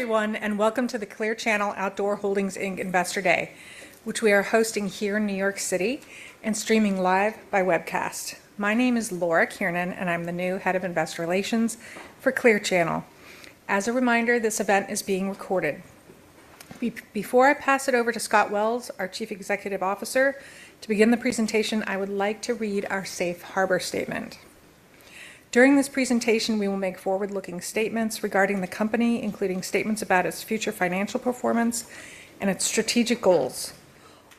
Everyone, and welcome to the Clear Channel Outdoor Holdings Inc. Investor Day, which we are hosting here in New York City and streaming live by webcast. My name is Laura Kiernan, and I'm the new Head of Investor Relations for Clear Channel. As a reminder, this event is being recorded. Before I pass it over to Scott Wells, our Chief Executive Officer, to begin the presentation, I would like to read our Safe Harbor Statement. During this presentation, we will make forward-looking statements regarding the company, including statements about its future financial performance and its strategic goals.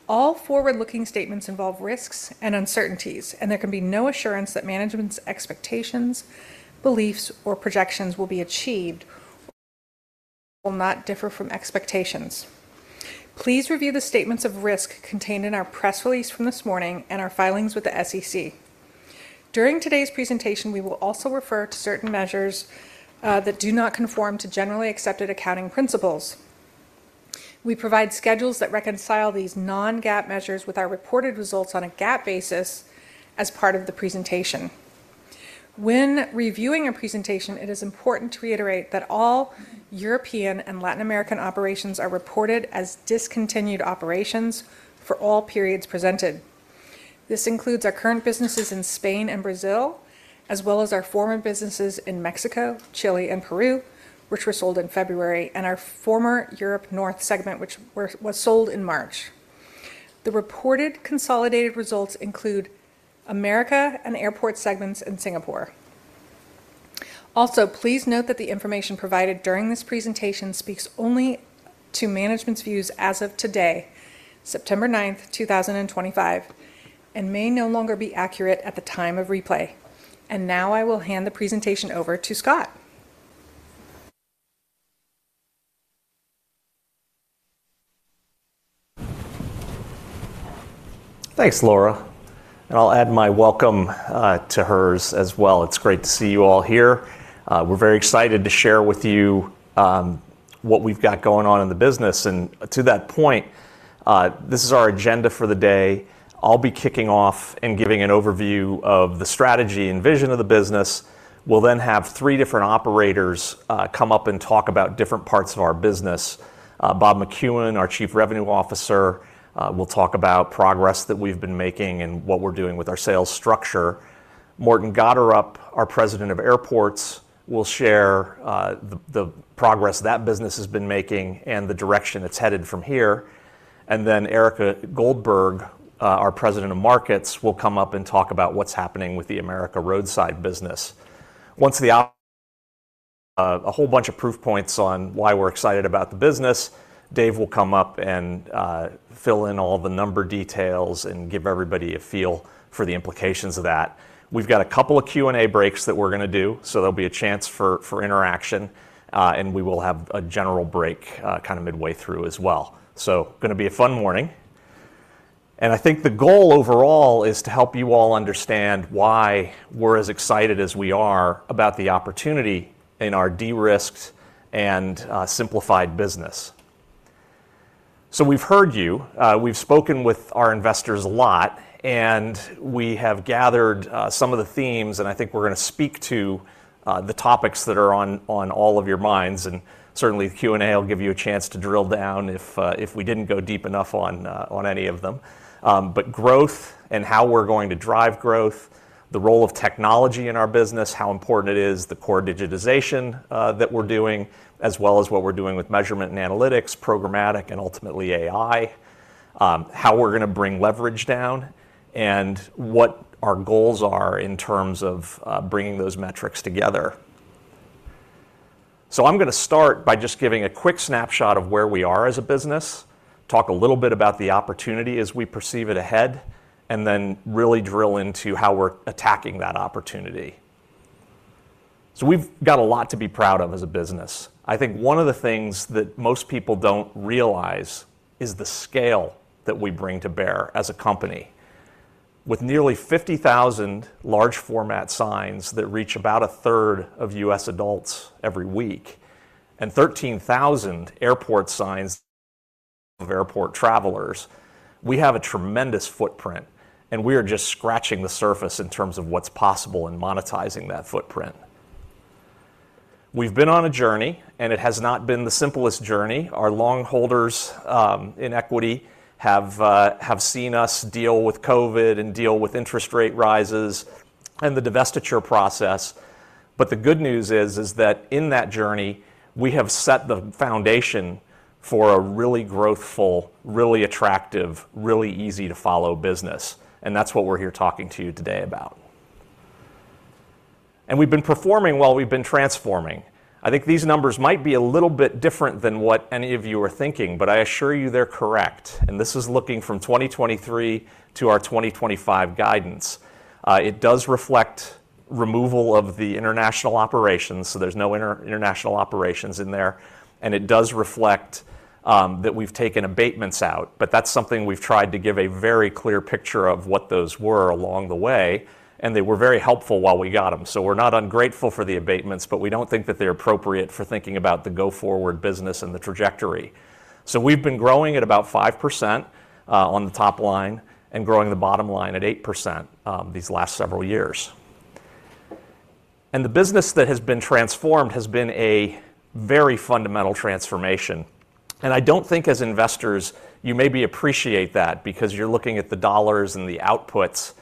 All forward-looking statements involve risks and uncertainties, and there can be no assurance that management's expectations, beliefs, or projections will be achieved or will not differ from expectations. Please review the statements of risk contained in our press release from this morning and our filings with the SEC. During today's presentation, we will also refer to certain measures that do not conform to generally accepted accounting principles. We provide schedules that reconcile these non-GAAP measures with our reported results on a GAAP basis as part of the presentation. When reviewing our presentation, it is important to reiterate that all European and Latin American operations are reported as discontinued operations for all periods presented. This includes our current businesses in Spain and Brazil, as well as our former businesses in Mexico, Chile, and Peru, which were sold in February, and our former Europe North segment, which was sold in March. The reported consolidated results include America and airport segments in Singapore. Also, please note that the information provided during this presentation speaks only to management's views as of today, September 9, 2025, and may no longer be accurate at the time of replay. I will hand the presentation over to Scott. Thanks, Laura. I'll add my welcome to hers as well. It's great to see you all here. We're very excited to share with you what we've got going on in the business. To that point, this is our agenda for the day. I'll be kicking off and giving an overview of the strategy and vision of the business. We'll then have three different operators come up and talk about different parts of our business. Bob McCuin, our Chief Revenue Officer, will talk about progress that we've been making and what we're doing with our sales structure. Morten Gotterup, our President of Airports, will share the progress that business has been making and the direction it's headed from here. Erika Goldberg, our President of Markets, will come up and talk about what's happening with the America Roadside business. A whole bunch of proof points on why we're excited about the business. Dave will come up and fill in all the number details and give everybody a feel for the implications of that. We've got a couple of Q&A breaks that we're going to do, so there'll be a chance for interaction, and we will have a general break kind of midway through as well. Going to be a fun morning. I think the goal overall is to help you all understand why we're as excited as we are about the opportunity in our de-risked and simplified business. We've heard you, we've spoken with our investors a lot, and we have gathered some of the themes, and I think we're going to speak to the topics that are on all of your minds. Certainly, the Q&A will give you a chance to drill down if we didn't go deep enough on any of them. Growth and how we're going to drive growth, the role of technology in our business, how important it is, the core digitization that we're doing, as well as what we're doing with measurement and analytics, programmatic, and ultimately AI, how we're going to bring leverage down, and what our goals are in terms of bringing those metrics together. I'm going to start by just giving a quick snapshot of where we are as a business, talk a little bit about the opportunity as we perceive it ahead, and then really drill into how we're attacking that opportunity. We've got a lot to be proud of as a business. I think one of the things that most people don't realize is the scale that we bring to bear as a company. With nearly 50,000 large format signs that reach about a third of U.S. adults every week, and 13,000 airport signs of airport travelers, we have a tremendous footprint, and we are just scratching the surface in terms of what's possible in monetizing that footprint. We've been on a journey, and it has not been the simplest journey. Our longholders in equity have seen us deal with COVID and deal with interest rate rises and the divestiture process. The good news is that in that journey, we have set the foundation for a really growthful, really attractive, really easy to follow business. That is what we're here talking to you today about. We've been performing while we've been transforming. I think these numbers might be a little bit different than what any of you are thinking, but I assure you they're correct. This is looking from 2023 to our 2025 guidance. It does reflect removal of the international operations, so there's no international operations in there. It does reflect that we've taken abatements out, but that's something we've tried to give a very clear picture of what those were along the way, and they were very helpful while we got them. We're not ungrateful for the abatements, but we don't think that they're appropriate for thinking about the go-forward business and the trajectory. We've been growing at about 5% on the top line and growing the bottom line at 8% these last several years. The business that has been transformed has been a very fundamental transformation. I don't think as investors, you maybe appreciate that because you're looking at the dollars and the outputs.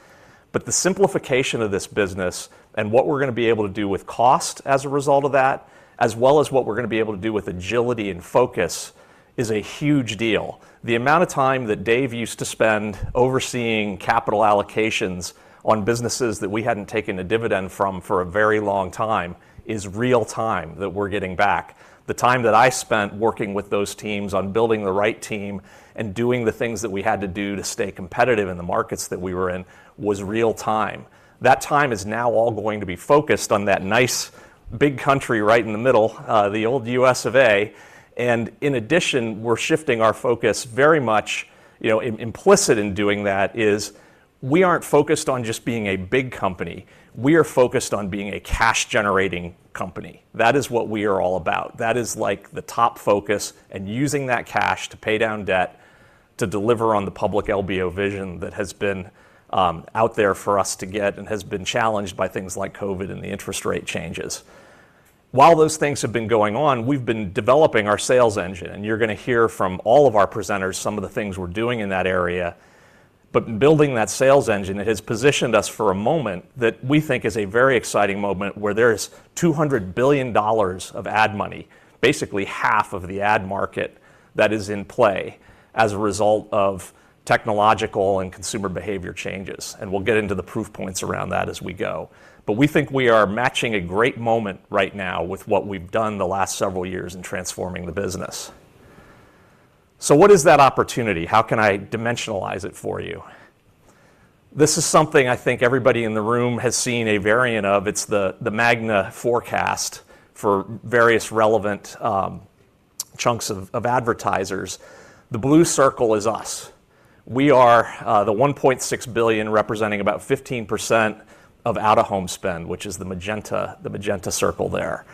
The simplification of this business and what we're going to be able to do with cost as a result of that, as well as what we're going to be able to do with agility and focus, is a huge deal. The amount of time that Dave used to spend overseeing capital allocations on businesses that we hadn't taken a dividend from for a very long time is real time that we're getting back. The time that I spent working with those teams on building the right team and doing the things that we had to do to stay competitive in the markets that we were in was real time. That time is now all going to be focused on that nice big country right in the middle, the old U.S. of A. In addition, we're shifting our focus very much, you know, implicit in doing that is we aren't focused on just being a big company. We are focused on being a cash-generating company. That is what we are all about. That is like the top focus, and using that cash to pay down debt, to deliver on the public LBO vision that has been out there for us to get and has been challenged by things like COVID and the interest rate changes. While those things have been going on, we've been developing our sales engine, and you're going to hear from all of our presenters some of the things we're doing in that area. Building that sales engine has positioned us for a moment that we think is a very exciting moment where there's $200 billion of ad money, basically half of the ad market, that is in play as a result of technological and consumer behavior changes. We'll get into the proof points around that as we go. We think we are matching a great moment right now with what we've done the last several years in transforming the business. What is that opportunity? How can I dimensionalize it for you? This is something I think everybody in the room has seen a variant of. It's the magnet forecast for various relevant chunks of advertisers. The blue circle is us. We are the $1.6 billion representing about 15% of out-of-home spend, which is the magenta circle there.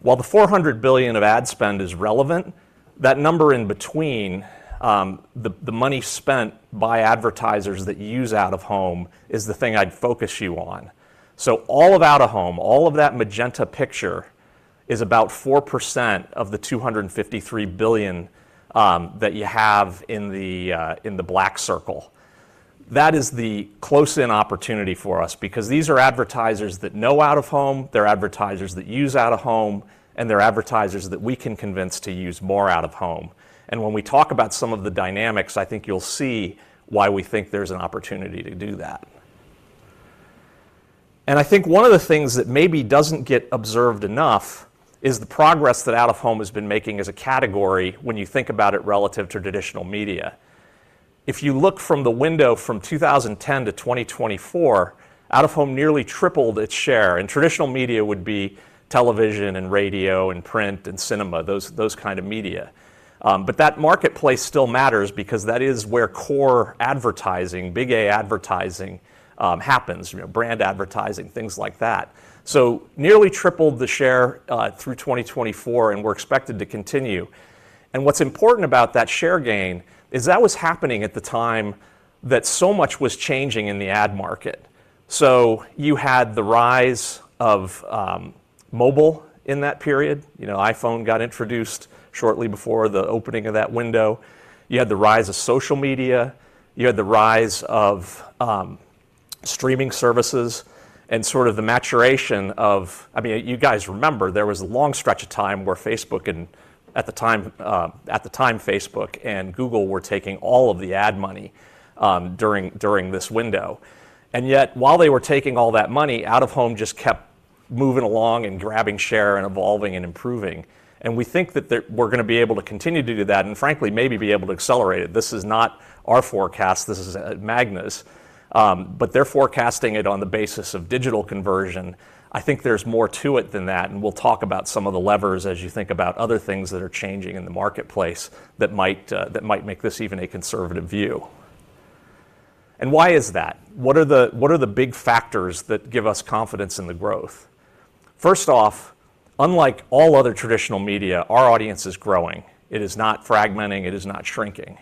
While the $400 billion of ad spend is relevant, that number in between, the money spent by advertisers that use out-of-home, is the thing I'd focus you on. All of out-of-home, all of that magenta picture, is about 4% of the $253 billion that you have in the black circle. That is the close-in opportunity for us because these are advertisers that know out-of-home, they're advertisers that use out-of-home, and they're advertisers that we can convince to use more out-of-home. When we talk about some of the dynamics, I think you'll see why we think there's an opportunity to do that. I think one of the things that maybe doesn't get observed enough is the progress that out-of-home has been making as a category when you think about it relative to traditional media. If you look from the window from 2010-2024, out-of-home nearly tripled its share, and traditional media would be television and radio and print and cinema, those kinds of media. That marketplace still matters because that is where core advertising, big A advertising happens, brand advertising, things like that. Nearly tripled the share through 2024, and we're expected to continue. What's important about that share gain is that was happening at the time that so much was changing in the ad market. You had the rise of mobile in that period. You know, iPhone got introduced shortly before the opening of that window. You had the rise of social media. You had the rise of streaming services and sort of the maturation of, I mean, you guys remember there was a long stretch of time where Facebook and, at the time, Facebook and Google were taking all of the ad money during this window. Yet, while they were taking all that money, out-of-home just kept moving along and grabbing share and evolving and improving. We think that we're going to be able to continue to do that and, frankly, maybe be able to accelerate it. This is not our forecast. This is Magnus. They're forecasting it on the basis of digital conversion. I think there's more to it than that. We'll talk about some of the levers as you think about other things that are changing in the marketplace that might make this even a conservative view. Why is that? What are the big factors that give us confidence in the growth? First off, unlike all other traditional media, our audience is growing. It is not fragmenting. It is not shrinking.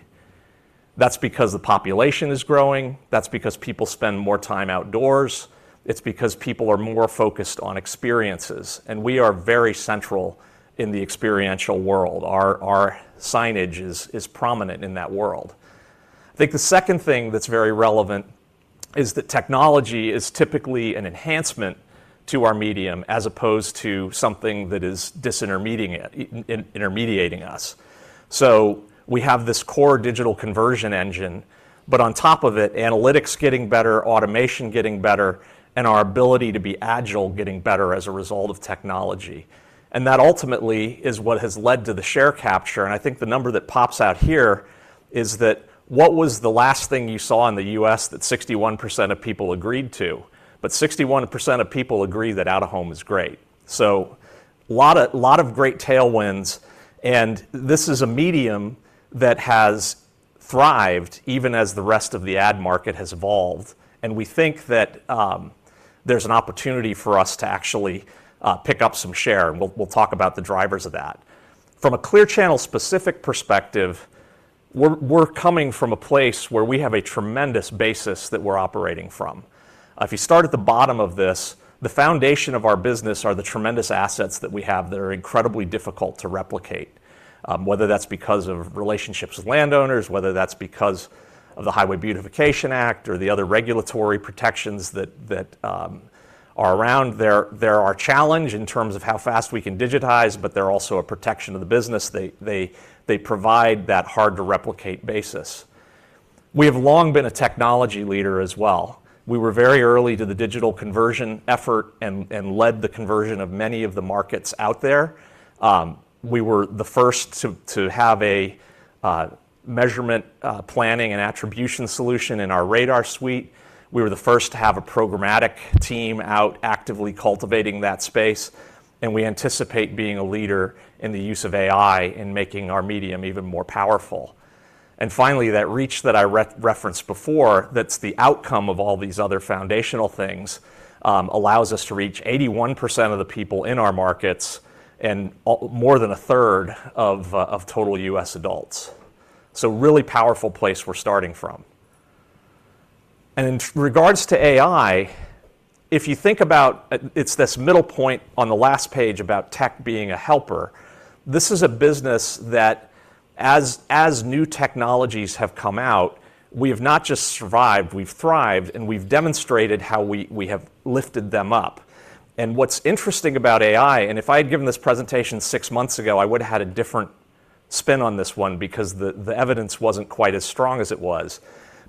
That's because the population is growing. That's because people spend more time outdoors. It's because people are more focused on experiences. We are very central in the experiential world. Our signage is prominent in that world. I think the second thing that's very relevant is that technology is typically an enhancement to our medium as opposed to something that is disintermediating us. We have this core digital conversion engine, but on top of it, analytics getting better, automation getting better, and our ability to be agile getting better as a result of technology. That ultimately is what has led to the share capture. I think the number that pops out here is that what was the last thing you saw in the U.S. that 61% of people agreed to? 61% of people agree that out-of-home is great. A lot of great tailwinds. This is a medium that has thrived even as the rest of the ad market has evolved. We think that there's an opportunity for us to actually pick up some share. We'll talk about the drivers of that. From a Clear Channel Outdoor specific perspective, we're coming from a place where we have a tremendous basis that we're operating from. If you start at the bottom of this, the foundation of our business are the tremendous assets that we have that are incredibly difficult to replicate. Whether that's because of relationships with landowners, whether that's because of the Highway Beautification Act or the other regulatory protections that are around there, they're our challenge in terms of how fast we can digitize, but they're also a protection of the business. They provide that hard-to-replicate basis. We have long been a technology leader as well. We were very early to the digital conversion effort and led the conversion of many of the markets out there. We were the first to have a measurement, planning, and attribution solution in our RADAR suite. We were the first to have a programmatic team out actively cultivating that space. We anticipate being a leader in the use of AI in making our medium even more powerful. Finally, that reach that I referenced before, that's the outcome of all these other foundational things, allows us to reach 81% of the people in our markets and more than a third of total U.S. adults. A really powerful place we're starting from. In regards to AI, if you think about it, it's this middle point on the last page about tech being a helper. This is a business that, as new technologies have come out, we have not just survived, we've thrived, and we've demonstrated how we have lifted them up. What's interesting about AI, and if I had given this presentation six months ago, I would have had a different spin on this one because the evidence wasn't quite as strong as it was.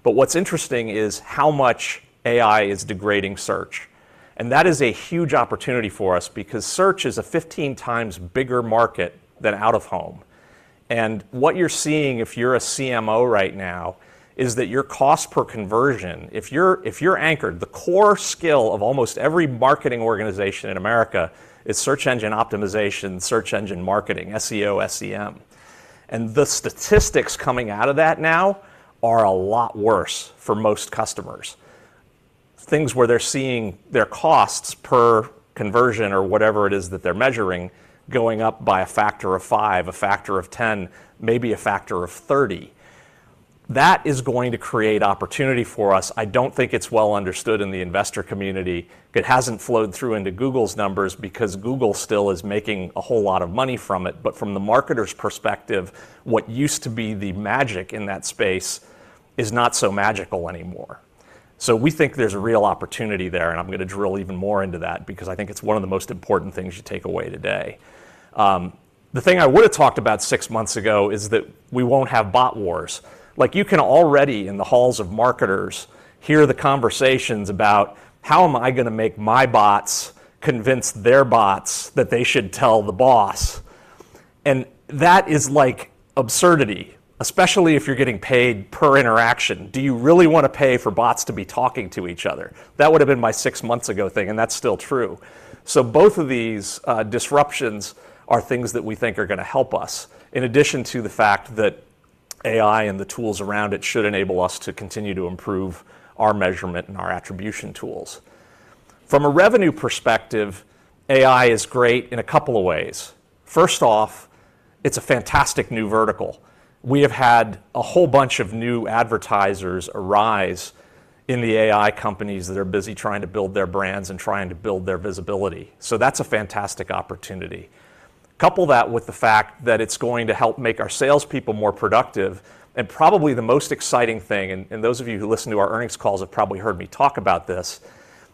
What's interesting is how much AI is degrading search. That is a huge opportunity for us because search is a 15x bigger market than out-of-home. What you're seeing, if you're a CMO right now, is that your cost per conversion, if you're anchored, the core skill of almost every marketing organization in America is search engine optimization, search engine marketing, SEO, SEM. The statistics coming out of that now are a lot worse for most customers. Things where they're seeing their costs per conversion or whatever it is that they're measuring going up by a factor of five, a factor of ten, maybe a factor of thirty. That is going to create opportunity for us. I don't think it's well understood in the investor community. It hasn't flowed through into Google's numbers because Google still is making a whole lot of money from it. From the marketer's perspective, what used to be the magic in that space is not so magical anymore. We think there's a real opportunity there, and I'm going to drill even more into that because I think it's one of the most important things to take away today. The thing I would have talked about six months ago is that we won't have bot wars. You can already, in the halls of marketers, hear the conversations about how am I going to make my bots convince their bots that they should tell the boss. That is absurdity, especially if you're getting paid per interaction. Do you really want to pay for bots to be talking to each other? That would have been my six months ago thing, and that's still true. Both of these disruptions are things that we think are going to help us, in addition to the fact that AI and the tools around it should enable us to continue to improve our measurement and our attribution tools. From a revenue perspective, AI is great in a couple of ways. First off, it's a fantastic new vertical. We have had a whole bunch of new advertisers arise in the AI companies that are busy trying to build their brands and trying to build their visibility. That's a fantastic opportunity. Couple that with the fact that it's going to help make our salespeople more productive. Probably the most exciting thing, and those of you who listen to our earnings calls have probably heard me talk about this,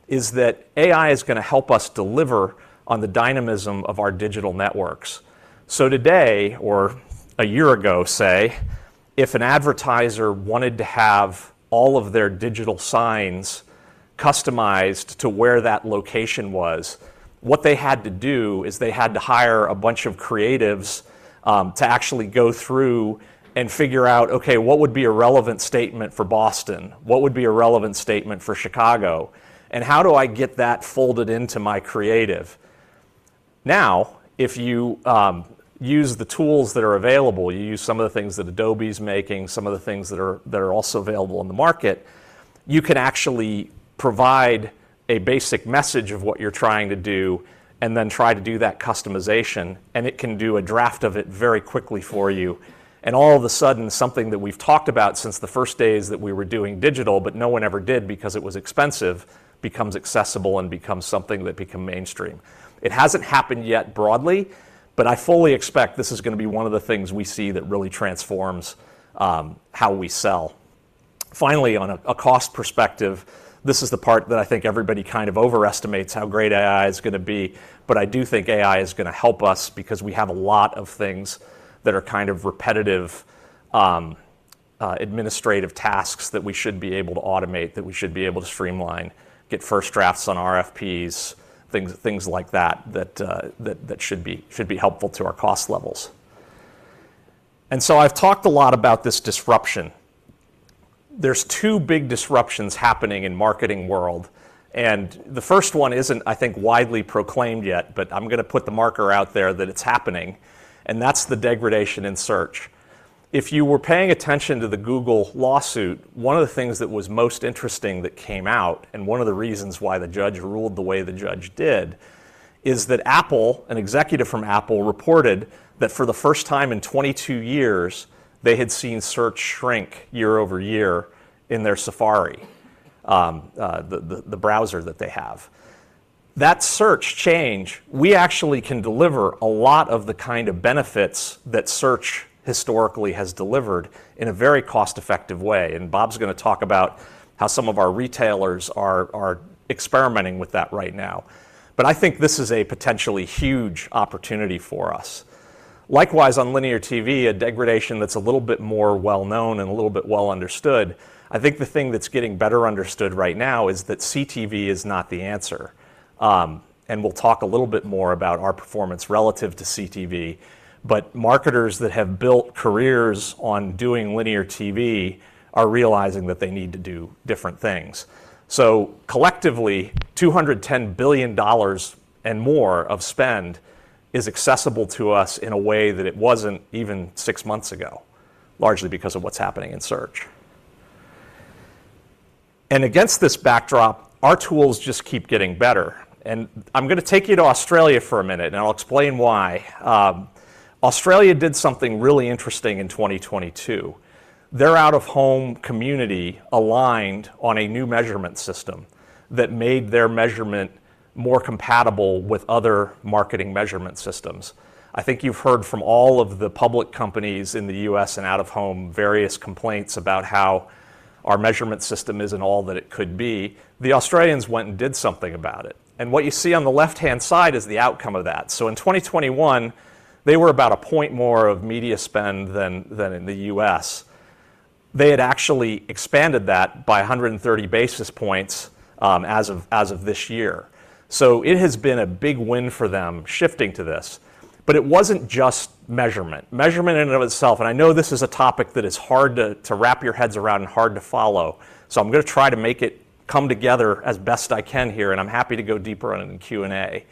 is that AI is going to help us deliver on the dynamism of our digital networks. Today, or a year ago, if an advertiser wanted to have all of their digital signs customized to where that location was, what they had to do is hire a bunch of creatives to actually go through and figure out, okay, what would be a relevant statement for Boston? What would be a relevant statement for Chicago? How do I get that folded into my creative? Now, if you use the tools that are available, you use some of the things that Adobe's making, some of the things that are also available in the market, you can actually provide a basic message of what you're trying to do and then try to do that customization. It can do a draft of it very quickly for you. All of a sudden, something that we've talked about since the first days that we were doing digital, but no one ever did because it was expensive, becomes accessible and becomes something that becomes mainstream. It hasn't happened yet broadly, but I fully expect this is going to be one of the things we see that really transforms how we sell. Finally, on a cost perspective, this is the part that I think everybody kind of overestimates how great AI is going to be. I do think AI is going to help us because we have a lot of things that are kind of repetitive administrative tasks that we should be able to automate, that we should be able to streamline, get first drafts on RFPs, things like that that should be helpful to our cost levels. I've talked a lot about this disruption. There are two big disruptions happening in the marketing world. The first one isn't, I think, widely proclaimed yet, but I'm going to put the marker out there that it's happening. That's the degradation in search. If you were paying attention to the Google lawsuit, one of the things that was most interesting that came out, and one of the reasons why the judge ruled the way the judge did, is that Apple, an executive from Apple, reported that for the first time in 22 years, they had seen search shrink year over year in their Safari, the browser that they have. That search change, we actually can deliver a lot of the kind of benefits that search historically has delivered in a very cost-effective way. Bob's going to talk about how some of our retailers are experimenting with that right now. I think this is a potentially huge opportunity for us. Likewise, on linear TV, a degradation that's a little bit more well-known and a little bit well understood. The thing that's getting better understood right now is that CTV is not the answer. We'll talk a little bit more about our performance relative to CTV. Marketers that have built careers on doing linear TV are realizing that they need to do different things. Collectively, $210 billion and more of spend is accessible to us in a way that it wasn't even six months ago, largely because of what's happening in search. Against this backdrop, our tools just keep getting better. I'm going to take you to Australia for a minute, and I'll explain why. Australia did something really interesting in 2022. Their out-of-home community aligned on a new measurement system that made their measurement more compatible with other marketing measurement systems. I think you've heard from all of the public companies in the U.S. and out of home various complaints about how our measurement system isn't all that it could be. The Australians went and did something about it. What you see on the left-hand side is the outcome of that. In 2021, they were about a point more of media spend than in the U.S. They had actually expanded that by 130 basis points as of this year. It has been a big win for them shifting to this. It wasn't just measurement. Measurement in and of itself, and I know this is a topic that is hard to wrap your heads around and hard to follow. I'm going to try to make it come together as best I can here, and I'm happy to go deeper on it in Q&A.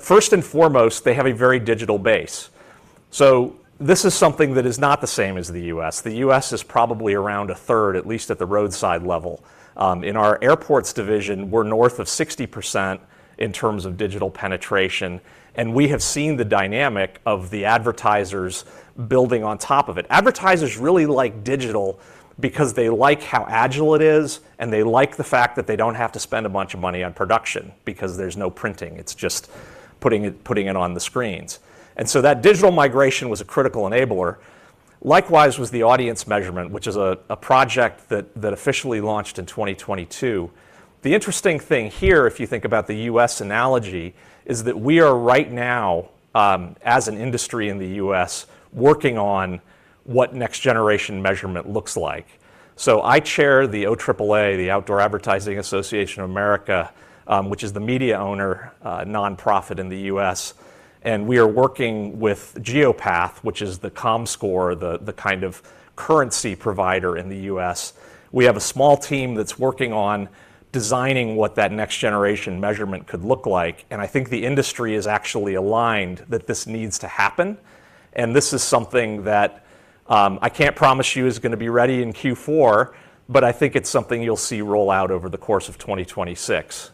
First and foremost, they have a very digital base. This is something that is not the same as the U.S. The U.S. is probably around a third, at least at the roadside level. In our airports division, we're north of 60% in terms of digital penetration. We have seen the dynamic of the advertisers building on top of it. Advertisers really like digital because they like how agile it is, and they like the fact that they don't have to spend a bunch of money on production because there's no printing. It's just putting it on the screens. That digital migration was a critical enabler. Likewise was the audience measurement, which is a project that officially launched in 2022. The interesting thing here, if you think about the U.S. analogy, is that we are right now, as an industry in the U.S., working on what next-generation measurement looks like. I chair the OAAA, the Out of Home Advertising Association of America, which is the media-owner nonprofit in the U.S. We are working with Geopath, which is the Comscore, the kind of currency provider in the U.S. We have a small team that's working on designing what that next-generation measurement could look like. I think the industry is actually aligned that this needs to happen. This is something that I can't promise you is going to be ready in Q4, but I think it's something you'll see roll out over the course of 2026.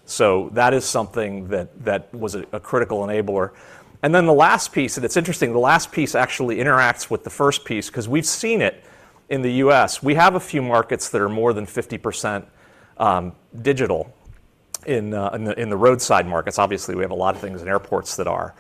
That is something that was a critical enabler. The last piece, and it's interesting, the last piece actually interacts with the first piece because we've seen it in the U.S. We have a few markets that are more than 50% digital in the roadside markets. Obviously, we have a lot of things in airports that are,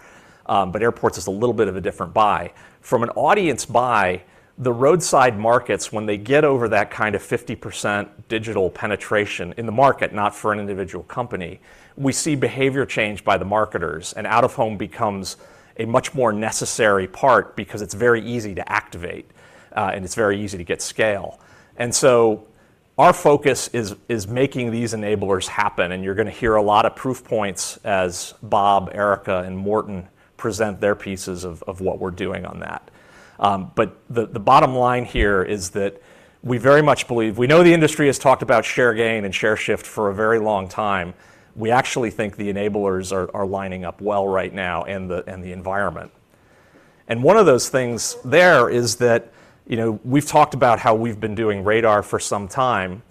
but airports is a little bit of a different buy. From an audience buy, the roadside markets, when they get over that kind of 50% digital penetration in the market, not for an individual company, we see behavior change by the marketers, and out-of-home becomes a much more necessary part because it's very easy to activate, and it's very easy to get scale. Our focus is making these enablers happen, and you're going to hear a lot of proof points as Bob, Erika, and Morten present their pieces of what we're doing on that. The bottom line here is that we very much believe, we know the industry has talked about share gain and share shift for a very long time. We actually think the enablers are lining up well right now in the environment. One of those things there is that, you know, we've talked about how we've been doing RADAR for some time.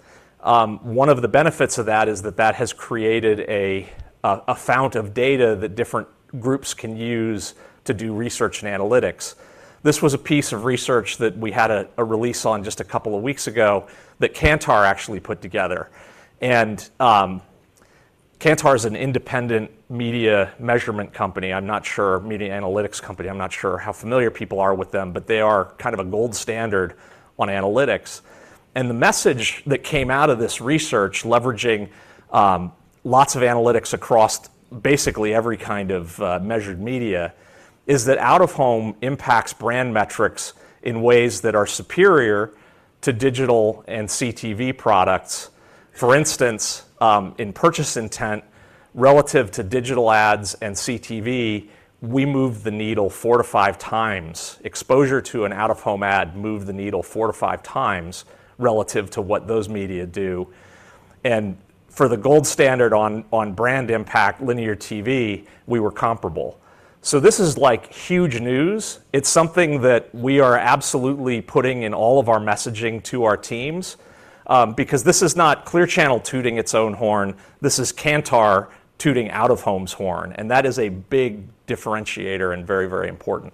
One of the benefits of that is that that has created a fount of data that different groups can use to do research and analytics. This was a piece of research that we had a release on just a couple of weeks ago that Kantar actually put together. Kantar is an independent media measurement company. I'm not sure, media analytics company, I'm not sure how familiar people are with them, but they are kind of a gold standard on analytics. The message that came out of this research, leveraging lots of analytics across basically every kind of measured media, is that out-of-home impacts brand metrics in ways that are superior to digital and CTV products. For instance, in purchase intent, relative to digital ads and CTV, we moved the needle 4x-5x. Exposure to an out-of-home ad moved the needle 4x-5x relative to what those media do. For the gold standard on brand impact, linear TV, we were comparable. This is like huge news. It's something that we are absolutely putting in all of our messaging to our teams because this is not Clear Channel Outdoor tooting its own horn. This is Kantar tooting out-of-home's horn. That is a big differentiator and very, very important.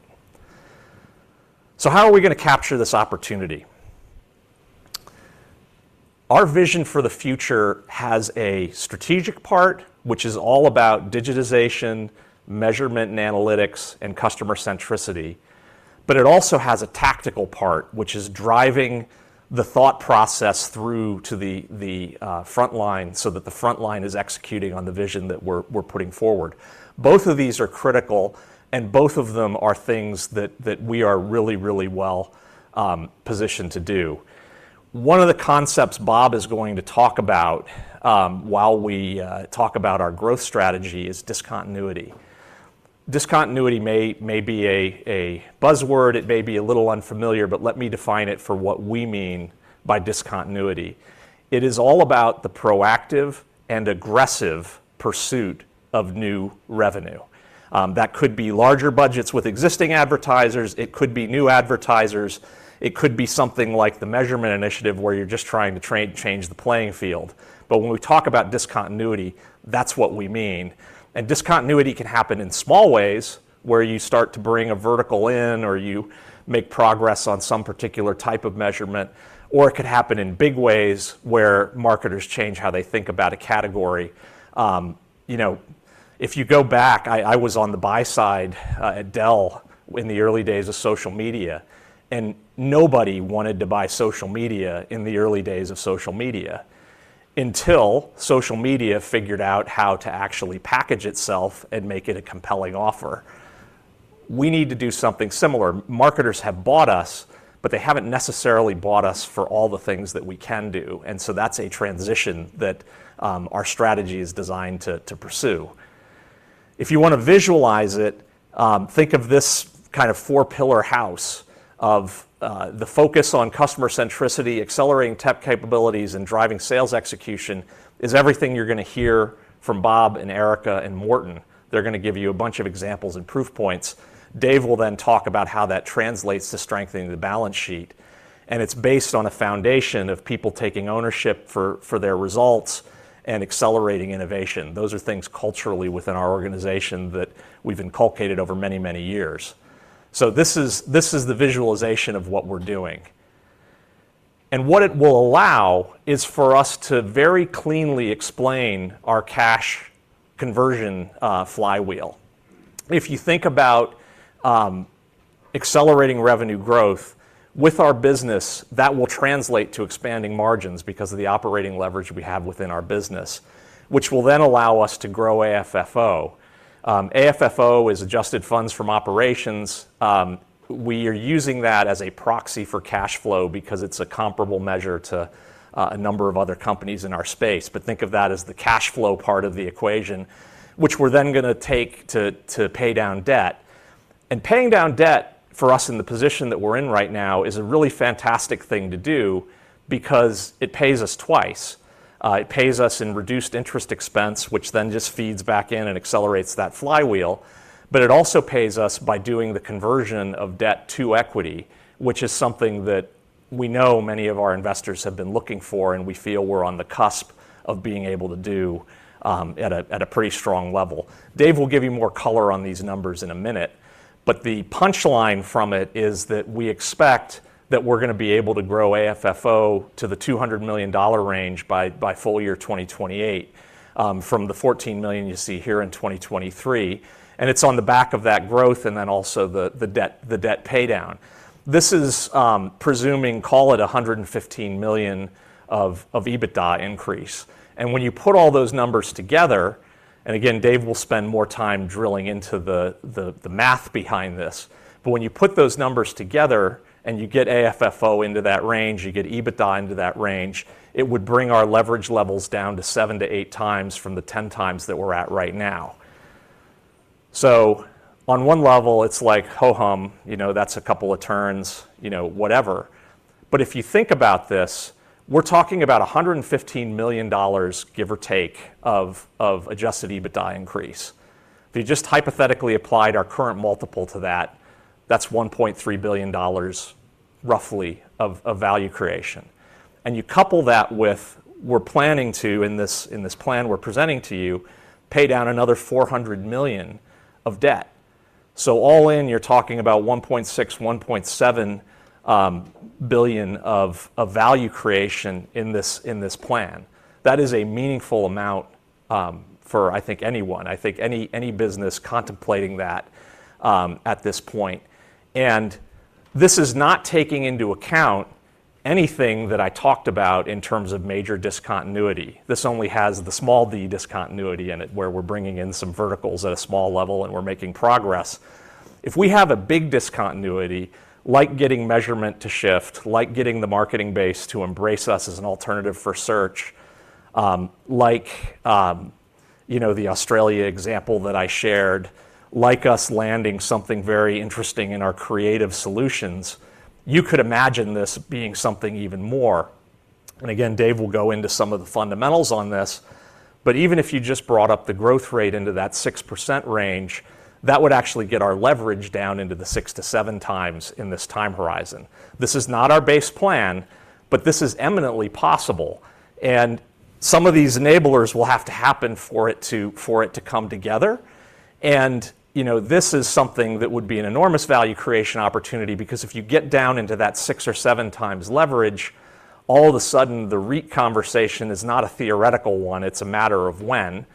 How are we going to capture this opportunity? Our vision for the future has a strategic part, which is all about digitization, measurement and analytics, and customer centricity. It also has a tactical part, which is driving the thought process through to the front line so that the front line is executing on the vision that we're putting forward. Both of these are critical, and both of them are things that we are really, really well positioned to do. One of the concepts Bob is going to talk about while we talk about our growth strategy is discontinuity. Discontinuity may be a buzzword. It may be a little unfamiliar, but let me define it for what we mean by discontinuity. It is all about the proactive and aggressive pursuit of new revenue. That could be larger budgets with existing advertisers. It could be new advertisers. I'It could be something like the measurement initiative where you're just trying to change the playing field. When we talk about discontinuity, that's what we mean. Discontinuity can happen in small ways where you start to bring a vertical in or you make progress on some particular type of measurement, or it could happen in big ways where marketers change how they think about a category. If you go back, I was on the buy side at Dell in the early days of social media, and nobody wanted to buy social media in the early days of social media until social media figured out how to actually package itself and make it a compelling offer. We need to do something similar. Marketers have bought us, but they haven't necessarily bought us for all the things that we can do. That's a transition that our strategy is designed to pursue. If you want to visualize it, think of this kind of four-pillar house of the focus on customer centricity, accelerating tech capabilities, and driving sales execution is everything you're going to hear from Bob and Erika and Morten. They're going to give you a bunch of examples and proof points. Dave will then talk about how that translates to strengthening the balance sheet. It's based on a foundation of people taking ownership for their results and accelerating innovation. Those are things culturally within our organization that we've inculcated over many, many years. This is the visualization of what we're doing. What it will allow is for us to very cleanly explain our cash conversion flywheel. If you think about accelerating revenue growth with our business, that will translate to expanding margins because of the operating leverage we have within our business, which will then allow us to grow AFFO. AFFO is adjusted funds from operations. We are using that as a proxy for cash flow because it's a comparable measure to a number of other companies in our space. Think of that as the cash flow part of the equation, which we're then going to take to pay down debt. Paying down debt for us in the position that we're in right now is a really fantastic thing to do because it pays us twice. It pays us in reduced interest expense, which then just feeds back in and accelerates that flywheel. It also pays us by doing the conversion of debt to equity, which is something that we know many of our investors have been looking for, and we feel we're on the cusp of being able to do at a pretty strong level. Dave will give you more color on these numbers in a minute. The punchline from it is that we expect that we're going to be able to grow AFFO to the $200 million range by full year 2028, from the $14 million you see here in 2023. It's on the back of that growth and then also the debt paydown. This is presuming, call it $115 million of EBITDA increase. When you put all those numbers together, and again, Dave will spend more time drilling into the math behind this, but when you put those numbers together and you get AFFO into that range, you get EBITDA into that range, it would bring our leverage levels down to 7x-8xfrom the 10x that we're at right now. On one level, it's like, ho hum, you know, that's a couple of turns, you know, whatever. If you think about this, we're talking about $115 million, give or take, of adjusted EBITDA increase. If you just hypothetically applied our current multiple to that, that's $1.3 billion roughly of value creation. You couple that with, we're planning to, in this plan we're presenting to you, pay down another $400 million of debt. All in, you're talking about $1.6 billion-$1.7 billion of value creation in this plan. That is a meaningful amount for, I think, anyone. I think any business contemplating that at this point. This is not taking into account anything that I talked about in terms of major discontinuity. This only has the small D discontinuity in it where we're bringing in some verticals at a small level and we're making progress. If we have a big discontinuity, like getting measurement to shift, like getting the marketing base to embrace us as an alternative for search, like the Australia example that I shared, like us landing something very interesting in our creative solutions, you could imagine this being something even more. Again, Dave will go into some of the fundamentals on this. Even if you just brought up the growth rate into that 6% range, that would actually get our leverage down into the 6x-7x in this time horizon. This is not our base plan, but this is eminently possible. Some of these enablers will have to happen for it to come together. This is something that would be an enormous value creation opportunity because if you get down into that 6x or 7x leverage, all of a sudden the REIT conversation is not a theoretical one. It's a matter of when.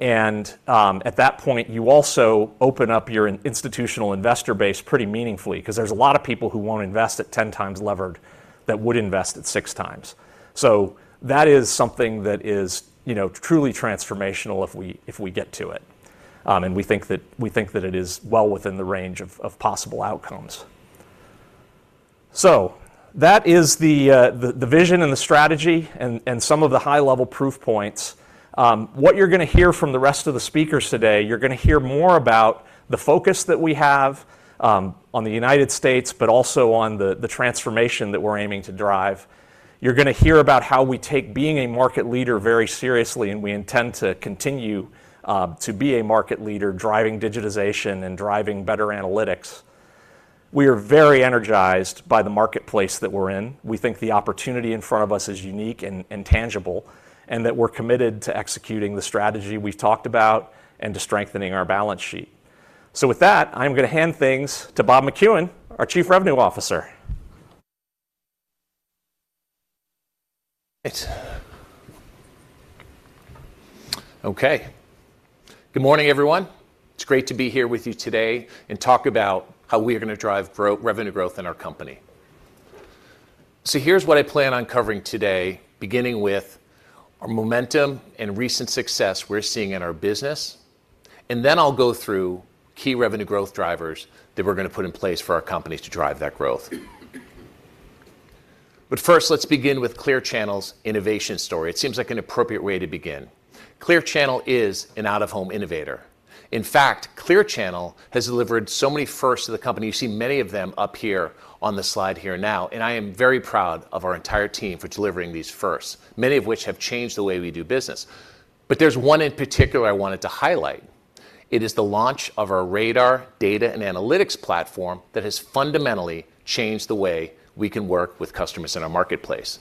At that point, you also open up your institutional investor base pretty meaningfully because there's a lot of people who won't invest at 10x levered that would invest at 6x. That is something that is truly transformational if we get to it. We think that it is well within the range of possible outcomes. That is the vision and the strategy and some of the high-level proof points. What you're going to hear from the rest of the speakers today, you're going to hear more about the focus that we have on the United States, but also on the transformation that we're aiming to drive. You're going to hear about how we take being a market leader very seriously, and we intend to continue to be a market leader driving digitization and driving better analytics. We are very energized by the marketplace that we're in. We think the opportunity in front of us is unique and tangible, and that we're committed to executing the strategy we've talked about and to strengthening our balance sheet. With that, I'm going to hand things to Bob McCuin, our Chief Revenue Officer. Good morning, everyone. It's great to be here with you today and talk about how we are going to drive revenue growth in our company. Here's what I plan on covering today, beginning with our momentum and recent success we're seeing in our business. Then I'll go through key revenue growth drivers that we're going to put in place for our companies to drive that growth. First, let's begin with Clear Channel Outdoor's innovation story. It seems like an appropriate way to begin. Clear Channel Outdoor is an out-of-home innovator. In fact, Clear Channel Outdoor has delivered so many firsts to the company. You've seen many of them up here on the slide here now. I am very proud of our entire team for delivering these firsts, many of which have changed the way we do business. There's one in particular I wanted to highlight. It is the launch of our RADAR data and analytics platform that has fundamentally changed the way we can work with customers in our marketplace.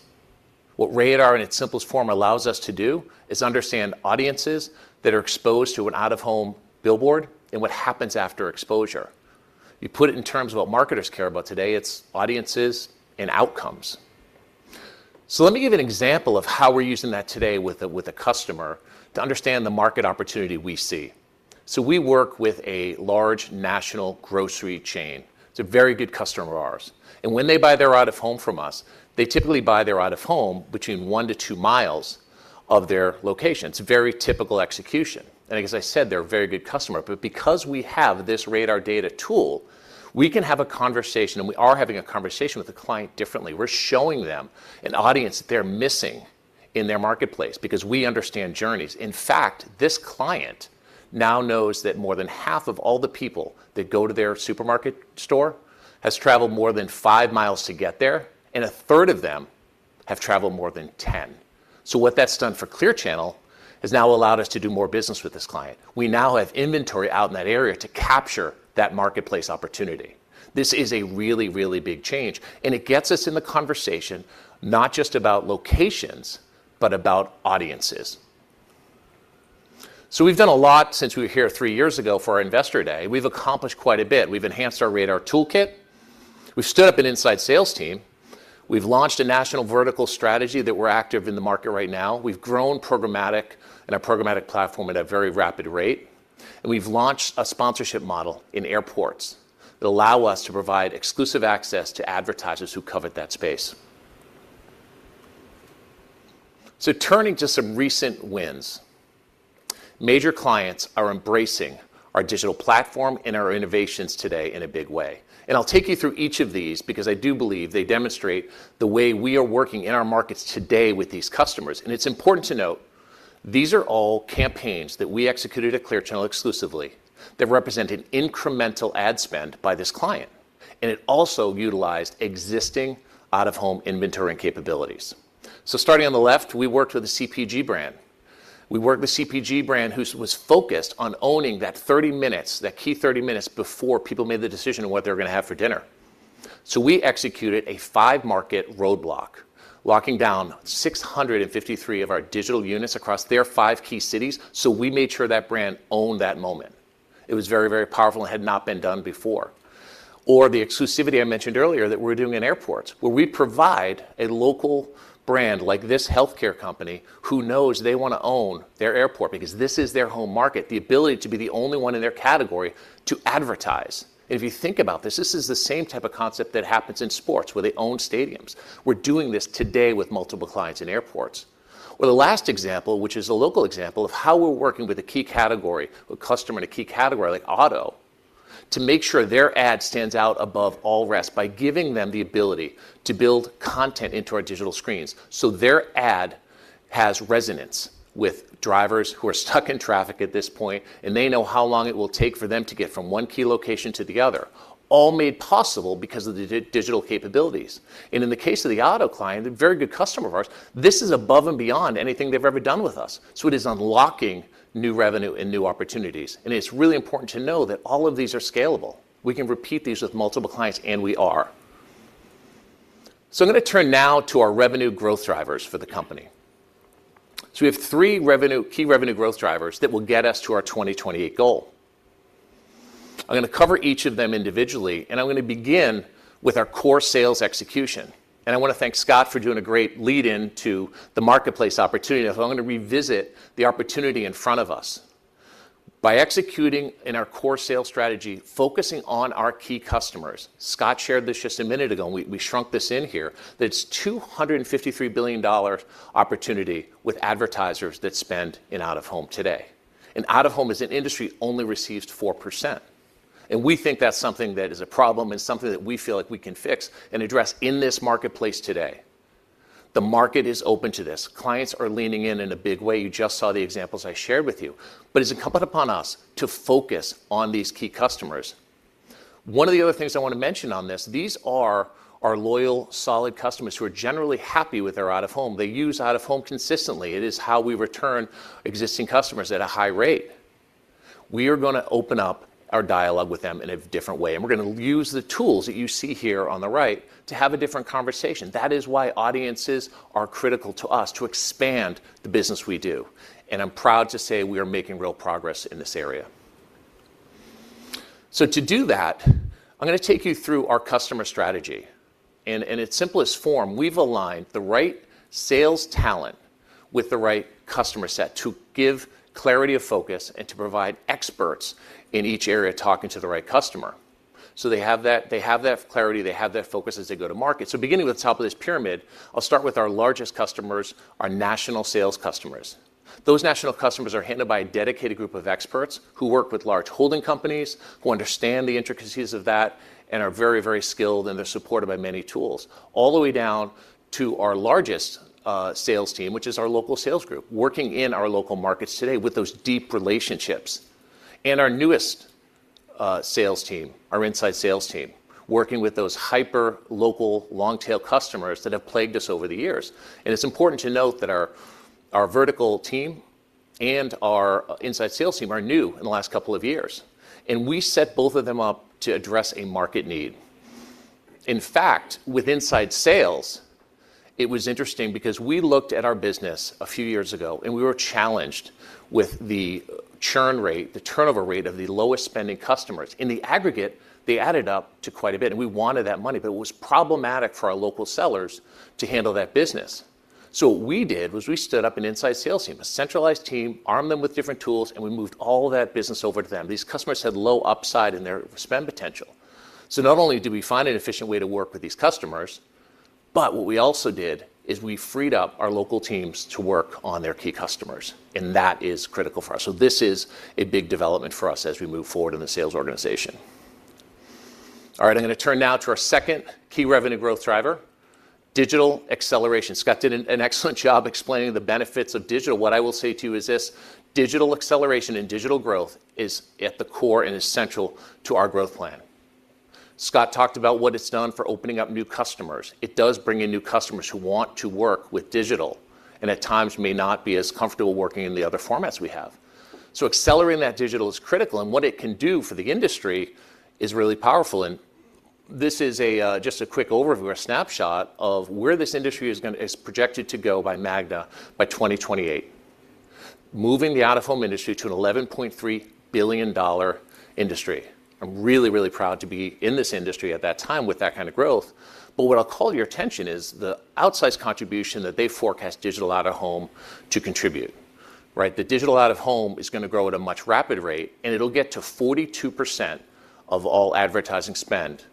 What RADAR in its simplest form allows us to do is understand audiences that are exposed to an out-of-home billboard and what happens after exposure. You put it in terms of what marketers care about today. It's audiences and outcomes. Let me give you an example of how we're using that today with a customer to understand the market opportunity we see. We work with a large national grocery chain. It's a very good customer of ours. When they buy their out-of-home from us, they typically buy their out-of-home between one to two miles of their location. It's a very typical execution. As I said, they're a very good customer. Because we have this RADAR data tool, we can have a conversation, and we are having a conversation with the client differently. We're showing them an audience that they're missing in their marketplace because we understand journeys. In fact, this client now knows that more than half of all the people that go to their supermarket store have traveled more than five miles to get there, and a third of them have traveled more than 10. What that's done for Clear Channel Outdoor has now allowed us to do more business with this client. We now have inventory out in that area to capture that marketplace opportunity. This is a really, really big change. It gets us in the conversation not just about locations, but about audiences. We've done a lot since we were here three years ago for our Investor Day. We've accomplished quite a bit. We've enhanced our RADAR toolkit. We've stood up an inside sales team. We've launched a national vertical strategy that we're active in the market right now. We've grown programmatic and our programmatic platform at a very rapid rate. We've launched a sponsorship model in airports that allows us to provide exclusive access to advertisers who cover that space. Turning to some recent wins, major clients are embracing our digital platform and our innovations today in a big way. I'll take you through each of these because I do believe they demonstrate the way we are working in our markets today with these customers. It's important to note these are all campaigns that we executed at Clear Channel Outdoor exclusively that represented incremental ad spend by this client. It also utilized existing out-of-home inventory and capabilities. Starting on the left, we worked with the CPG brand. We worked with the CPG brand who was focused on owning that 30 minutes, that key 30 minutes before people made the decision on what they were going to have for dinner. We executed a five-market roadblock, locking down 653 of our digital units across their five key cities. We made sure that brand owned that moment. It was very, very powerful and had not been done before. The exclusivity I mentioned earlier that we're doing in airports, where we provide a local brand like this healthcare company who knows they want to own their airport because this is their home market, the ability to be the only one in their category to advertise. If you think about this, this is the same type of concept that happens in sports where they own stadiums. We're doing this today with multiple clients in airports. The last example, which is a local example of how we're working with a key category, a customer in a key category like auto, to make sure their ad stands out above all rest by giving them the ability to build content into our digital screens. Their ad has resonance with drivers who are stuck in traffic at this point, and they know how long it will take for them to get from one key location to the other, all made possible because of the digital capabilities. In the case of the auto client, a very good customer of ours, this is above and beyond anything they've ever done with us. It is unlocking new revenue and new opportunities. It's really important to know that all of these are scalable. We can repeat these with multiple clients, and we are. I'm going to turn now to our revenue growth drivers for the company. We have three key revenue growth drivers that will get us to our 2028 goal. I'm going to cover each of them individually, and I'm going to begin with our core sales execution. I want to thank Scott for doing a great lead-in to the marketplace opportunity. I'm going to revisit the opportunity in front of us. By executing in our core sales strategy, focusing on our key customers, Scott shared this just a minute ago, and we shrunk this in here, that it's a $253 billion opportunity with advertisers that spend in out-of-home today. Out-of-home is an industry that only receives 4%. We think that's something that is a problem and something that we feel like we can fix and address in this marketplace today. The market is open to this. Clients are leaning in in a big way. You just saw the examples I shared with you. It is incumbent upon us to focus on these key customers. One of the other things I want to mention on this, these are our loyal, solid customers who are generally happy with their out-of-home. They use out-of-home consistently. It is how we return existing customers at a high rate. We are going to open up our dialogue with them in a different way. We're going to use the tools that you see here on the right to have a different conversation. That is why audiences are critical to us to expand the business we do. I'm proud to say we are making real progress in this area. To do that, I'm going to take you through our customer strategy. In its simplest form, we've aligned the right sales talent with the right customer set to give clarity of focus and to provide experts in each area talking to the right customer. They have that clarity. They have that focus as they go to market. Beginning with the top of this pyramid, I'll start with our largest customers, our national sales customers. Those national customers are handled by a dedicated group of experts who work with large holding companies, who understand the intricacies of that and are very, very skilled, and they're supported by many tools. All the way down to our largest sales team, which is our local sales group, working in our local markets today with those deep relationships. Our newest sales team, our inside sales team, is working with those hyper-local long-tail customers that have plagued us over the years. It is important to note that our vertical team and our inside sales team are new in the last couple of years. We set both of them up to address a market need. In fact, with inside sales, it was interesting because we looked at our business a few years ago, and we were challenged with the churn rate, the turnover rate of the lowest spending customers. In the aggregate, they added up to quite a bit, and we wanted that money, but it was problematic for our local sellers to handle that business. What we did was we stood up an inside sales team, a centralized team, armed them with different tools, and we moved all of that business over to them. These customers had low upside in their spend potential. Not only did we find an efficient way to work with these customers, but we also freed up our local teams to work on their key customers. That is critical for us. This is a big development for us as we move forward in the sales organization. I'm going to turn now to our second key revenue growth driver, digital acceleration. Scott did an excellent job explaining the benefits of digital. What I will say to you is this: digital acceleration and digital growth is at the core and essential to our growth plan. Scott talked about what it's done for opening up new customers. It does bring in new customers who want to work with digital and at times may not be as comfortable working in the other formats we have. Accelerating that digital is critical, and what it can do for the industry is really powerful. This is just a quick overview, a snapshot of where this industry is projected to go by Magna by 2028, moving the out-of-home industry to an $11.3 billion industry. I'm really, really proud to be in this industry at that time with that kind of growth. What I'll call your attention to is the outsized contribution that they forecast digital out-of-home to contribute. The digital out-of-home is going to grow at a much rapid rate, and it'll get to 42% of all advertising spend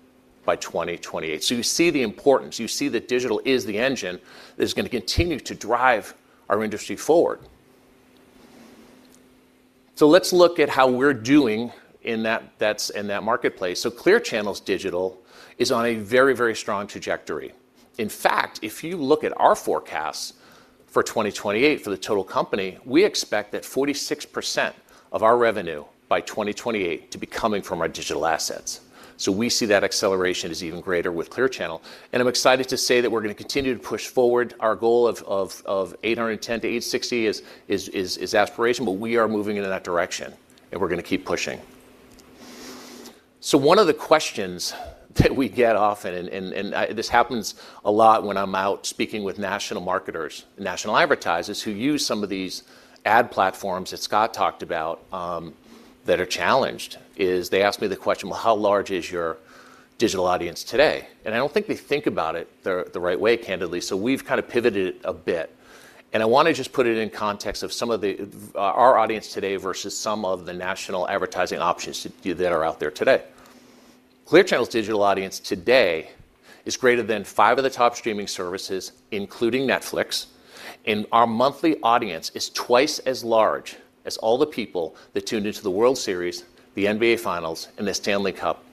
by 2028. You see the importance. You see that digital is the engine that is going to continue to drive our industry forward. Let's look at how we're doing in that marketplace. Clear Channel's digital is on a very, very strong trajectory. In fact, if you look at our forecast for 2028 for the total company, we expect that 46% of our revenue by 2028 to be coming from our digital assets. We see that acceleration is even greater with Clear Channel. I'm excited to say that we're going to continue to push forward. Our goal of 810-860 is aspirational, but we are moving in that direction, and we're going to keep pushing. One of the questions that we get often, and this happens a lot when I'm out speaking with national marketers and national advertisers who use some of these ad platforms that Scott talked about that are challenged, is they ask me the question, how large is your digital audience today? I don't think they think about it the right way, candidly. We've kind of pivoted it a bit. I want to just put it in context of some of our audience today versus some of the national advertising options that are out there today. Clear Channel's digital audience today is greater than five of the top streaming services, including Netflix. Our monthly audience is twice as large as all the people that tuned into the World Series, the NBA Finals, and the Stanley Cup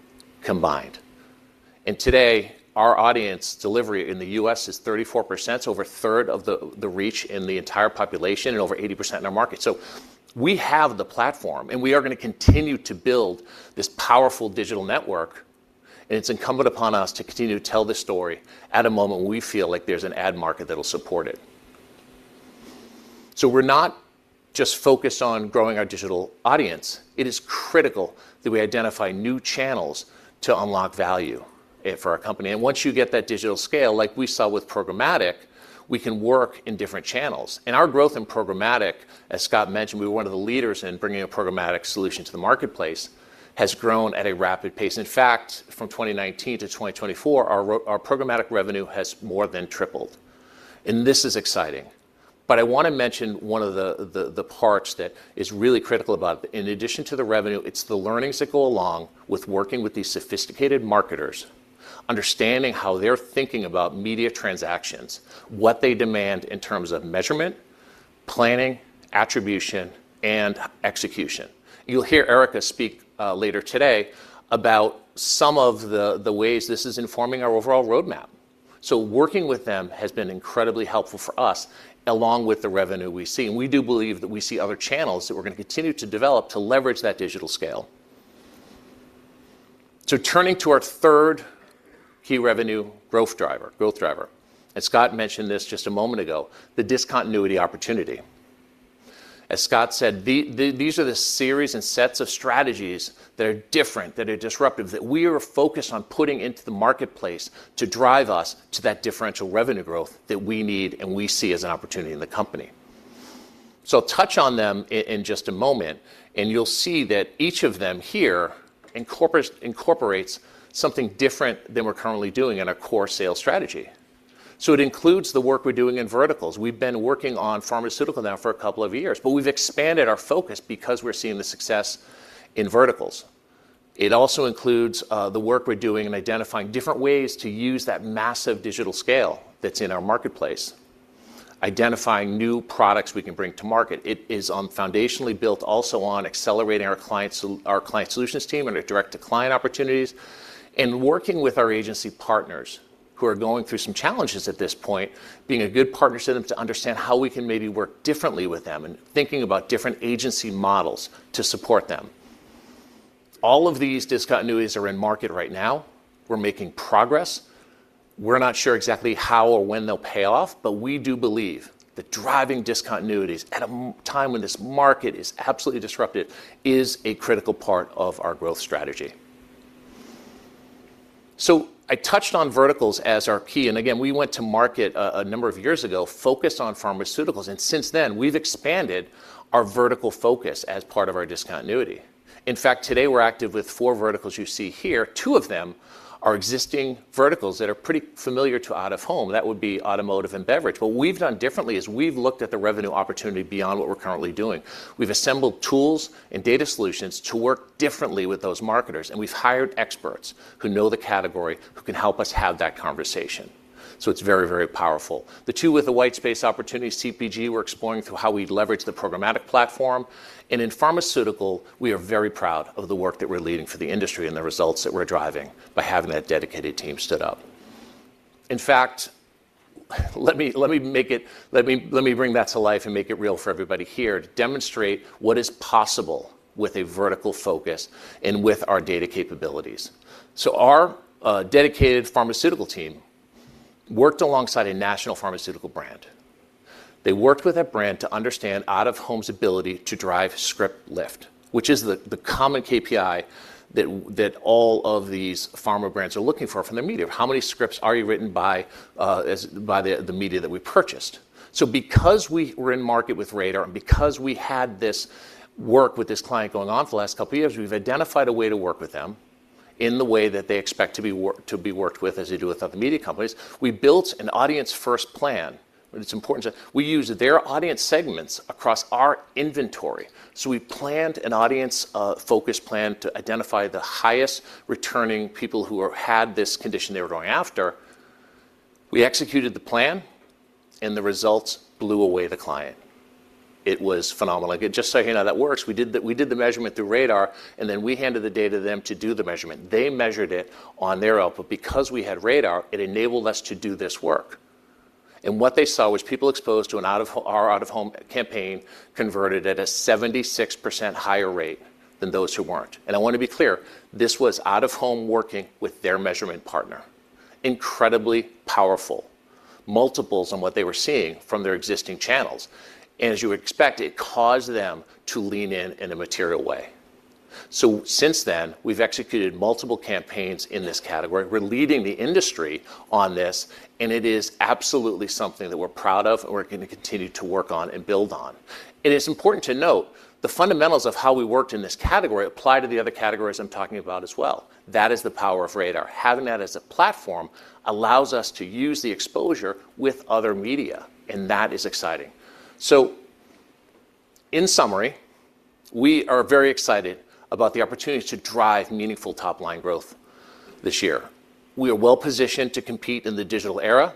combined. Today, our audience delivery in the U.S. is 34%, so over a third of the reach in the entire population and over 80% in our market. We have the platform, and we are going to continue to build this powerful digital network. It is incumbent upon us to continue to tell this story at a moment when we feel like there's an ad market that will support it. We're not just focused on growing our digital audience. It is critical that we identify new channels to unlock value for our company. Once you get that digital scale, like we saw with programmatic, we can work in different channels. Our growth in programmatic, as Scott mentioned, we were one of the leaders in bringing a programmatic solution to the marketplace, has grown at a rapid pace. In fact, from 2019 to 2024, our programmatic revenue has more than tripled. This is exciting. I want to mention one of the parts that is really critical about it. In addition to the revenue, it's the learnings that go along with working with these sophisticated marketers, understanding how they're thinking about media transactions, what they demand in terms of measurement, planning, attribution, and execution. You'll hear Erika speak later today about some of the ways this is informing our overall roadmap. Working with them has been incredibly helpful for us, along with the revenue we see. We do believe that we see other channels that we're going to continue to develop to leverage that digital scale. Turning to our third key revenue growth driver, as Scott mentioned just a moment ago, the discontinuity opportunity. As Scott said, these are the series and sets of strategies that are different, that are disruptive, that we are focused on putting into the marketplace to drive us to that differential revenue growth that we need and we see as an opportunity in the company. I'll touch on them in just a moment, and you'll see that each of them here incorporates something different than we're currently doing in our core sales strategy. It includes the work we're doing in verticals. We've been working on pharmaceutical now for a couple of years, but we've expanded our focus because we're seeing the success in verticals. It also includes the work we're doing in identifying different ways to use that massive digital scale that's in our marketplace, identifying new products we can bring to market. It is foundationally built also on accelerating our client solutions team and our direct-to-client opportunities and working with our agency partners who are going through some challenges at this point, being a good partner to them to understand how we can maybe work differently with them and thinking about different agency models to support them. All of these discontinuities are in market right now. We're making progress. We're not sure exactly how or when they'll pay off, but we do believe that driving discontinuities at a time when this market is absolutely disrupted is a critical part of our growth strategy. I touched on verticals as our key, and again, we went to market a number of years ago, focused on pharmaceuticals. Since then, we've expanded our vertical focus as part of our discontinuity. In fact, today we're active with four verticals you see here. Two of them are existing verticals that are pretty familiar to out-of-home. That would be automotive and beverage. What we've done differently is we've looked at the revenue opportunity beyond what we're currently doing. We've assembled tools and data solutions to work differently with those marketers, and we've hired experts who know the category, who can help us have that conversation. It's very, very powerful. The two with the white space opportunities, CPG, we're exploring through how we leverage the programmatic platform. In pharmaceutical, we are very proud of the work that we're leading for the industry and the results that we're driving by having that dedicated team stood up. Let me bring that to life and make it real for everybody here to demonstrate what is possible with a vertical focus and with our data capabilities. Our dedicated pharmaceutical team worked alongside a national pharmaceutical brand. They worked with that brand to understand out-of-home's ability to drive script lift, which is the common KPI that all of these pharma brands are looking for from their media. How many scripts are you written by the media that we purchased? Because we were in market with RADAR and because we had this work with this client going on for the last couple of years, we've identified a way to work with them in the way that they expect to be worked with as they do with other media companies. We built an audience-first plan. It's important that we use their audience segments across our inventory. We planned an audience-focused plan to identify the highest returning people who had this condition they were going after. We executed the plan, and the results blew away the client. It was phenomenal. I could just say, "Hey, now that works." We did the measurement through RADAR, and then we handed the data to them to do the measurement. They measured it on their output. Because we had RADAR, it enabled us to do this work. What they saw was people exposed to our out-of-home campaign converted at a 76% higher rate than those who weren't. I want to be clear, this was out-of-home working with their measurement partner. Incredibly powerful. Multiples on what they were seeing from their existing channels. As you would expect, it caused them to lean in in a material way. Since then, we've executed multiple campaigns in this category. We're leading the industry on this, and it is absolutely something that we're proud of and we're going to continue to work on and build on. It's important to note the fundamentals of how we worked in this category apply to the other categories I'm talking about as well. That is the power of RADAR. Having that as a platform allows us to use the exposure with other media, and that is exciting. In summary, we are very excited about the opportunity to drive meaningful top-line growth this year. We are well positioned to compete in the digital era.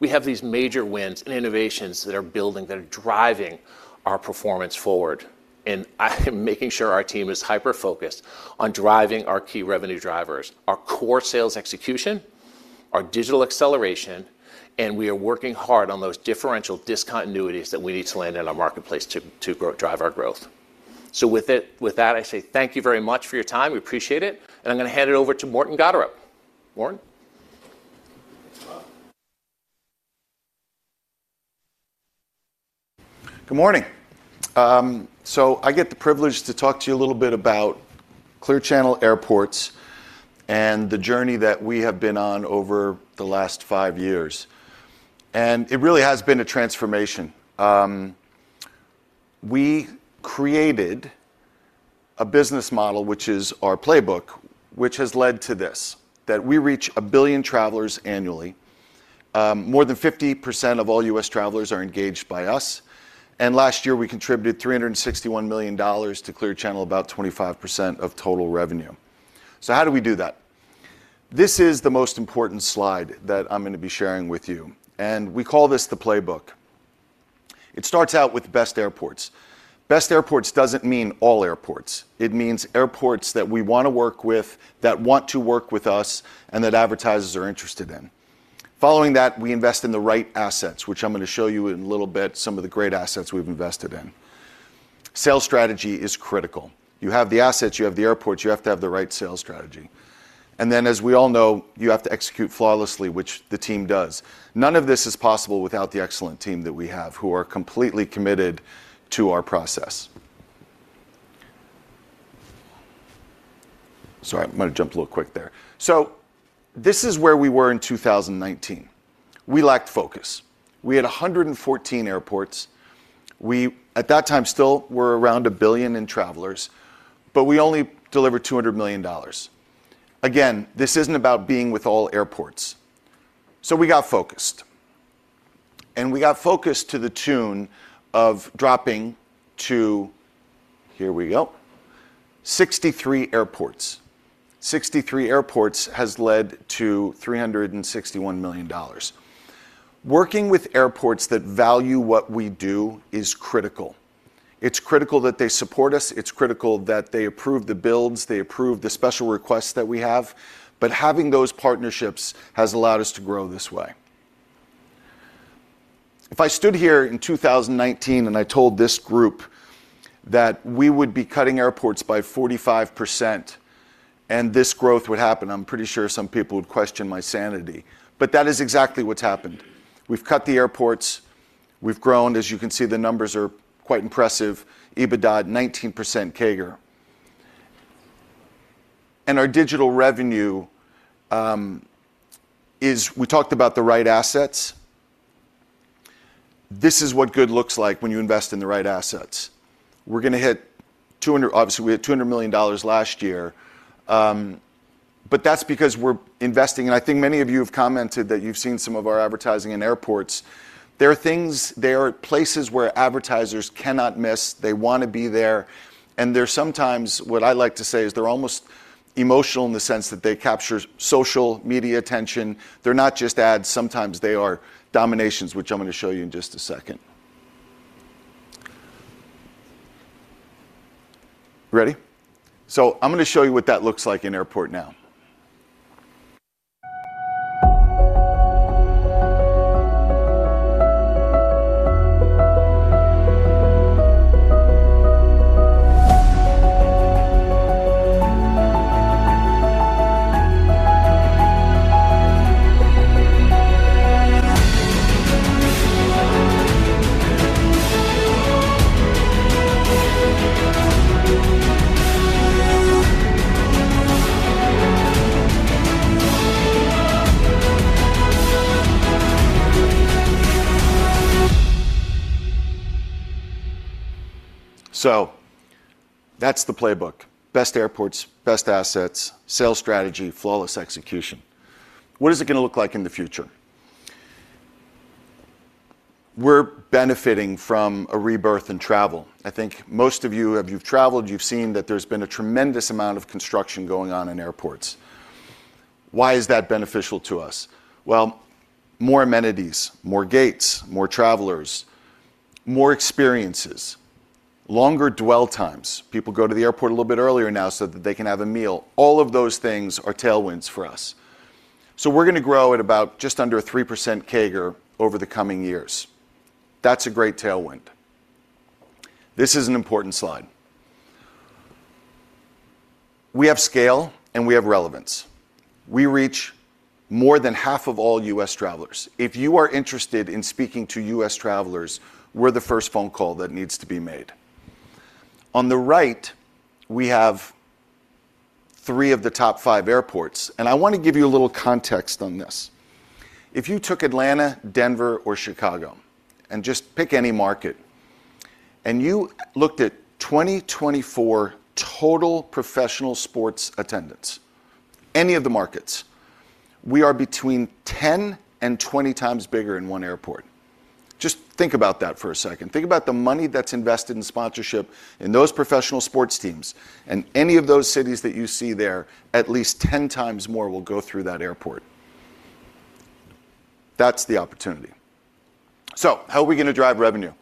We have these major wins and innovations that are building, that are driving our performance forward. I am making sure our team is hyper-focused on driving our key revenue drivers, our core sales execution, our digital acceleration, and we are working hard on those differential discontinuities that we need to land in our marketplace to drive our growth. Thank you very much for your time. We appreciate it. I'm going to hand it over to Morten Gotterup. Morten? Good morning. I get the privilege to talk to you a little bit about Clear Channel Airports and the journey that we have been on over the last five years. It really has been a transformation. We created a business model, which is our playbook, which has led to this, that we reach a billion travelers annually. More than 50% of all U.S. travelers are engaged by us. Last year, we contributed $361 million to Clear Channel Outdoor, about 25% of total revenue. How do we do that? This is the most important slide that I'm going to be sharing with you. We call this the playbook. It starts out with best airports. Best airports doesn't mean all airports. It means airports that we want to work with, that want to work with us, and that advertisers are interested in. Following that, we invest in the right assets, which I'm going to show you in a little bit, some of the great assets we've invested in. Sales strategy is critical. You have the assets, you have the airports, you have to have the right sales strategy. As we all know, you have to execute flawlessly, which the team does. None of this is possible without the excellent team that we have, who are completely committed to our process. This is where we were in 2019. We lacked focus. We had 114 airports. We, at that time, still were around 1 billion in travelers, but we only delivered $200 million. This isn't about being with all airports. We got focused. We got focused to the tune of dropping to, here we go, 63 airports. 63 airports have led to $361 million. Working with airports that value what we do is critical. It's critical that they support us. It's critical that they approve the builds, they approve the special requests that we have. Having those partnerships has allowed us to grow this way. If I stood here in 2019 and I told this group that we would be cutting airports by 45% and this growth would happen, I'm pretty sure some people would question my sanity. That is exactly what's happened. We've cut the airports. We've grown, as you can see, the numbers are quite impressive. EBITDA at 19% CAGR. Our digital revenue is, we talked about the right assets. This is what good looks like when you invest in the right assets. We're going to hit $200 million, obviously, we hit $200 million last year. That's because we're investing, and I think many of you have commented that you've seen some of our advertising in airports. There are things, there are places where advertisers cannot miss. They want to be there. There are sometimes, what I like to say is they're almost emotional in the sense that they capture social media attention. They're not just ads. Sometimes they are dominations, which I'm going to show you in just a second. Ready? I'm going to show you what that looks like in an airport now. That's the playbook. Best airports, best assets, sales strategy, flawless execution. What is it going to look like in the future? We're benefiting from a rebirth in travel. I think most of you, if you've traveled, you've seen that there's been a tremendous amount of construction going on in airports. Why is that beneficial to us? More amenities, more gates, more travelers, more experiences, longer dwell times. People go to the airport a little bit earlier now so that they can have a meal. All of those things are tailwinds for us. We're going to grow at about just under 3% CAGR over the coming years. That's a great tailwind. This is an important slide. We have scale and we have relevance. We reach more than half of all U.S. travelers. If you are interested in speaking to U.S. travelers, we're the first phone call that needs to be made. On the right, we have three of the top five airports. I want to give you a little context on this. If you took Atlanta, Denver, or Chicago, and just pick any market, and you looked at 2024 total professional sports attendance, any of the markets, we are between 10x-20x bigger in one airport. Just think about that for a second. Think about the money that's invested in sponsorship in those professional sports teams. In any of those cities that you see there, at least 10x more will go through that airport. That's the opportunity. How are we going to drive revenue?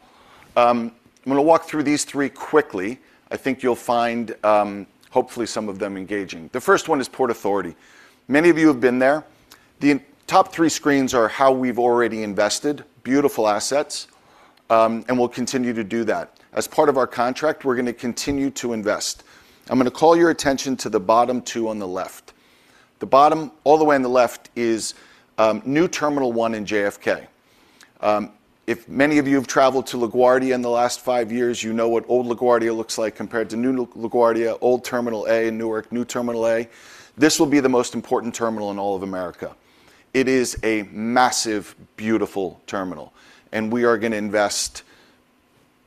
I'm going to walk through these three quickly. I think you'll find, hopefully, some of them engaging. The first one is Port Authority. Many of you have been there. The top three screens are how we've already invested, beautiful assets, and we'll continue to do that. As part of our contract, we're going to continue to invest. I'm going to call your attention to the bottom two on the left. The bottom all the way on the left is New Terminal 1 in JFK. If many of you have traveled to LaGuardia in the last five years, you know what old LaGuardia looks like compared to new LaGuardia, old Terminal A in Newark, new Terminal A. This will be the most important terminal in all of America. It is a massive, beautiful terminal. We are going to invest,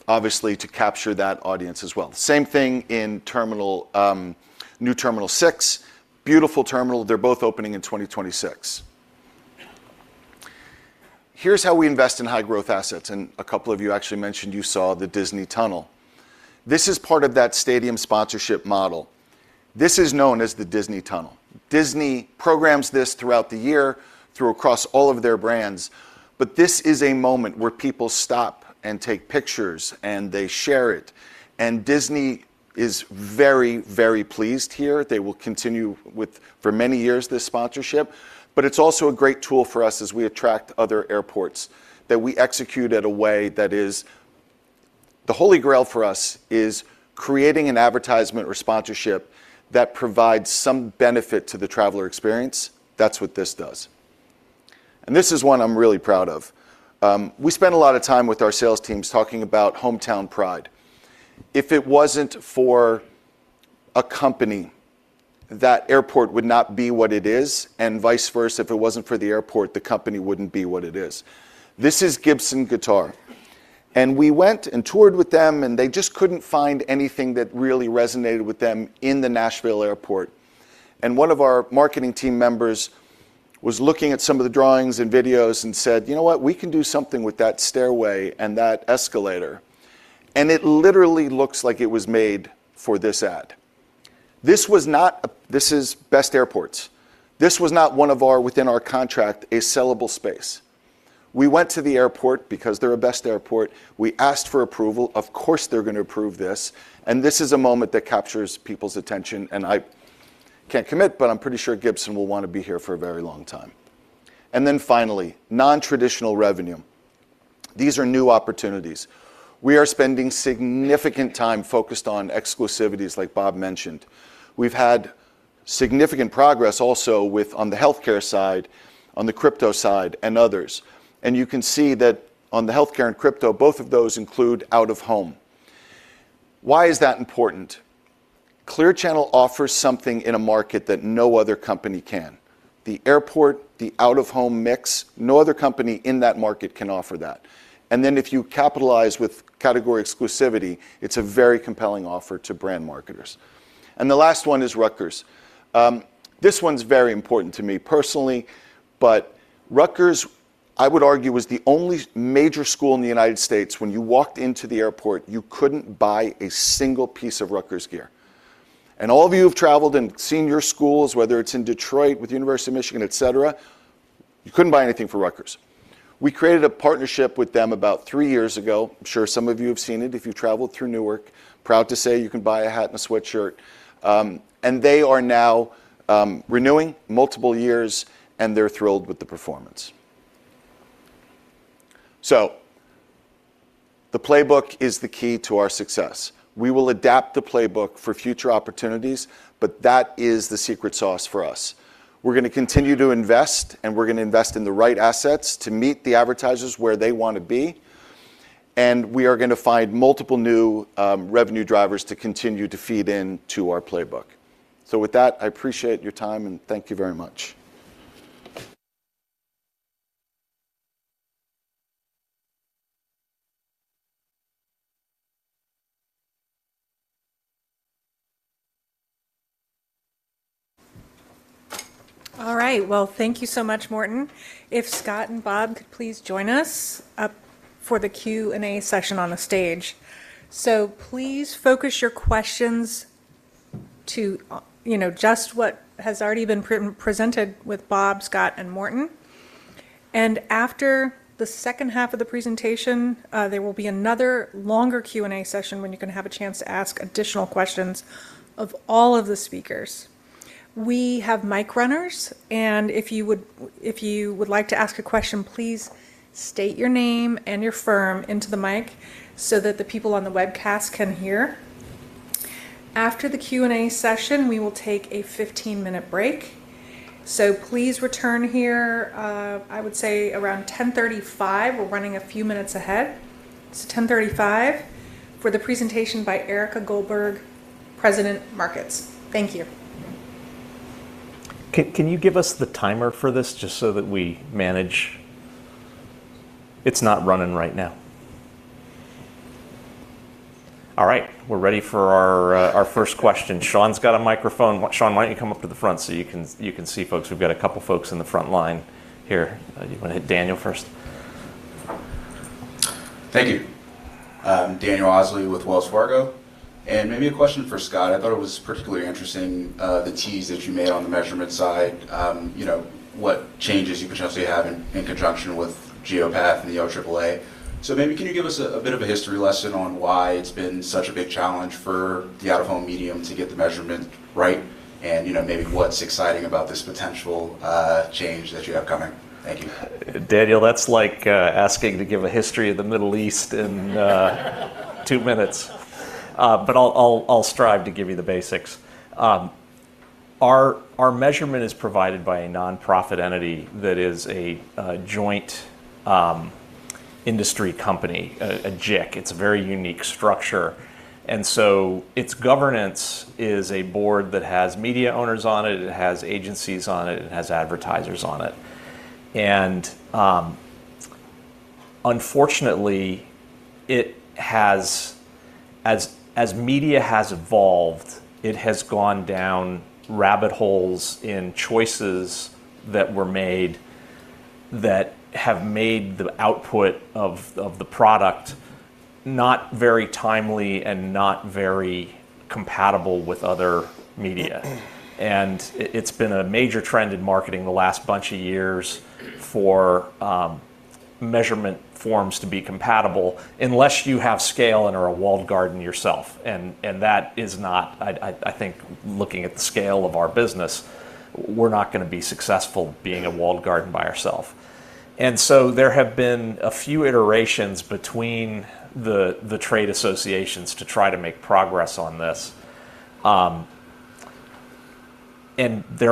obviously, to capture that audience as well. Same thing in New Terminal 6, beautiful terminal. They're both opening in 2026. Here's how we invest in high-growth assets. A couple of you actually mentioned you saw the Disney Tunnel. This is part of that stadium sponsorship model. This is known as the Disney Tunnel. Disney programs this throughout the year, across all of their brands. This is a moment where people stop and take pictures and they share it. Disney is very, very pleased here. They will continue for many years with this sponsorship. It's also a great tool for us as we attract other airports that we execute in a way that is the holy grail for us, creating an advertisement or sponsorship that provides some benefit to the traveler experience. That's what this does. This is one I'm really proud of. We spend a lot of time with our sales teams talking about hometown pride. If it wasn't for a company, that airport would not be what it is. Vice versa, if it wasn't for the airport, the company wouldn't be what it is. This is Gibson Guitar. We went and toured with them, and they just couldn't find anything that really resonated with them in the Nashville airport. One of our marketing team members was looking at some of the drawings and videos and said, "You know what? We can do something with that stairway and that escalator." It literally looks like it was made for this ad. This was not a, this is best airports. This was not one of our, within our contract, a sellable space. We went to the airport because they're a best airport. We asked for approval. Of course, they're going to approve this. This is a moment that captures people's attention. I can't commit, but I'm pretty sure Gibson will want to be here for a very long time. Finally, non-traditional revenue. These are new opportunities. We are spending significant time focused on exclusivities, like Bob mentioned. We've had significant progress also on the healthcare side, on the crypto side, and others. You can see that on the healthcare and crypto, both of those include out-of-home. Why is that important? Clear Channel Outdoor offers something in a market that no other company can. The airport, the out-of-home mix, no other company in that market can offer that. If you capitalize with category exclusivity, it's a very compelling offer to brand marketers. The last one is Rutgers. This one's very important to me personally, but Rutgers, I would argue, was the only major school in the United States. When you walked into the airport, you couldn't buy a single piece of Rutgers gear. All of you who've traveled and seen your schools, whether it's in Detroit with the University of Michigan, etc., you couldn't buy anything for Rutgers. We created a partnership with them about three years ago. I'm sure some of you have seen it if you traveled through Newark. Proud to say you can buy a hat and a sweatshirt. They are now renewing multiple years, and they're thrilled with the performance. The playbook is the key to our success. We will adapt the playbook for future opportunities, but that is the secret sauce for us. We are going to continue to invest, and we are going to invest in the right assets to meet the advertisers where they want to be. We are going to find multiple new revenue drivers to continue to feed into our playbook. With that, I appreciate your time, and thank you very much. All right. Thank you so much, Morten. If Scott and Bob could please join us up for the Q&A session on the stage. Please focus your questions to just what has already been presented with Bob, Scott, and Morten. After the second half of the presentation, there will be another longer Q&A session when you can have a chance to ask additional questions of all of the speakers. We have mic runners, and if you would like to ask a question, please state your name and your firm into the mic so that the people on the webcast can hear. After the Q&A session, we will take a 15-minute break. Please return here, I would say, around 10:35 A.M. We're running a few minutes ahead. It's 10:35 A.M. for the presentation by Erika Goldberg, President of Markets. Thank you. Can you give us the timer for this just so that we manage? It's not running right now. All right, we're ready for our first question. Sean's got a microphone. Sean, why don't you come up to the front so you can see folks? We've got a couple of folks in the front line here. You want to hit Daniel first? Thank you. Daniel Osley with Wells Fargo. Maybe a question for Scott. I thought it was particularly interesting, the tease that you made on the measurement side, you know, what changes you potentially have in conjunction with Geopath and the OAAA. Maybe can you give us a bit of a history lesson on why it's been such a big challenge for the out-of-home medium to get the measurement right? You know, maybe what's exciting about this potential change that you have coming? Thank you. Daniel, that's like asking to give a history of the Middle East in two minutes. I'll strive to give you the basics. Our measurement is provided by a nonprofit entity that is a joint industry company, a JIC. It's a very unique structure. Its governance is a board that has media owners on it, agencies on it, and advertisers on it. Unfortunately, as media has evolved, it has gone down rabbit holes in choices that were made that have made the output of the product not very timely and not very compatible with other media. It has been a major trend in marketing the last bunch of years for measurement forms to be compatible unless you have scale and are a walled garden yourself. That is not, I think, looking at the scale of our business, we're not going to be successful being a walled garden by ourselves. There have been a few iterations between the trade associations to try to make progress on this. There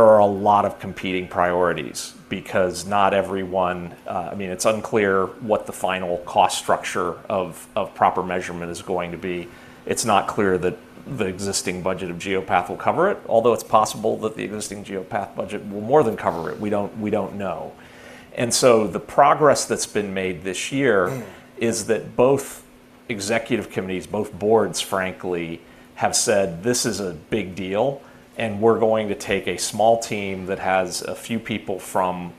are a lot of competing priorities because not everyone, I mean, it's unclear what the final cost structure of proper measurement is going to be. It's not clear that the existing budget of Geopath will cover it, although it's possible that the existing Geopath budget will more than cover it. We don't know. The progress that's been made this year is that both executive committees, both boards, frankly, have said this is a big deal, and we're going to take a small team that has a few people from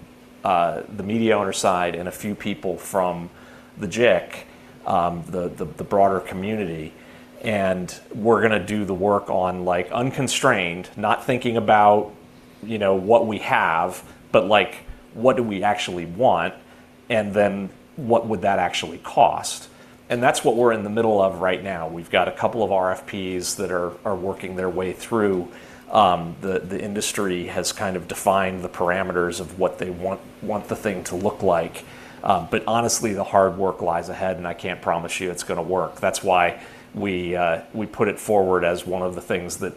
the media owner side and a few people from the JIC, the broader community. We're going to do the work on, like, unconstrained, not thinking about what we have, but like what do we actually want, and then what would that actually cost. That's what we're in the middle of right now. We've got a couple of RFPs that are working their way through. The industry has kind of defined the parameters of what they want. The thing to look like, but honestly, the hard work lies ahead, and I can't promise you it's going to work. That's why we put it forward as one of the things that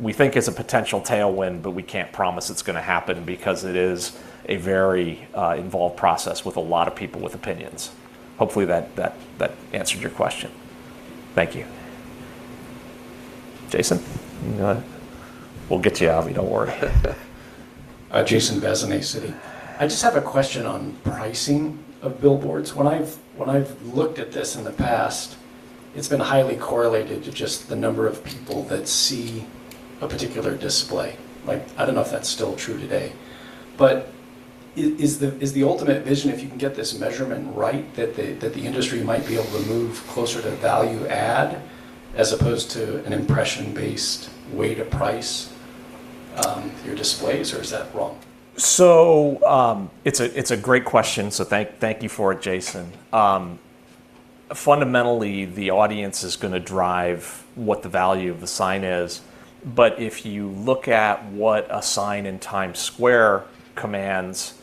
we think is a potential tailwind, but we can't promise it's going to happen because it is a very involved process with a lot of people with opinions. Hopefully that answered your question. Thank you. Jason? No, we'll get you out of here. Don't worry. Jason Bazinet, Citi, I just have a question on pricing of billboards. When I've looked at this in the past, it's been highly correlated to just the number of people that see a particular display. I don't know if that's still true today, but is the ultimate vision, if you can get this measurement right, that the industry might be able to move closer to value add as opposed to an impression-based way to price your displays, or is that wrong? It's a great question. Thank you for it, Jason. Fundamentally, the audience is going to drive what the value of the sign is. If you look at what a sign in Times Square commands,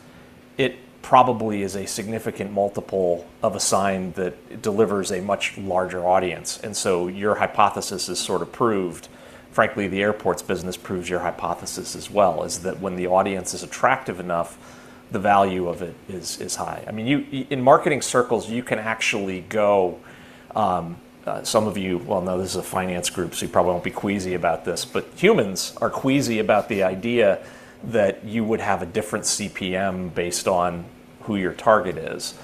it probably is a significant multiple of a sign that delivers a much larger audience. Your hypothesis is sort of proved. Frankly, the airports business proves your hypothesis as well, is that when the audience is attractive enough, the value of it is high. In marketing circles, you can actually go, some of you, well, this is a finance group, so you probably won't be queasy about this, but humans are queasy about the idea that you would have a different CPM based on who your target is.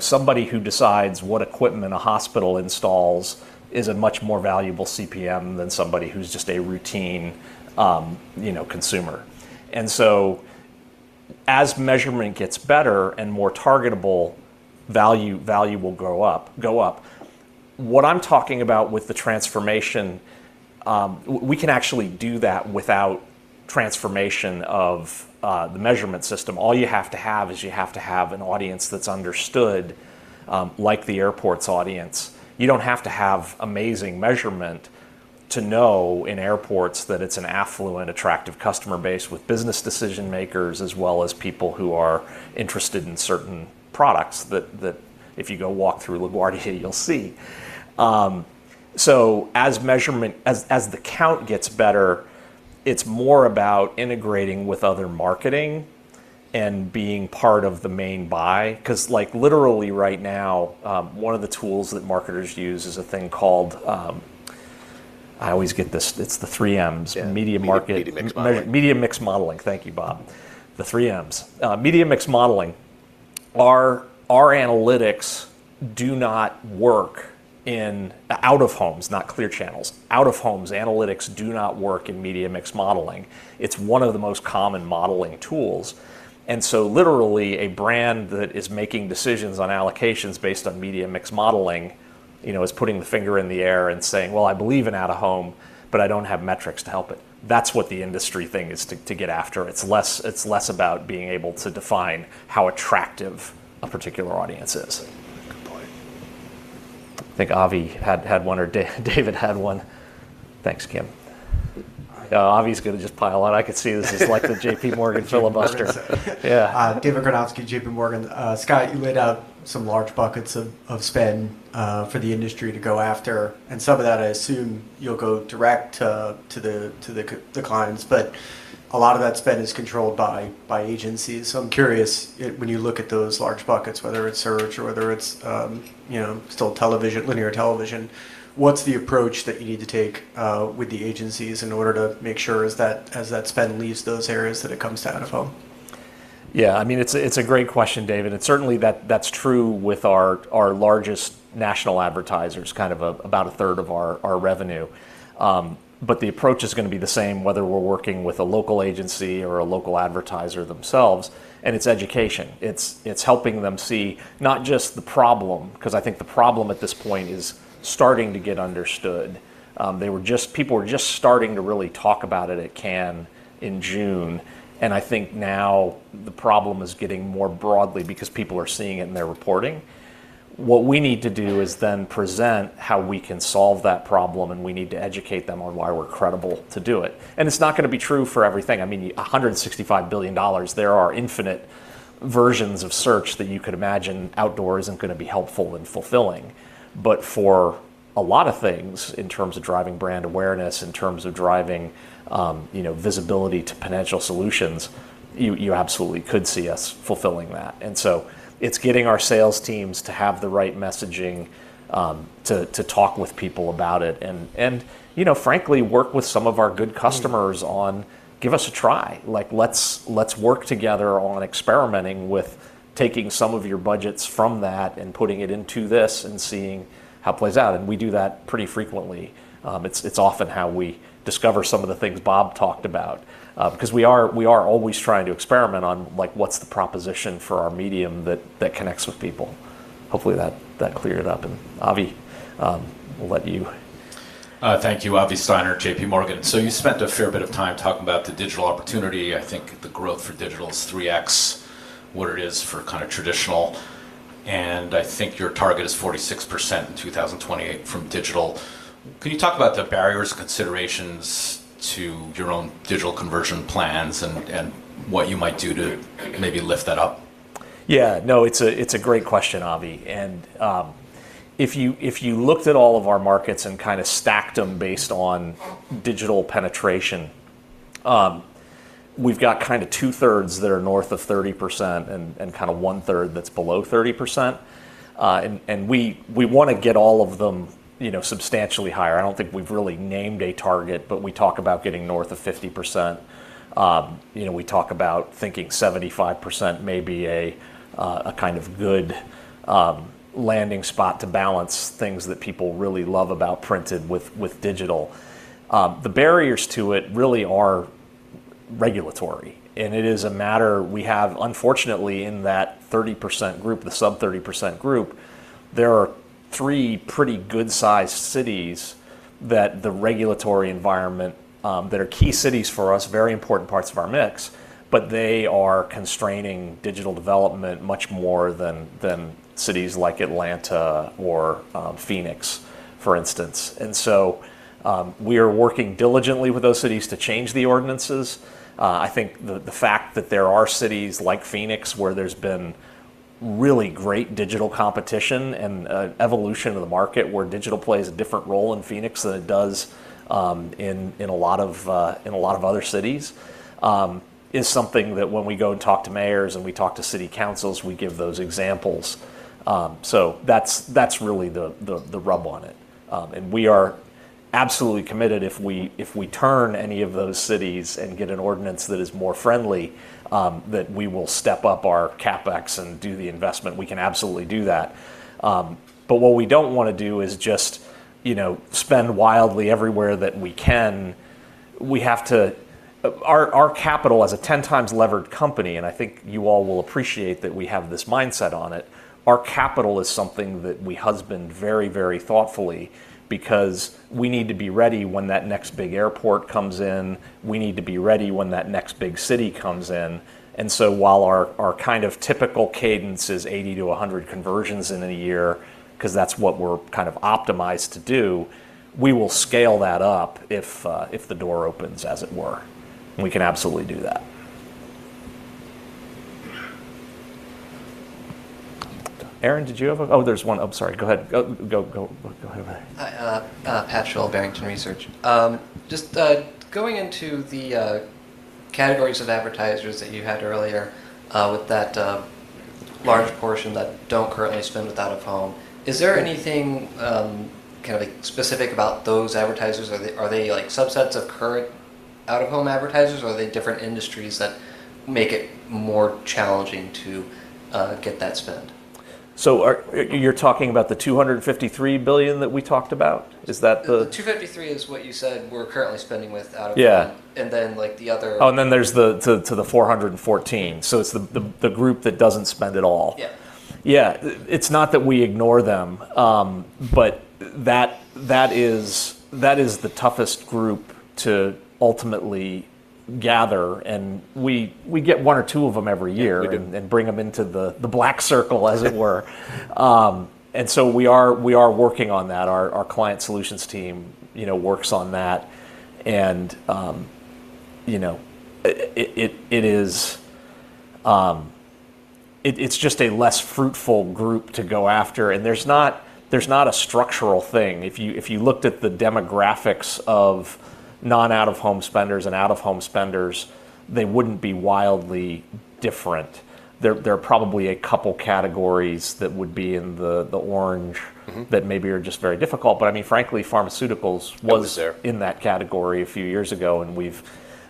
Somebody who decides what equipment a hospital installs is a much more valuable CPM than somebody who's just a routine consumer. As measurement gets better and more targetable, value will go up. What I'm talking about with the transformation, we can actually do that without transformation of the measurement system. All you have to have is you have to have an audience that's understood, like the airports audience. You don't have to have amazing measurement to know in airports that it's an affluent, attractive customer base with business decision makers as well as people who are interested in certain products that, if you go walk through LaGuardia, you'll see. As measurement, as the count gets better, it's more about integrating with other marketing and being part of the main buy. Literally right now, one of the tools that marketers use is a thing called, I always get this, it's the three M's, media mix modeling. Thank you, Bob. The three M's, media mix modeling. Our analytics do not work in out-of-home, not Clear Channel Outdoor's, out-of-home. Analytics do not work in media mix modeling. It's one of the most common modeling tools. Literally a brand that is making decisions on allocations based on media mix modeling is putting the finger in the air and saying, I believe in out-of-home, but I don't have metrics to help it. That's what the industry thing is to get after. It's less about being able to define how attractive a particular audience is. Good boy. I think Avi had had one or David had one. Thanks, Kim. Avi's going to just pile on. I could see this is like the JP Morgan filibuster. Yeah. David Karnovsky, JPMorgan. Scott, you laid out some large buckets of spend for the industry to go after. Some of that, I assume you'll go direct to the clients, but a lot of that spend is controlled by agencies. I'm curious, when you look at those large buckets, whether it's search or whether it's still television, linear television, what's the approach that you need to take with the agencies in order to make sure that as that spend leaves those areas that it comes to out-of-home? Yeah, I mean, it's a great question, David. It's certainly true with our largest national advertisers, kind of about a third of our revenue. The approach is going to be the same whether we're working with a local agency or a local advertiser themselves. It's education. It's helping them see not just the problem, because I think the problem at this point is starting to get understood. People were just starting to really talk about it at Cannes in June. I think now the problem is getting more broadly because people are seeing it in their reporting. What we need to do is then present how we can solve that problem, and we need to educate them on why we're credible to do it. It's not going to be true for everything. I mean, $165 billion, there are infinite versions of search that you could imagine outdoors aren't going to be helpful in fulfilling. For a lot of things, in terms of driving brand awareness, in terms of driving visibility to potential solutions, you absolutely could see us fulfilling that. It's getting our sales teams to have the right messaging, to talk with people about it, and, you know, frankly, work with some of our good customers on, give us a try. Like, let's work together on experimenting with taking some of your budgets from that and putting it into this and seeing how it plays out. We do that pretty frequently. It's often how we discover some of the things Bob talked about, because we are always trying to experiment on what's the proposition for our medium that connects with people. Hopefully that cleared it up. Avi, we'll let you. Thank you, Avi Steiner, JPMorgan. You spent a fair bit of time talking about the digital opportunity. I think the growth for digital is 3x what it is for kind of traditional, and I think your target is 46% in 2028 from digital. Can you talk about the barriers and considerations to your own digital conversion plans and what you might do to maybe lift that up? Yeah, no, it's a great question, Avi. If you looked at all of our markets and kind of stacked them based on digital penetration, we've got kind of two thirds that are north of 30% and kind of one third that's below 30%. We want to get all of them substantially higher. I don't think we've really named a target, but we talk about getting north of 50%. We talk about thinking 75% may be a kind of good landing spot to balance things that people really love about printed with digital. The barriers to it really are regulatory. It is a matter, we have, unfortunately, in that 30% group, the sub 30% group, there are three pretty good sized cities that the regulatory environment, that are key cities for us, very important parts of our mix, but they are constraining digital development much more than cities like Atlanta or Phoenix, for instance. We are working diligently with those cities to change the ordinances. I think the fact that there are cities like Phoenix where there's been really great digital competition and an evolution of the market where digital plays a different role in Phoenix than it does in a lot of other cities is something that when we go and talk to mayors and we talk to city councils, we give those examples. That's really the rub on it. We are absolutely committed if we turn any of those cities and get an ordinance that is more friendly, that we will step up our CapEx and do the investment. We can absolutely do that. What we don't want to do is just spend wildly everywhere that we can. Our capital as a 10x leveraged company, and I think you all will appreciate that we have this mindset on it. Our capital is something that we husband very, very thoughtfully because we need to be ready when that next big airport comes in. We need to be ready when that next big city comes in. While our kind of typical cadence is 80-100 conversions in a year, because that's what we're kind of optimized to do, we will scale that up if the door opens, as it were. We can absolutely do that. Aaron, did you have a—oh, there's one. I'm sorry. Go ahead. Go ahead, buddy. Hi, Patrick Sholl, Barrington Research. Going into the categories of advertisers that you had earlier, with that large portion that don't currently spend with out-of-home, is there anything specific about those advertisers? Are they like subsets of current out-of-home advertisers, or are they different industries that make it more challenging to get that spend? You're talking about the $253 billion that we talked about. Is that the. million is what you said we're currently spending with out-of-home. Yeah. Like the other. Oh, and then there's the 414. It's the group that doesn't spend at all. Yeah. Yeah, it's not that we ignore them, but that is the toughest group to ultimately gather. We get one or two of them every year and bring them into the black circle, as it were. We are working on that. Our client solutions team works on that. It is just a less fruitful group to go after. There's not a structural thing. If you looked at the demographics of non-out-of-home spenders and out-of-home spenders, they wouldn't be wildly different. There are probably a couple of categories that would be in the orange that maybe are just very difficult. I mean, frankly, pharmaceuticals was in that category a few years ago. We've,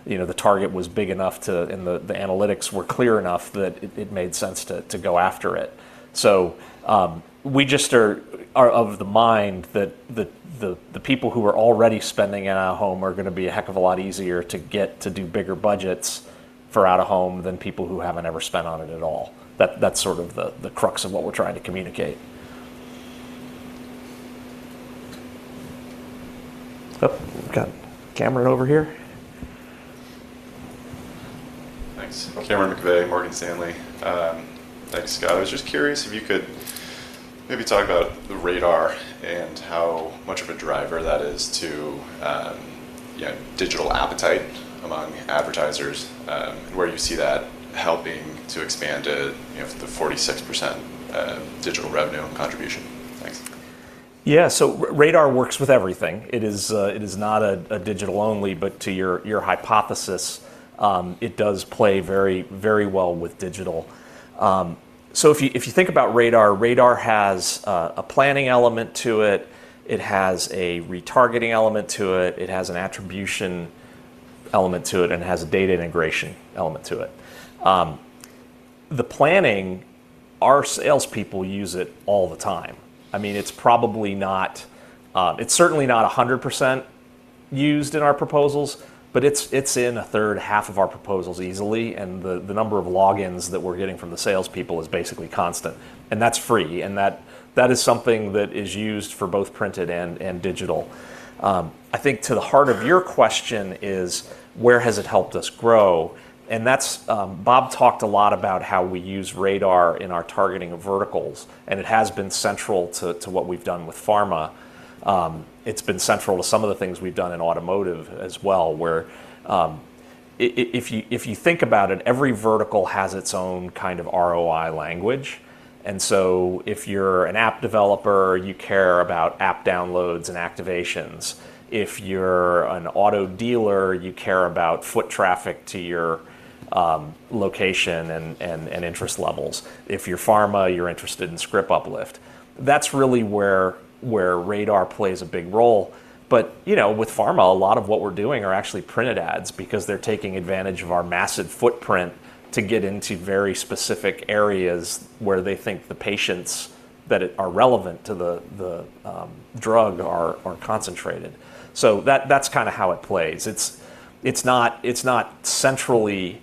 you know, the target was big enough to, and the analytics were clear enough that it made sense to go after it. We just are of the mind that the people who are already spending in out-of-home are going to be a heck of a lot easier to get to do bigger budgets for out-of-home than people who haven't ever spent on it at all. That's sort of the crux of what we're trying to communicate. Cameron over here. Thanks. Cameron McVeigh, Morgan Stanley. Thanks, Scott. I was just curious if you could maybe talk about the Radar and how much of a driver that is to digital appetite among advertisers, and where you see that helping to expand to the 46% digital revenue contribution. Thanks. Yeah, so RADAR works with everything. It is not a digital only, but to your hypothesis, it does play very, very well with digital. If you think about RADAR, RADAR has a planning element to it. It has a retargeting element to it. It has an attribution element to it and has a data integration element to it. The planning, our salespeople use it all the time. I mean, it's probably not, it's certainly not 100% used in our proposals, but it's in a third half of our proposals easily. The number of logins that we're getting from the salespeople is basically constant. That's free, and that is something that is used for both printed and digital. I think to the heart of your question is where has it helped us grow? Bob talked a lot about how we use RADAR in our targeting of verticals. It has been central to what we've done with pharma. It's been central to some of the things we've done in automotive as well, where, if you think about it, every vertical has its own kind of ROI language. If you're an app developer, you care about app downloads and activations. If you're an auto dealer, you care about foot traffic to your location and interest levels. If you're pharma, you're interested in script uplift. That's really where RADAR plays a big role. With pharma, a lot of what we're doing are actually printed ads because they're taking advantage of our massive footprint to get into very specific areas where they think the patients that are relevant to the drug are concentrated. That's kind of how it plays. It's not centrally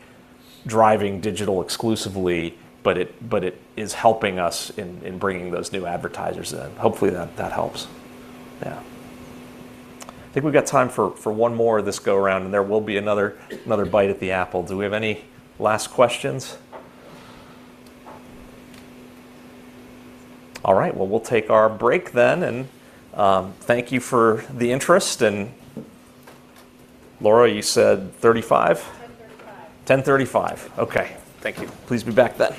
driving digital exclusively, but it is helping us in bringing those new advertisers in. Hopefully that helps. Yeah. I think we've got time for one more of this go-round, and there will be another, another bite at the apple. Do we have any last questions? All right. We'll take our break then. Thank you for the interest. Laura, you said 10:35 A.M. Okay. Thank you. Please be back. Hi,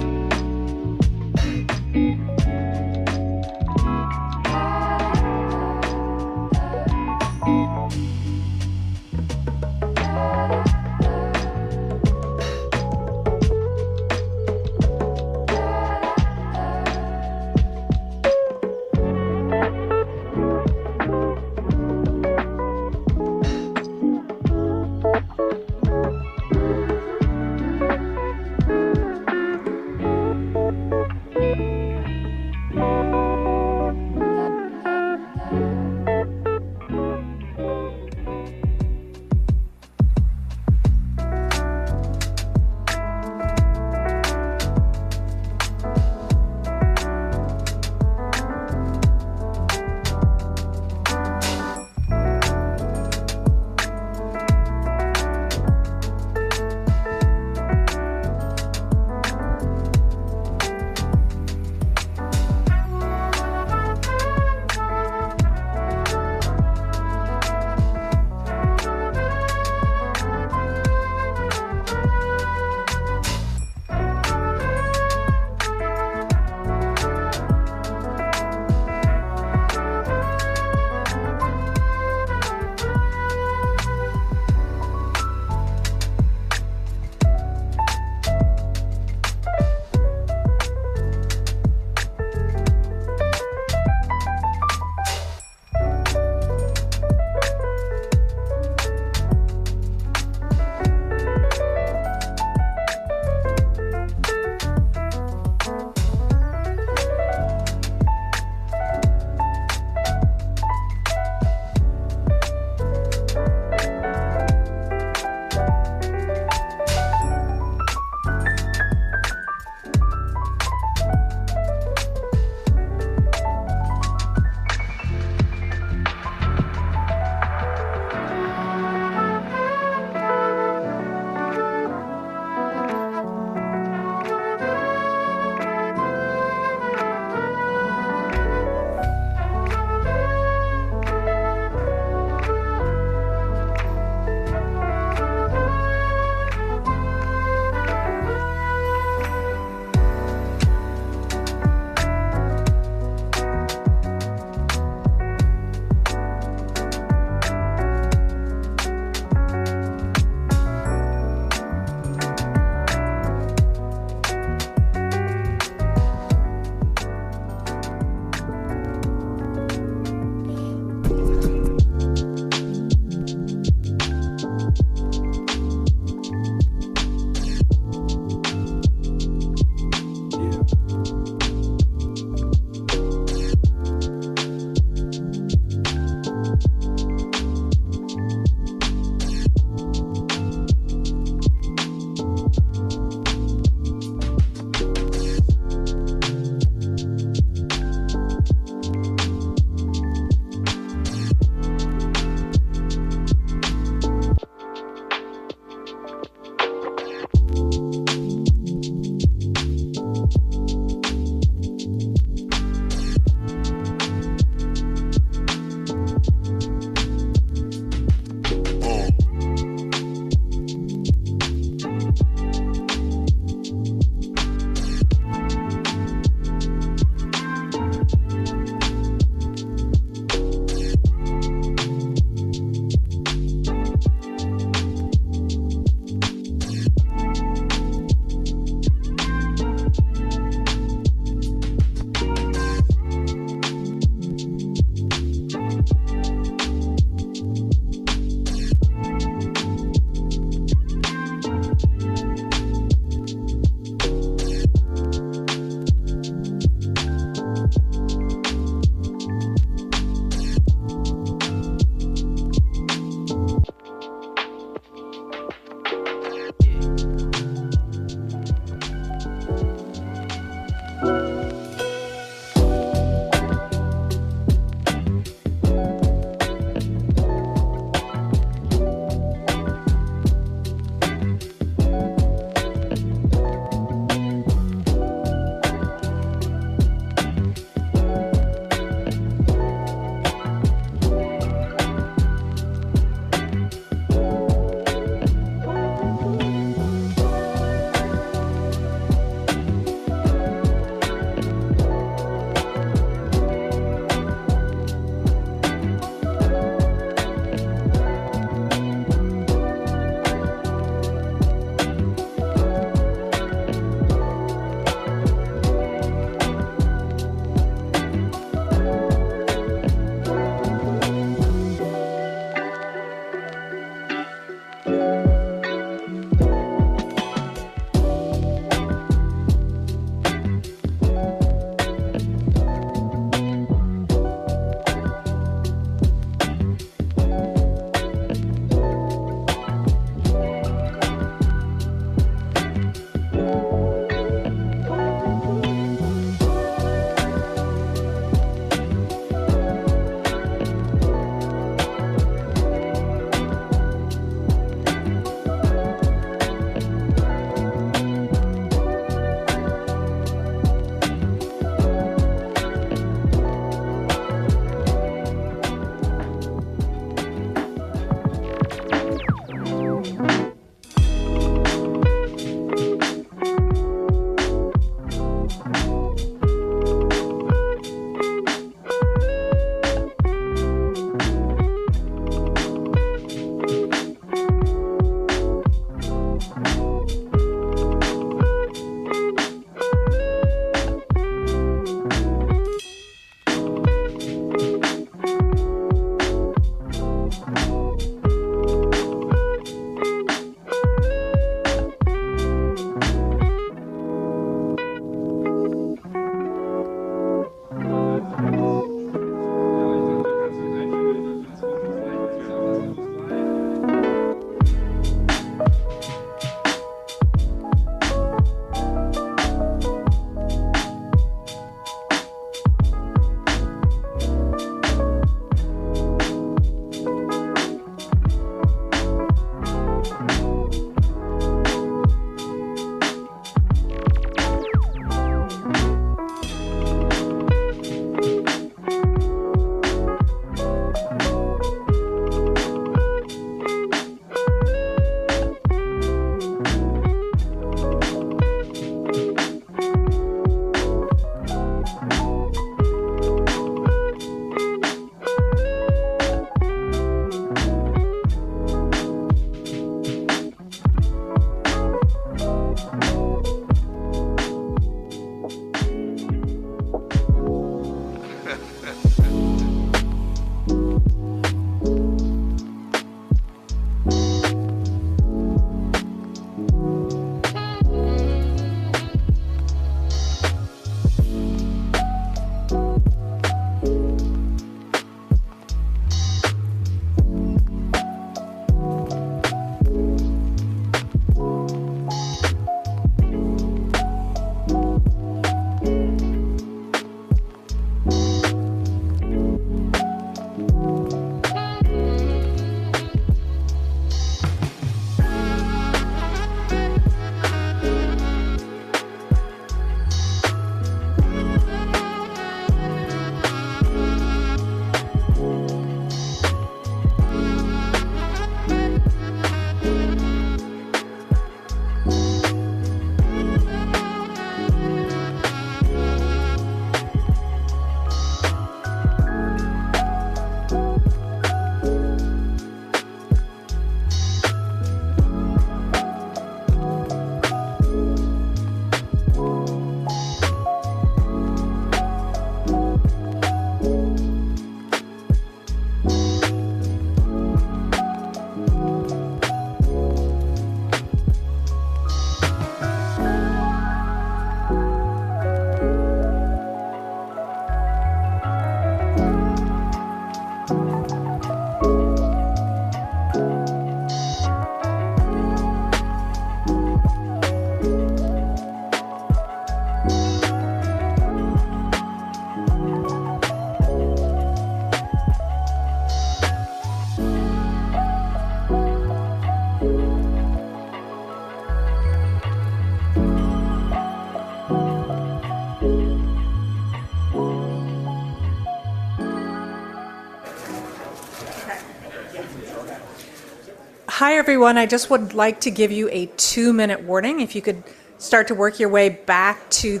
everyone. I just would like to give you a two-minute warning. If you could start to work your way back to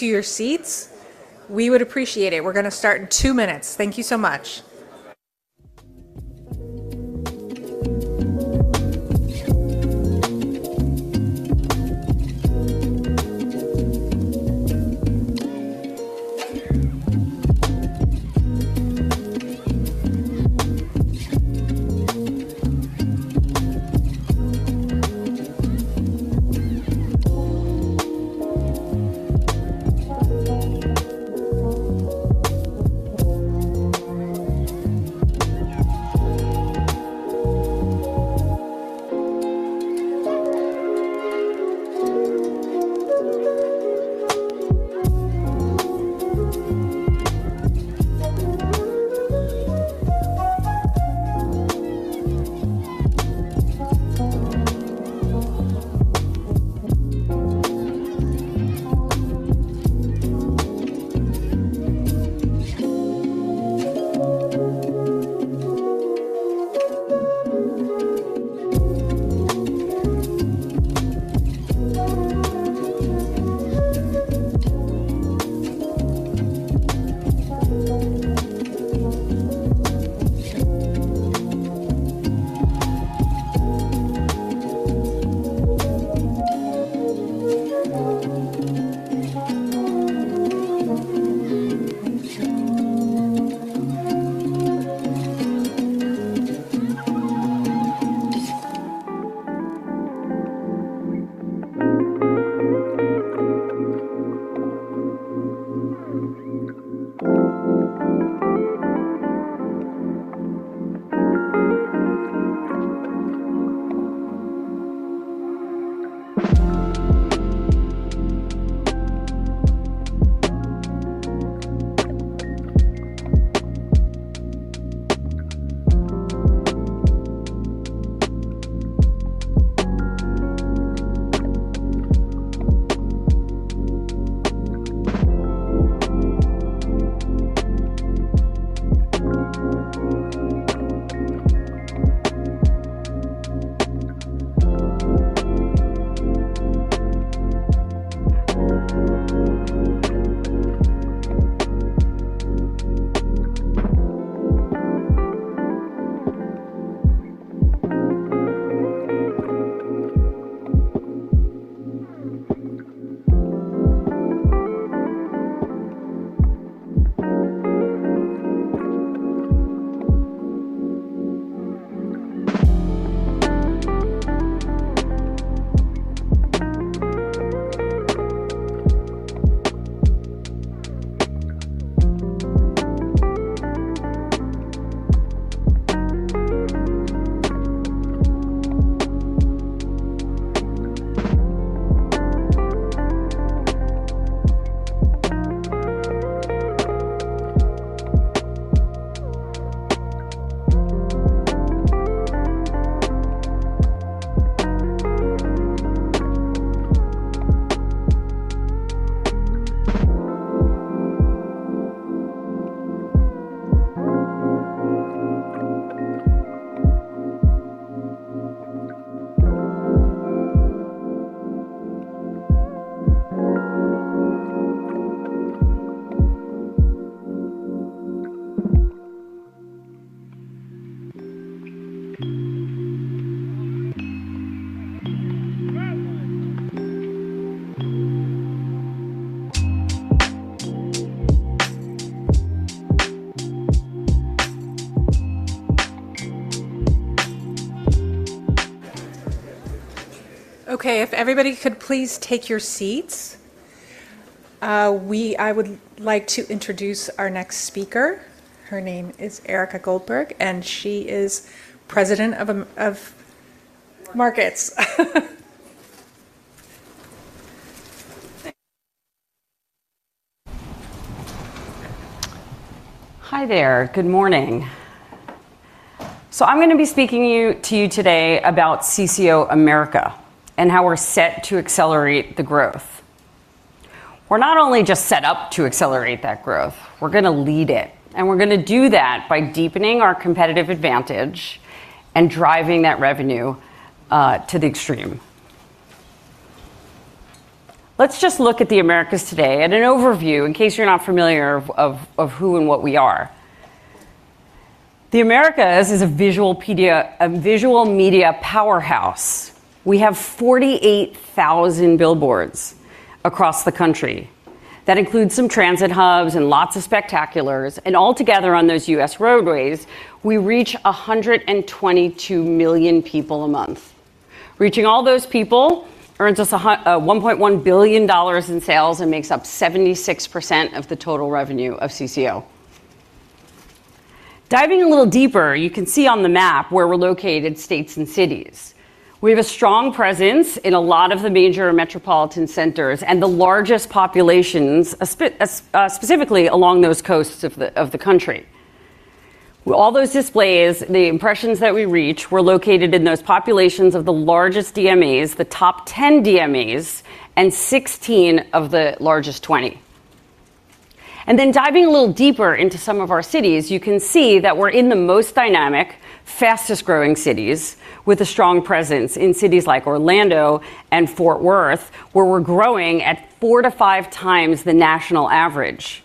your seats, we would appreciate it. We're going to start in two minutes. Thank you so much. Okay, if everybody could please take your seats. I would like to introduce our next speaker. Her name is Erika Goldberg, and she is President of Markets. Hi there. Good morning. I'm going to be speaking to you today about CCO America and how we're set to accelerate the growth. We're not only just set up to accelerate that growth, we're going to lead it, and we're going to do that by deepening our competitive advantage and driving that revenue to the extreme. Let's just look at the Americas today at an overview in case you're not familiar with who and what we are. The Americas is a visual media powerhouse. We have 48,000 billboards across the country. That includes some transit hubs and lots of spectaculars, and all together on those U.S. roadways, we reach 122 million people a month. Reaching all those people earns us $1.1 billion in sales and makes up 76% of the total revenue of CCO. Diving a little deeper, you can see on the map where we're located, states and cities. We have a strong presence in a lot of the major metropolitan centers and the largest populations, specifically along those coasts of the country. All those displays, the impressions that we reach, were located in those populations of the largest DMAs, the top 10 DMAs, and 16 of the largest 20. Diving a little deeper into some of our cities, you can see that we're in the most dynamic, fastest growing cities, with a strong presence in cities like Orlando and Fort Worth, where we're growing at 4x-5x the national average.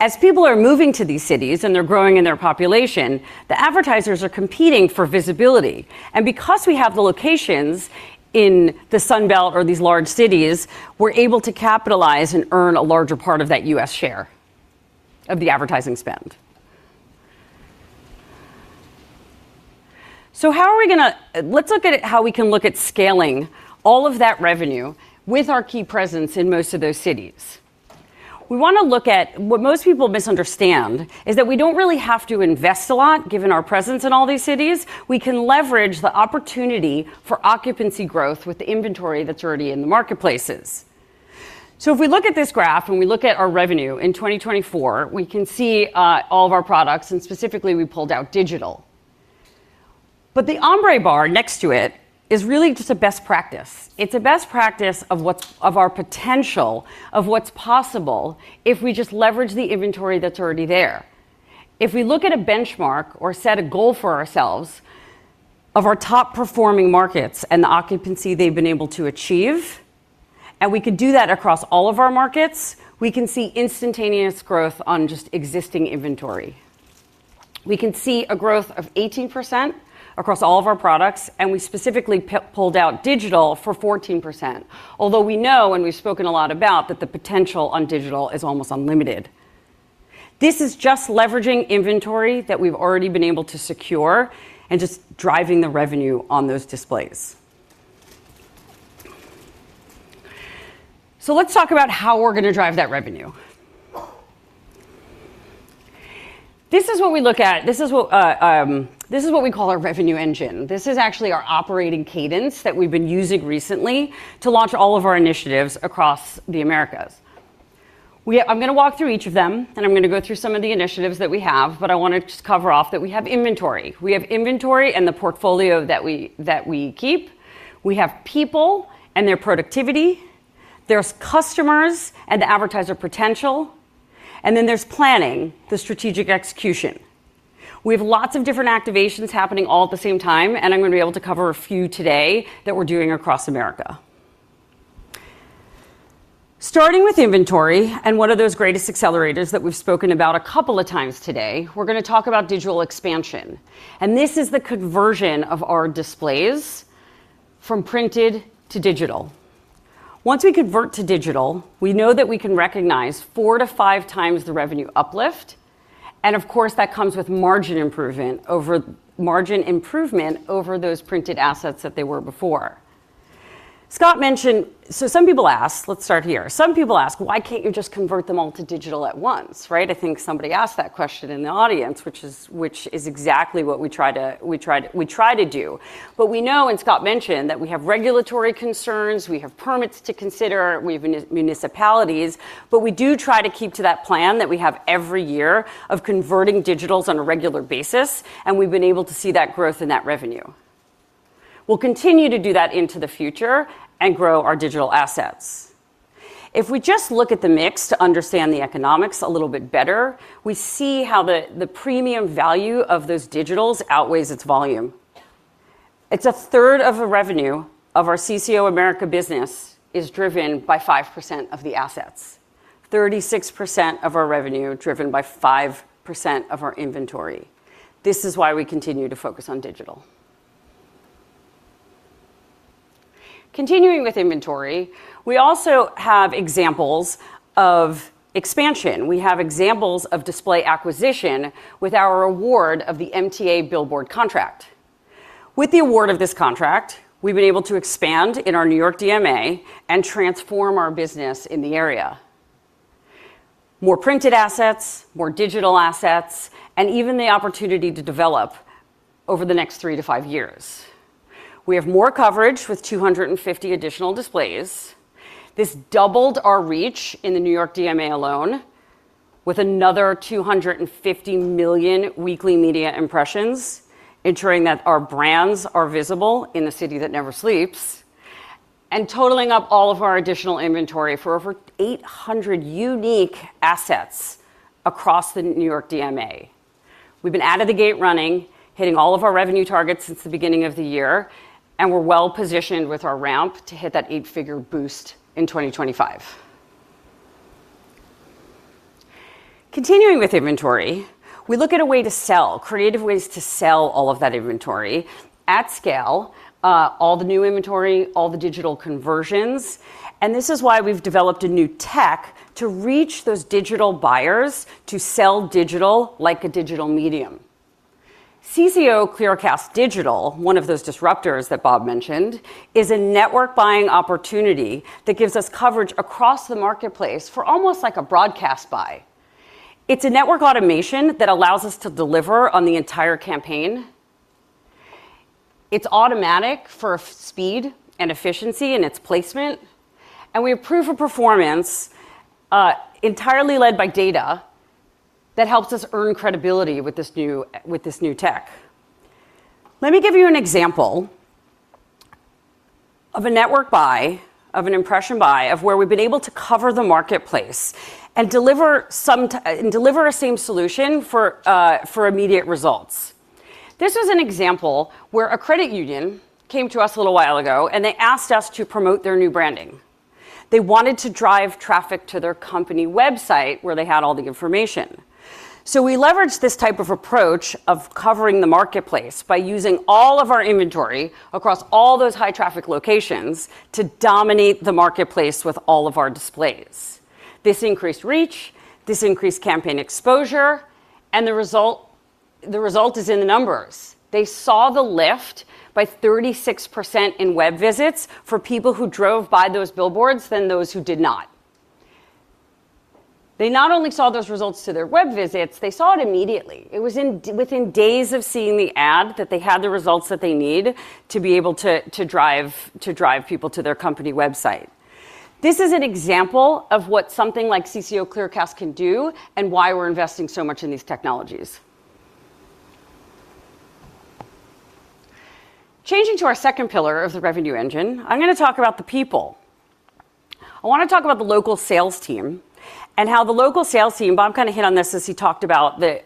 As people are moving to these cities and they're growing in their population, the advertisers are competing for visibility. Because we have the locations in the Sun Belt or these large cities, we're able to capitalize and earn a larger part of that U.S. share of the advertising spend. Let's look at how we can look at scaling all of that revenue with our key presence in most of those cities. What most people misunderstand is that we don't really have to invest a lot, given our presence in all these cities. We can leverage the opportunity for occupancy growth with the inventory that's already in the marketplaces. If we look at this graph and we look at our revenue in 2024, we can see all of our products, and specifically we pulled out digital. The ombre bar next to it is really just a best practice. It's a best practice of what's our potential, of what's possible if we just leverage the inventory that's already there. If we look at a benchmark or set a goal for ourselves of our top performing markets and the occupancy they've been able to achieve, and we could do that across all of our markets, we can see instantaneous growth on just existing inventory. We can see a growth of 18% across all of our products, and we specifically pulled out digital for 14%, although we know, and we've spoken a lot about, that the potential on digital is almost unlimited. This is just leveraging inventory that we've already been able to secure and just driving the revenue on those displays. Let's talk about how we're going to drive that revenue. This is what we look at. This is what we call our revenue engine. This is actually our operating cadence that we've been using recently to launch all of our initiatives across the Americas. I'm going to walk through each of them, and I'm going to go through some of the initiatives that we have, but I want to just cover off that we have inventory. We have inventory and the portfolio that we keep. We have people and their productivity. There's customers and the advertiser potential. Then there's planning, the strategic execution. We have lots of different activations happening all at the same time, and I'm going to be able to cover a few today that we're doing across America. Starting with inventory and one of those greatest accelerators that we've spoken about a couple of times today, we're going to talk about digital expansion. This is the conversion of our displays from printed to digital. Once we convert to digital, we know that we can recognize 4x-5x the revenue uplift. Of course, that comes with margin improvement over those printed assets that they were before. Scott mentioned, some people ask, let's start here. Some people ask, why can't you just convert them all to digital at once, right? I think somebody asked that question in the audience, which is exactly what we try to do. We know, and Scott mentioned, that we have regulatory concerns, we have permits to consider, we have municipalities, but we do try to keep to that plan that we have every year of converting digitals on a regular basis, and we've been able to see that growth in that revenue. We'll continue to do that into the future and grow our digital assets. If we just look at the mix to understand the economics a little bit better, we see how the premium value of those digitals outweighs its volume. It's a third of the revenue of our CCO America business is driven by 5% of the assets. 36% of our revenue is driven by 5% of our inventory. This is why we continue to focus on digital. Continuing with inventory, we also have examples of expansion. We have examples of display acquisition with our award of the MTA billboard contract. With the award of this contract, we've been able to expand in our New York DMA and transform our business in the area. More printed assets, more digital assets, and even the opportunity to develop over the next three to five years. We have more coverage with 250 additional displays. This doubled our reach in the New York DMA alone, with another 250 million weekly media impressions, ensuring that our brands are visible in the city that never sleeps, and totaling up all of our additional inventory for over 800 unique assets across the New York DMA. We've been out of the gate running, hitting all of our revenue targets since the beginning of the year, and we're well positioned with our ramp to hit that eight-figure boost in 2025. Continuing with inventory, we look at a way to sell, creative ways to sell all of that inventory at scale, all the new inventory, all the digital conversions. This is why we've developed a new tech to reach those digital buyers, to sell digital like a digital medium. CCO Clearcast Digital, one of those disruptors that Bob mentioned, is a network buying opportunity that gives us coverage across the marketplace for almost like a broadcast buy. It's a network automation that allows us to deliver on the entire campaign. It's automatic for speed and efficiency in its placement. We approve a performance entirely led by data that helps us earn credibility with this new tech. Let me give you an example of a network buy, of an impression buy, of where we've been able to cover the marketplace and deliver a same solution for immediate results. This was an example where a credit union came to us a little while ago, and they asked us to promote their new branding. They wanted to drive traffic to their company website where they had all the information. We leveraged this type of approach of covering the marketplace by using all of our inventory across all those high traffic locations to dominate the marketplace with all of our displays. This increased reach, this increased campaign exposure, and the result is in the numbers. They saw the lift by 36% in web visits for people who drove by those billboards than those who did not. They not only saw those results to their web visits, they saw it immediately. It was within days of seeing the ad that they had the results that they need to be able to drive people to their company website. This is an example of what something like CCO Clearcast can do and why we're investing so much in these technologies. Changing to our second pillar of the revenue engine, I'm going to talk about the people. I want to talk about the local sales team and how the local sales team, Bob kind of hit on this as he talked about the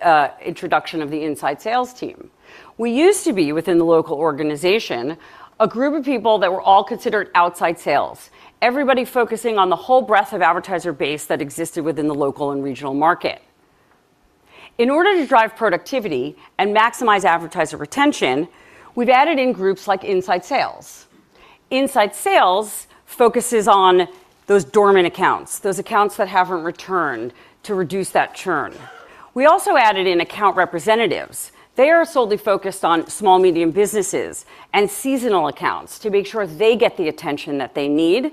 introduction of the inside sales team. We used to be within the local organization, a group of people that were all considered outside sales, everybody focusing on the whole breadth of advertiser base that existed within the local and regional market. In order to drive productivity and maximize advertiser retention, we've added in groups like inside sales. Inside sales focuses on those dormant accounts, those accounts that haven't returned to reduce that churn. We also added in account representatives. They are solely focused on small, medium businesses and seasonal accounts to make sure they get the attention that they need.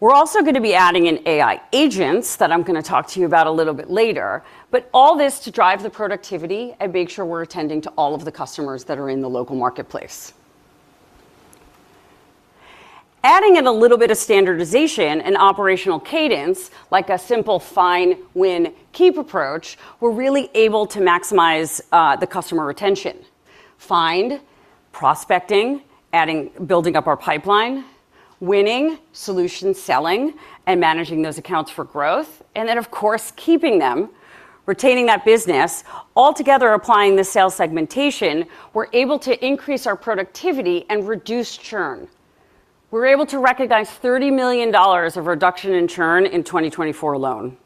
We're also going to be adding in AI agents that I'm going to talk to you about a little bit later, but all this to drive the productivity and make sure we're attending to all of the customers that are in the local marketplace. Adding in a little bit of standardization and operational cadence, like a simple find, win, keep approach, we're really able to maximize the customer retention. Find, prospecting, adding, building up our pipeline, winning, solution selling, and managing those accounts for growth, and then of course keeping them, retaining that business, all together applying the sales segmentation, we're able to increase our productivity and reduce churn. We're able to recognize $30 million of reduction in churn in 2024 alone.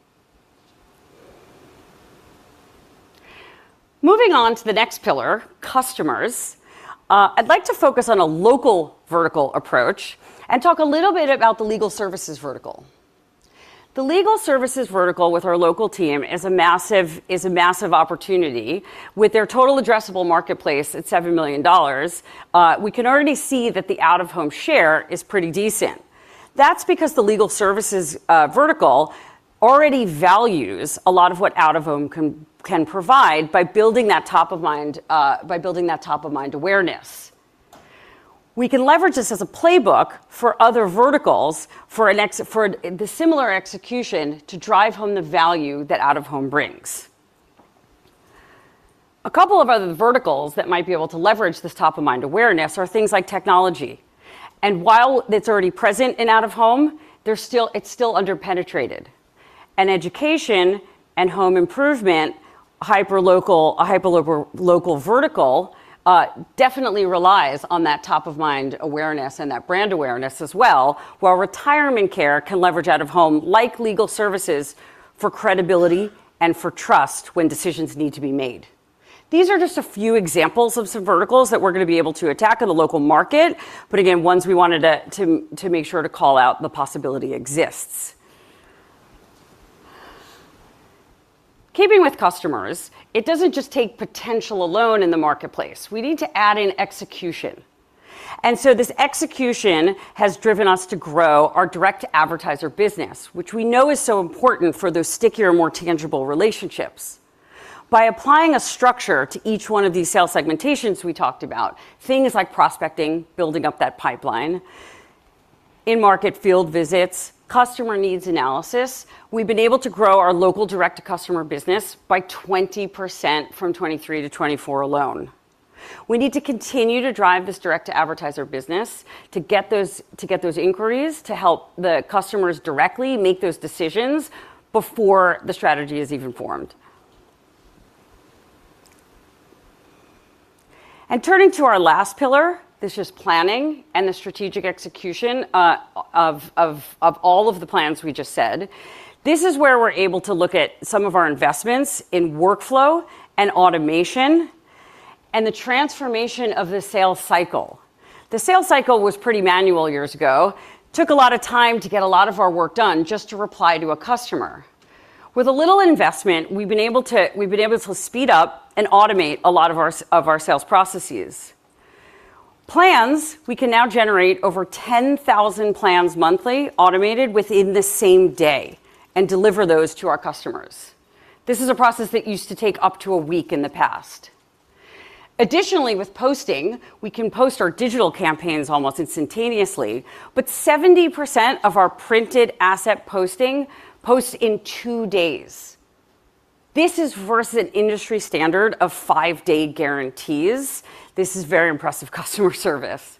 Moving on to the next pillar, customers, I'd like to focus on a local vertical approach and talk a little bit about the legal services vertical. The legal services vertical with our local team is a massive opportunity. With their total addressable marketplace at $7 million, we can already see that the out-of-home share is pretty decent. That's because the legal services vertical already values a lot of what out-of-home can provide by building that top-of-mind awareness. We can leverage this as a playbook for other verticals for the similar execution to drive home the value that out-of-home brings. A couple of other verticals that might be able to leverage this top-of-mind awareness are things like technology. While it's already present in out-of-home, it's still underpenetrated. Education and home improvement, a hyper-local vertical, definitely relies on that top-of-mind awareness and that brand awareness as well, while retirement care can leverage out-of-home like legal services for credibility and for trust when decisions need to be made. These are just a few examples of some verticals that we're going to be able to attack in the local market, but ones we wanted to make sure to call out the possibility exists. Keeping with customers, it doesn't just take potential alone in the marketplace. We need to add in execution. This execution has driven us to grow our direct advertiser business, which we know is so important for those stickier, more tangible relationships. By applying a structure to each one of these sales segmentations we talked about, things like prospecting, building up that pipeline, in-market field visits, customer needs analysis, we've been able to grow our local direct-to-customer business by 20% from 2023-2024 alone. We need to continue to drive this direct-to-advertiser business to get those inquiries, to help the customers directly make those decisions before the strategy is even formed. Turning to our last pillar, this is planning and the strategic execution of all of the plans we just said. This is where we're able to look at some of our investments in workflow and automation and the transformation of the sales cycle. The sales cycle was pretty manual years ago. It took a lot of time to get a lot of our work done just to reply to a customer. With a little investment, we've been able to speed up and automate a lot of our sales processes. We can now generate over 10,000 plans monthly, automated within the same day, and deliver those to our customers. This is a process that used to take up to a week in the past. Additionally, with posting, we can post our digital campaigns almost instantaneously, but 70% of our printed asset posting posts in two days. This is versus an industry standard of five-day guarantees. This is very impressive customer service.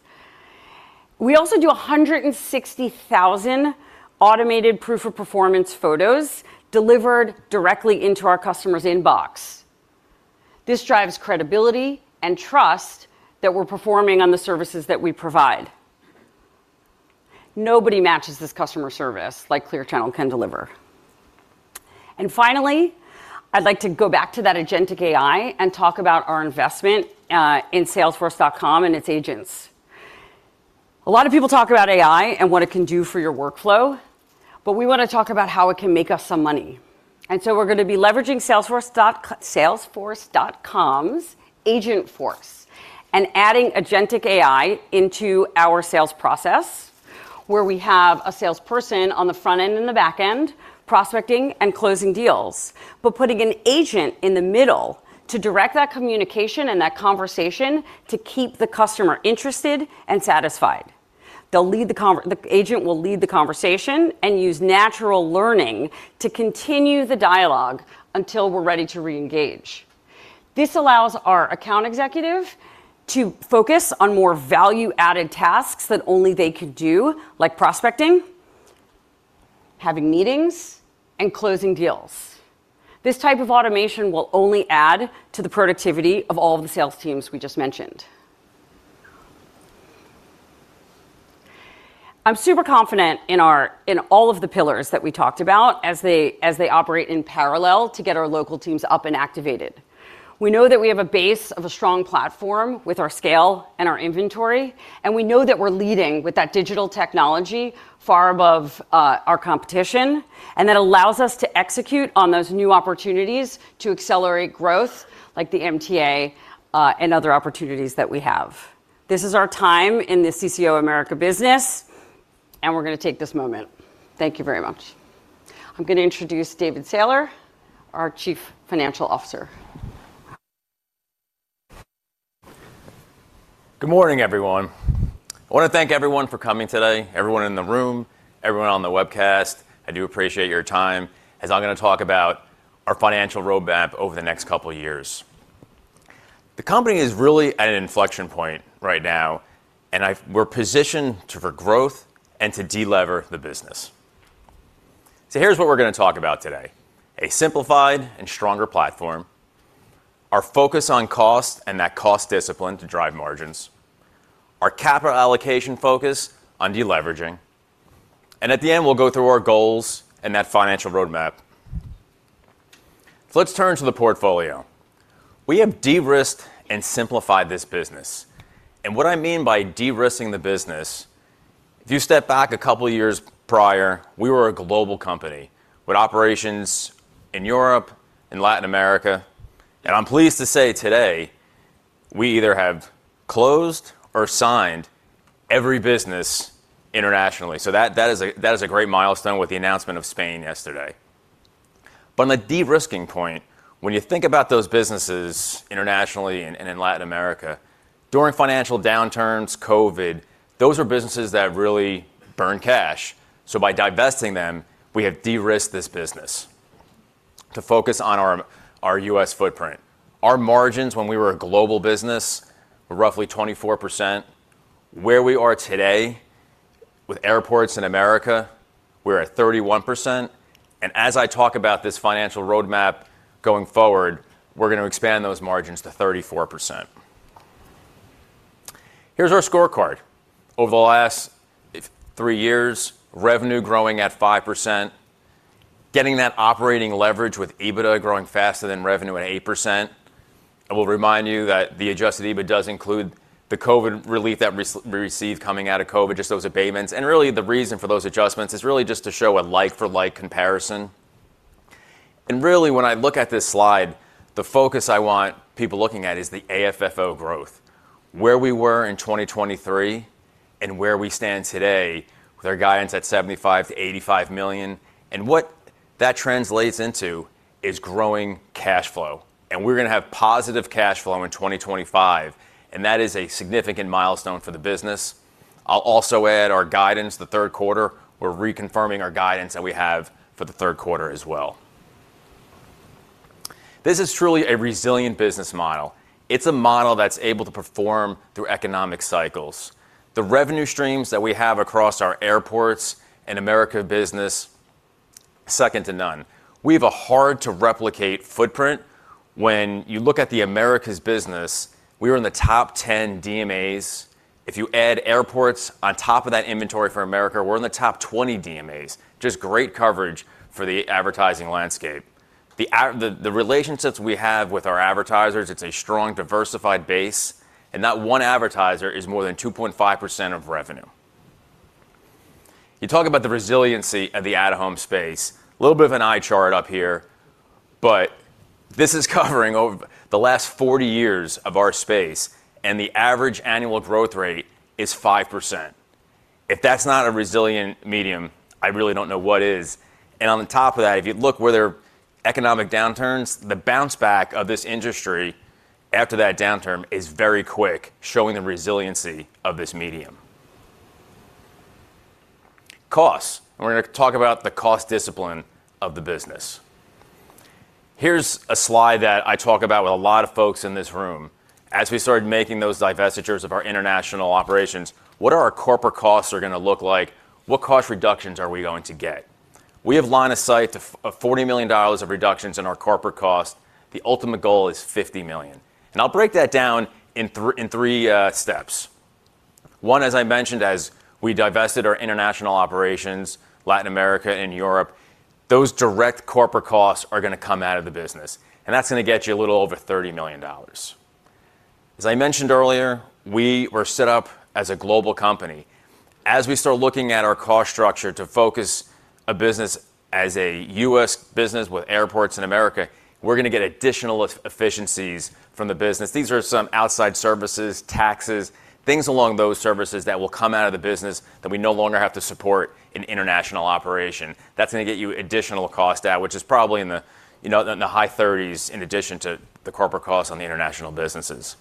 We also do 160,000 automated proof of performance photos delivered directly into our customer's inbox. This drives credibility and trust that we're performing on the services that we provide. Nobody matches this customer service like Clear Channel can deliver. Finally, I'd like to go back to that agentic AI and talk about our investment in Salesforce.com and its agents. A lot of people talk about AI and what it can do for your workflow, but we want to talk about how it can make us some money. We're going to be leveraging salesforce.com Agentforce and adding agentic AI into our sales process, where we have a salesperson on the front end and the back end prospecting and closing deals, but putting an agent in the middle to direct that communication and that conversation to keep the customer interested and satisfied. The agent will lead the conversation and use natural learning to continue the dialogue until we're ready to re-engage. This allows our account executive to focus on more value-added tasks that only they could do, like prospecting, having meetings, and closing deals. This type of automation will only add to the productivity of all of the sales teams we just mentioned. I'm super confident in all of the pillars that we talked about as they operate in parallel to get our local teams up and activated. We know that we have a base of a strong platform with our scale and our inventory, and we know that we're leading with that digital technology far above our competition, and that allows us to execute on those new opportunities to accelerate growth like the MTA and other opportunities that we have. This is our time in the CCO America business, and we're going to take this moment. Thank you very much. I'm going to introduce David Sailer, our Chief Financial Officer. Good morning, everyone. I want to thank everyone for coming today, everyone in the room, everyone on the webcast. I do appreciate your time, as I'm going to talk about our financial roadmap over the next couple of years. The company is really at an inflection point right now, and we're positioned for growth and to delever the business. Here's what we're going to talk about today: a simplified and stronger platform, our focus on cost and that cost discipline to drive margins, our capital allocation focus on deleveraging, and at the end, we'll go through our goals and that financial roadmap. Let's turn to the portfolio. We have de-risked and simplified this business. What I mean by de-risking the business, if you step back a couple of years prior, we were a global company with operations in Europe and Latin America. I'm pleased to say today, we either have closed or signed every business internationally. That is a great milestone with the announcement of Spain yesterday. On a de-risking point, when you think about those businesses internationally and in Latin America, during financial downturns, COVID, those are businesses that really burn cash. By divesting them, we have de-risked this business to focus on our U.S. footprint. Our margins when we were a global business were roughly 24%. Where we are today with airports in America, we're at 31%. As I talk about this financial roadmap going forward, we're going to expand those margins to 34%. Here's our scorecard. Over the last three years, revenue growing at 5%, getting that operating leverage with EBITDA growing faster than revenue at 8%. I will remind you that the adjusted EBITDA does include the COVID relief that we received coming out of COVID, just those abatements. The reason for those adjustments is really just to show a like-for-like comparison. When I look at this slide, the focus I want people looking at is the AFFO growth, where we were in 2023 and where we stand today with our guidance at $75 million-$85 million. What that translates into is growing cash flow. We're going to have positive cash flow in 2025. That is a significant milestone for the business. I'll also add our guidance, the third quarter. We're reconfirming our guidance that we have for the third quarter as well. This is truly a resilient business model. It's a model that's able to perform through economic cycles. The revenue streams that we have across our airports and America business, second to none. We have a hard-to-replicate footprint. When you look at the America business, we were in the top 10 DMAs. If you add airports on top of that inventory for America, we're in the top 20 DMAs. Just great coverage for the advertising landscape. The relationships we have with our advertisers, it's a strong diversified base, and not one advertiser is more than 2.5% of revenue. You talk about the resiliency of the out-of-home space, a little bit of an eye chart up here, but this is covering the last 40 years of our space, and the average annual growth rate is 5%. If that's not a resilient medium, I really don't know what is. On the top of that, if you look where there are economic downturns, the bounce back of this industry after that downturn is very quick, showing the resiliency of this medium. Costs. We're going to talk about the cost discipline of the business. Here's a slide that I talk about with a lot of folks in this room. As we started making those divestitures of our international operations, what our corporate costs are going to look like, what cost reductions are we going to get? We have line of sight to $40 million of reductions in our corporate cost. The ultimate goal is $50 million. I'll break that down in three steps. One, as I mentioned, as we divested our international operations, Latin America and Europe, those direct corporate costs are going to come out of the business. That's going to get you a little over $30 million. As I mentioned earlier, we were set up as a global company. As we start looking at our cost structure to focus a business as a U.S. business with airports in America, we're going to get additional efficiencies from the business. These are some outside services, taxes, things along those services that will come out of the business that we no longer have to support in international operation. That's going to get you additional costs out, which is probably in the high 30s in addition to the corporate costs on the international businesses.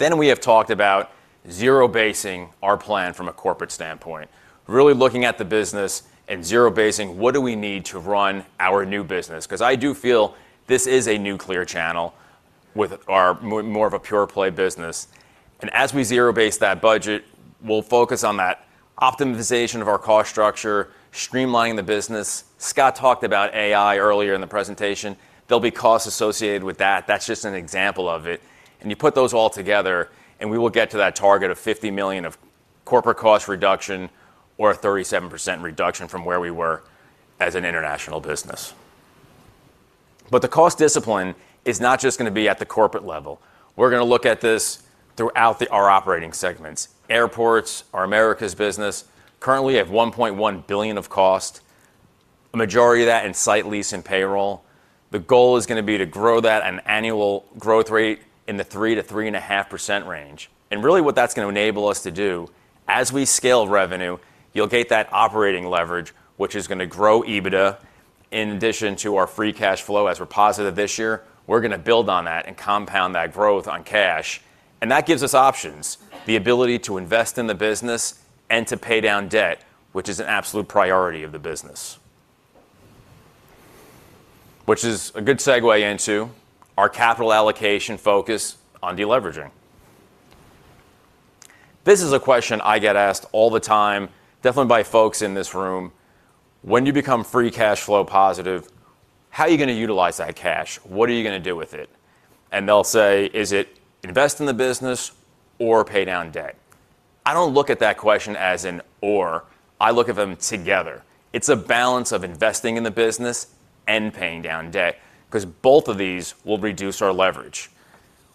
We have talked about zero-basing our plan from a corporate standpoint, really looking at the business and zero-basing what do we need to run our new business. I do feel this is a nuclear channel with our more of a pure play business. As we zero-base that budget, we'll focus on that optimization of our cost structure, streamlining the business. Scott talked about AI earlier in the presentation. There'll be costs associated with that. That's just an example of it. You put those all together, and we will get to that target of $50 million of corporate cost reduction or a 37% reduction from where we were as an international business. The cost discipline is not just going to be at the corporate level. We're going to look at this throughout our operating segments. Airports, our America's business, currently have $1.1 billion of cost, a majority of that in site lease and payroll. The goal is going to be to grow that at an annual growth rate in the 3%-3.5% range. Really what that's going to enable us to do, as we scale revenue, you'll get that operating leverage, which is going to grow EBITDA in addition to our free cash flow as we're positive this year. We're going to build on that and compound that growth on cash. That gives us options, the ability to invest in the business and to pay down debt, which is an absolute priority of the business. This is a good segue into our capital allocation focus on deleveraging. This is a question I get asked all the time, definitely by folks in this room. When you become free cash flow positive, how are you going to utilize that cash? What are you going to do with it? They'll say, is it invest in the business or pay down debt? I don't look at that question as an or. I look at them together. It's a balance of investing in the business and paying down debt, because both of these will reduce our leverage.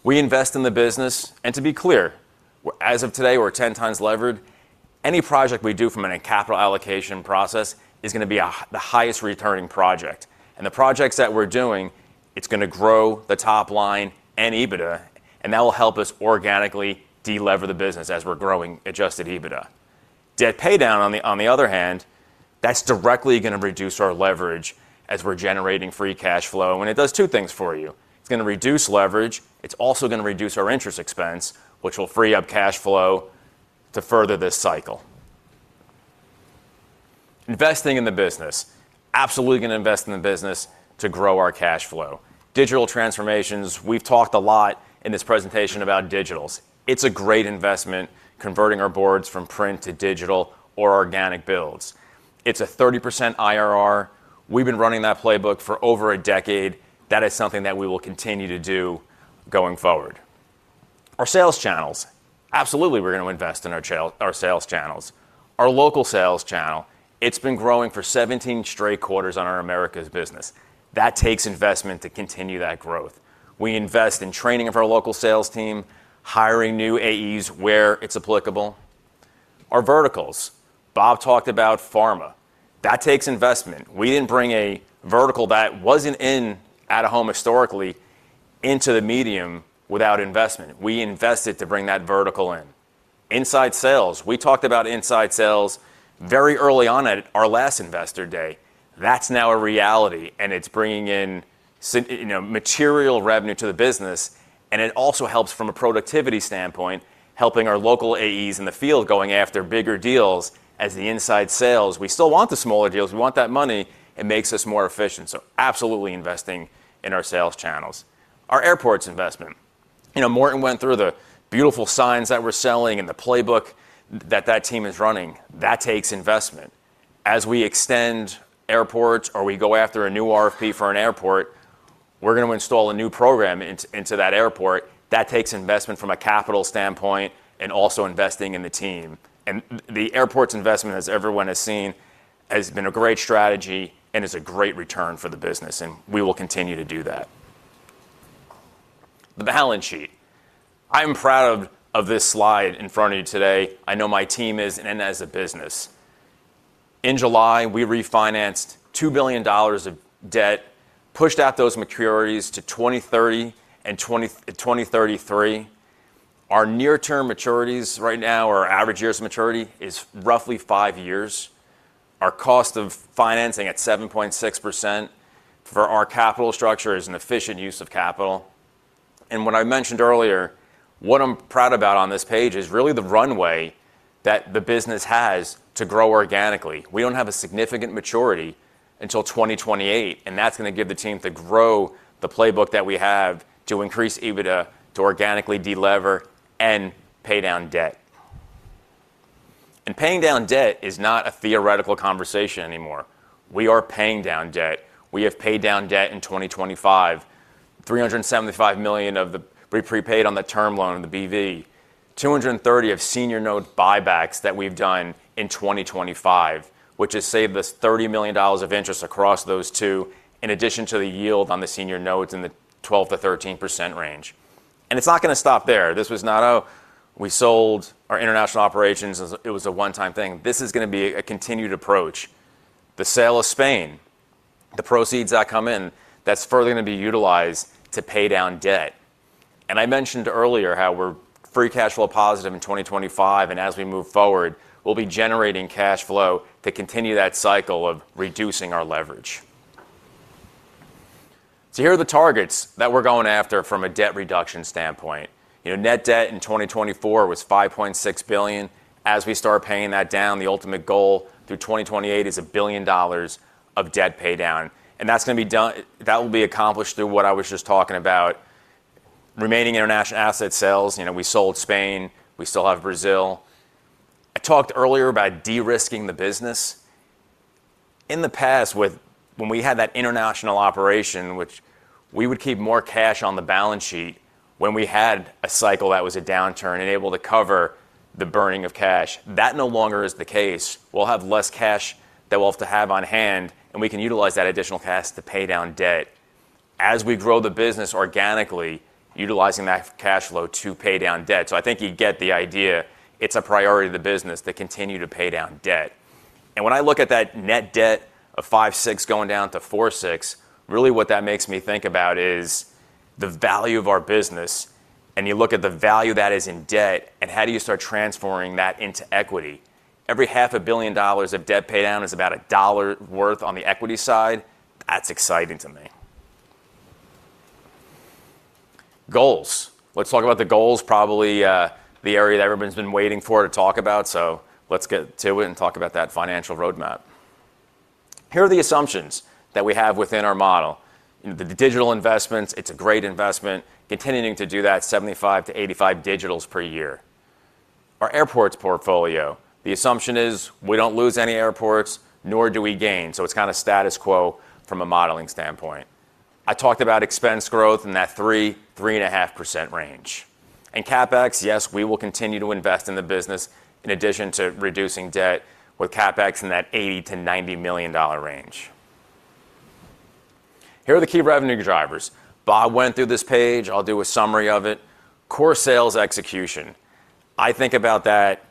We invest in the business, and to be clear, as of today, we're 10x levered. Any project we do from a capital allocation process is going to be the highest returning project. The projects that we're doing, it's going to grow the top line and EBITDA, and that will help us organically delever the business as we're growing adjusted EBITDA. Debt pay down, on the other hand, that's directly going to reduce our leverage as we're generating free cash flow. It does two things for you. It's going to reduce leverage. It's also going to reduce our interest expense, which will free up cash flow to further this cycle. Investing in the business. Absolutely going to invest in the business to grow our cash flow. Digital transformations. We've talked a lot in this presentation about digitals. It's a great investment, converting our boards from print to digital or organic builds. It's a 30% IRR. We've been running that playbook for over a decade. That is something that we will continue to do going forward. Our sales channels. Absolutely, we're going to invest in our sales channels. Our local sales channel, it's been growing for 17 straight quarters on our America's business. That takes investment to continue that growth. We invest in training of our local sales team, hiring new AEs where it's applicable. Our verticals. Bob talked about pharma. That takes investment. We didn't bring a vertical that wasn't in out-of-home historically into the medium without investment. We invested to bring that vertical in. Inside sales. We talked about inside sales very early on at our last Investor Day. That's now a reality, and it's bringing in, you know, material revenue to the business. It also helps from a productivity standpoint, helping our local AEs in the field going after bigger deals as the inside sales. We still want the smaller deals. We want that money. It makes us more efficient. Absolutely investing in our sales channels. Our airports investment. You know, Morten Gadeup went through the beautiful signs that we're selling and the playbook that that team is running. That takes investment. As we extend airports or we go after a new RFP for an airport, we're going to install a new program into that airport. That takes investment from a capital standpoint and also investing in the team. The airports investment, as everyone has seen, has been a great strategy and is a great return for the business. We will continue to do that. The balance sheet. I'm proud of this slide in front of you today. I know my team is and as a business. In July, we refinanced $2 billion of debt, pushed out those maturities to 2030 and 2033. Our near-term maturities right now, or average year's maturity, is roughly five years. Our cost of financing at 7.6% for our capital structure is an efficient use of capital. When I mentioned earlier, what I'm proud about on this page is really the runway that the business has to grow organically. We don't have a significant maturity until 2028, and that's going to give the team to grow the playbook that we have to increase EBITDA to organically delever and pay down debt. Paying down debt is not a theoretical conversation anymore. We are paying down debt. We have paid down debt in 2025, $375 million of the prepaid on the term loan, the BV, $230 million of senior note buybacks that we've done in 2025, which has saved us $30 million of interest across those two, in addition to the yield on the senior notes in the 12%-13% range. It's not going to stop there. This was not, oh, we sold our international operations and it was a one-time thing. This is going to be a continued approach. The sale of Spain, the proceeds that come in, that's further going to be utilized to pay down debt. I mentioned earlier how we're free cash flow positive in 2025, and as we move forward, we'll be generating cash flow to continue that cycle of reducing our leverage. Here are the targets that we're going after from a debt reduction standpoint. Net debt in 2024 was $5.6 billion. As we start paying that down, the ultimate goal through 2028 is a billion dollars of debt pay down. That's going to be done. That will be accomplished through what I was just talking about: remaining international asset sales. We sold Spain. We still have Brazil. I talked earlier about de-risking the business. In the past, when we had that international operation, we would keep more cash on the balance sheet when we had a cycle that was a downturn and able to cover the burning of cash. That no longer is the case. We'll have less cash that we'll have to have on hand, and we can utilize that additional cash to pay down debt. As we grow the business organically, utilizing that cash flow to pay down debt. I think you get the idea. It's a priority to the business to continue to pay down debt. When I look at that net debt of $5.6 billion going down to $4.6 billion, really what that makes me think about is the value of our business. You look at the value that is in debt and how do you start transforming that into equity. Every half a billion dollars of debt pay down is about a dollar worth on the equity side. That's exciting to me. Goals. Let's talk about the goals, probably the area that everyone's been waiting for to talk about. Let's get to it and talk about that financial roadmap. Here are the assumptions that we have within our model. The digital investments, it's a great investment, continuing to do that 75-85 digitals per year. Our airports portfolio, the assumption is we don't lose any airports, nor do we gain. It's kind of status quo from a modeling standpoint. I talked about expense growth in that 3%-3.5% range. CapEx, yes, we will continue to invest in the business in addition to reducing debt with CapEx in that $80 million-$90 million range. Here are the key revenue drivers. Bob went through this page. I'll do a summary of it. Core sales execution. I think about that,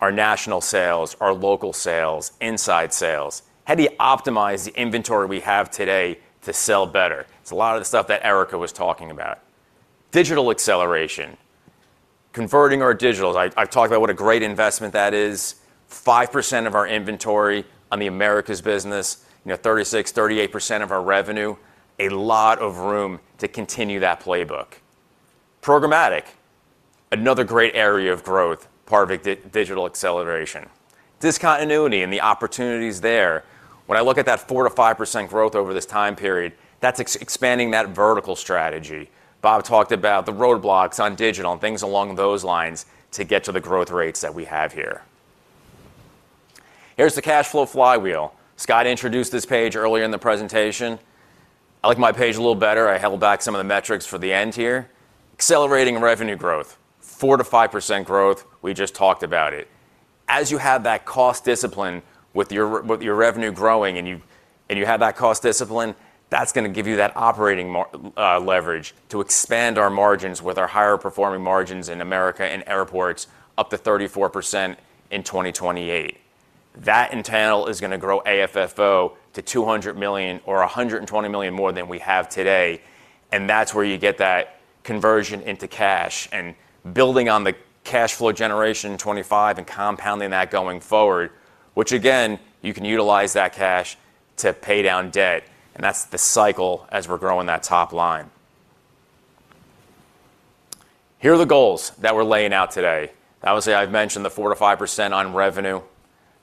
our national sales, our local sales, inside sales. How do you optimize the inventory we have today to sell better? It's a lot of the stuff that Erika was talking about. Digital acceleration. Converting our digitals. I've talked about what a great investment that is. 5% of our inventory on the Americas business, you know, 36%, 38% of our revenue. A lot of room to continue that playbook. Programmatic. Another great area of growth, part of a digital acceleration. Discontinuity and the opportunities there. When I look at that 4%-5% growth over this time period, that's expanding that vertical strategy. Bob talked about the roadblocks on digital and things along those lines to get to the growth rates that we have here. Here's the cash flow flywheel. Scott introduced this page earlier in the presentation. I like my page a little better. I held back some of the metrics for the end here. Accelerating revenue growth. 4%-5% growth. We just talked about it. As you have that cost discipline with your revenue growing and you have that cost discipline, that's going to give you that operating leverage to expand our margins with our higher performing margins in America and airports up to 34% in 2028. That in tandem is going to grow AFFO to $200 million or $120 million more than we have today. That's where you get that conversion into cash and building on the cash flow generation in 2025 and compounding that going forward, which again you can utilize that cash to pay down debt. That's the cycle as we're growing that top line. Here are the goals that we're laying out today. Obviously, I've mentioned the 4%-5% on revenue,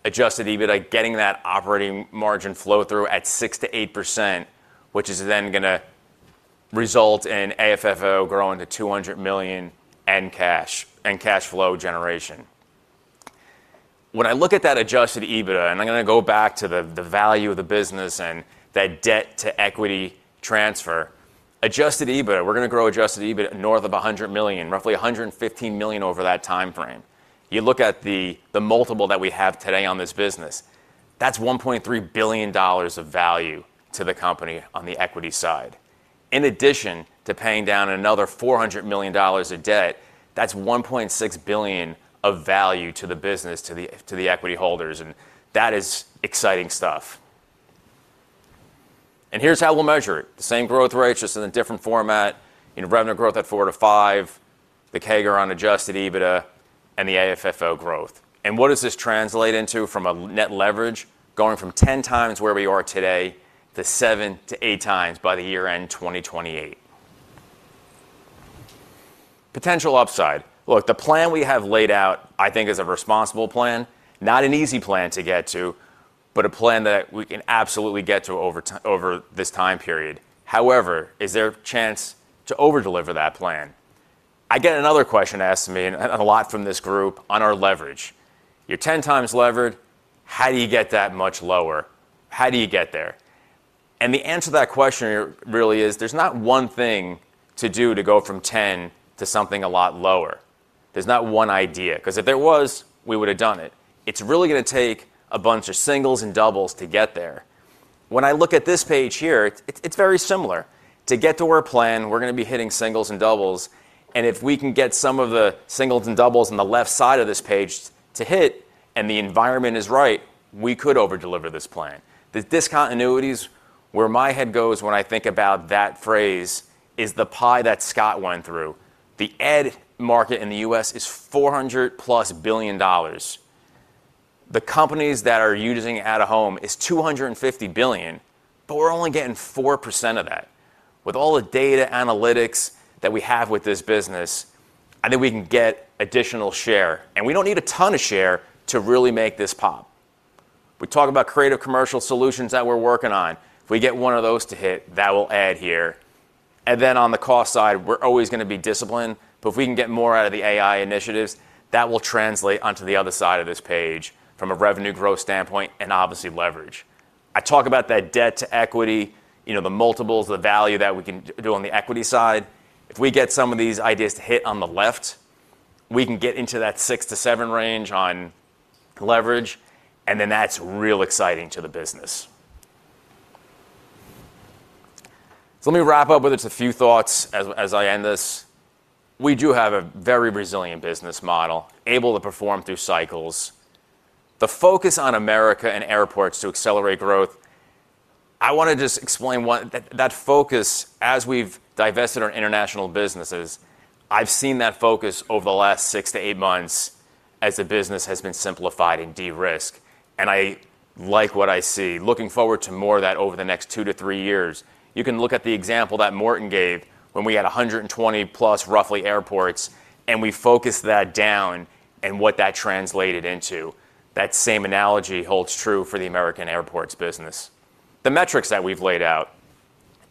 adjusted EBITDA, getting that operating margin flow through at 6%-8%, which is then going to result in AFFO growing to $200 million in cash and cash flow generation. When I look at that adjusted EBITDA and I'm going to go back to the value of the business and that debt to equity transfer, adjusted EBITDA, we're going to grow adjusted EBITDA north of $100 million, roughly $115 million over that time frame. You look at the multiple that we have today on this business, that's $1.3 billion of value to the company on the equity side. In addition to paying down another $400 million of debt, that's $1.6 billion of value to the business, to the equity holders. That is exciting stuff. Here's how we'll measure it. The same growth rate just in a different format in revenue growth at 4%-5%, the CAGR on adjusted EBITDA and the AFFO growth. What does this translate into from a net leverage going from 10x where we are today to 7x-8x by the year end 2028? Potential upside. Look, the plan we have laid out, I think, is a responsible plan. Not an easy plan to get to, but a plan that we can absolutely get to over this time period. However, is there a chance to overdeliver that plan? I get another uestion asked to me a lot from this group on our leverage. You're 10x levered. How do you get that much lower? How do you get there? The answer to that question really is there's not one thing to do to go from 10 to something a lot lower. There's not one idea because if there was, we would have done it. It's really going to take a bunch of singles and doubles to get there. When I look at this page here, it's very similar to get to our plan. We're going to be hitting singles and doubles. If we can get some of the singles and doubles on the left side of this page to hit and the environment is right, we could overdeliver this plan. The discontinuities where my head goes when I think about that phrase is the pie that Scott went through. The ED market in the U.S. is $400 plus billion. The companies that are using it at a home is $250 billion. We're only getting 4% of that. With all the data analytics that we have with this business, I think we can get additional share and we don't need a ton of share to really make this pop. We talk about creative commercial solutions that we're working on. If we get one of those to hit, that will add here. On the cost side, we're always going to be disciplined. If we can get more out of the AI initiatives, that will translate onto the other side of this page from a revenue growth standpoint and obviously leverage. I talk about that debt to equity, you know, the multiples, the value that we can do on the equity side. If we get some of these ideas to hit on the left, we can get into that 6-7 range on leverage. That's real exciting to the business. Let me wrap up with just a few thoughts as I end this. We do have a very resilient business model able to perform through cycles. The focus on America and airports to accelerate growth. I want to just explain what that focus is as we've divested our international businesses. I've seen that focus over the last 6-8 months as the business has been simplified and de-risked. I like what I see. Looking forward to more of that over the next 3 years. You can look at the example that Morten Gadeup gave when we had 120 plus, roughly, airports, and we focused that down and what that translated into. That same analogy holds true for the American airports business. The metrics that we've laid out,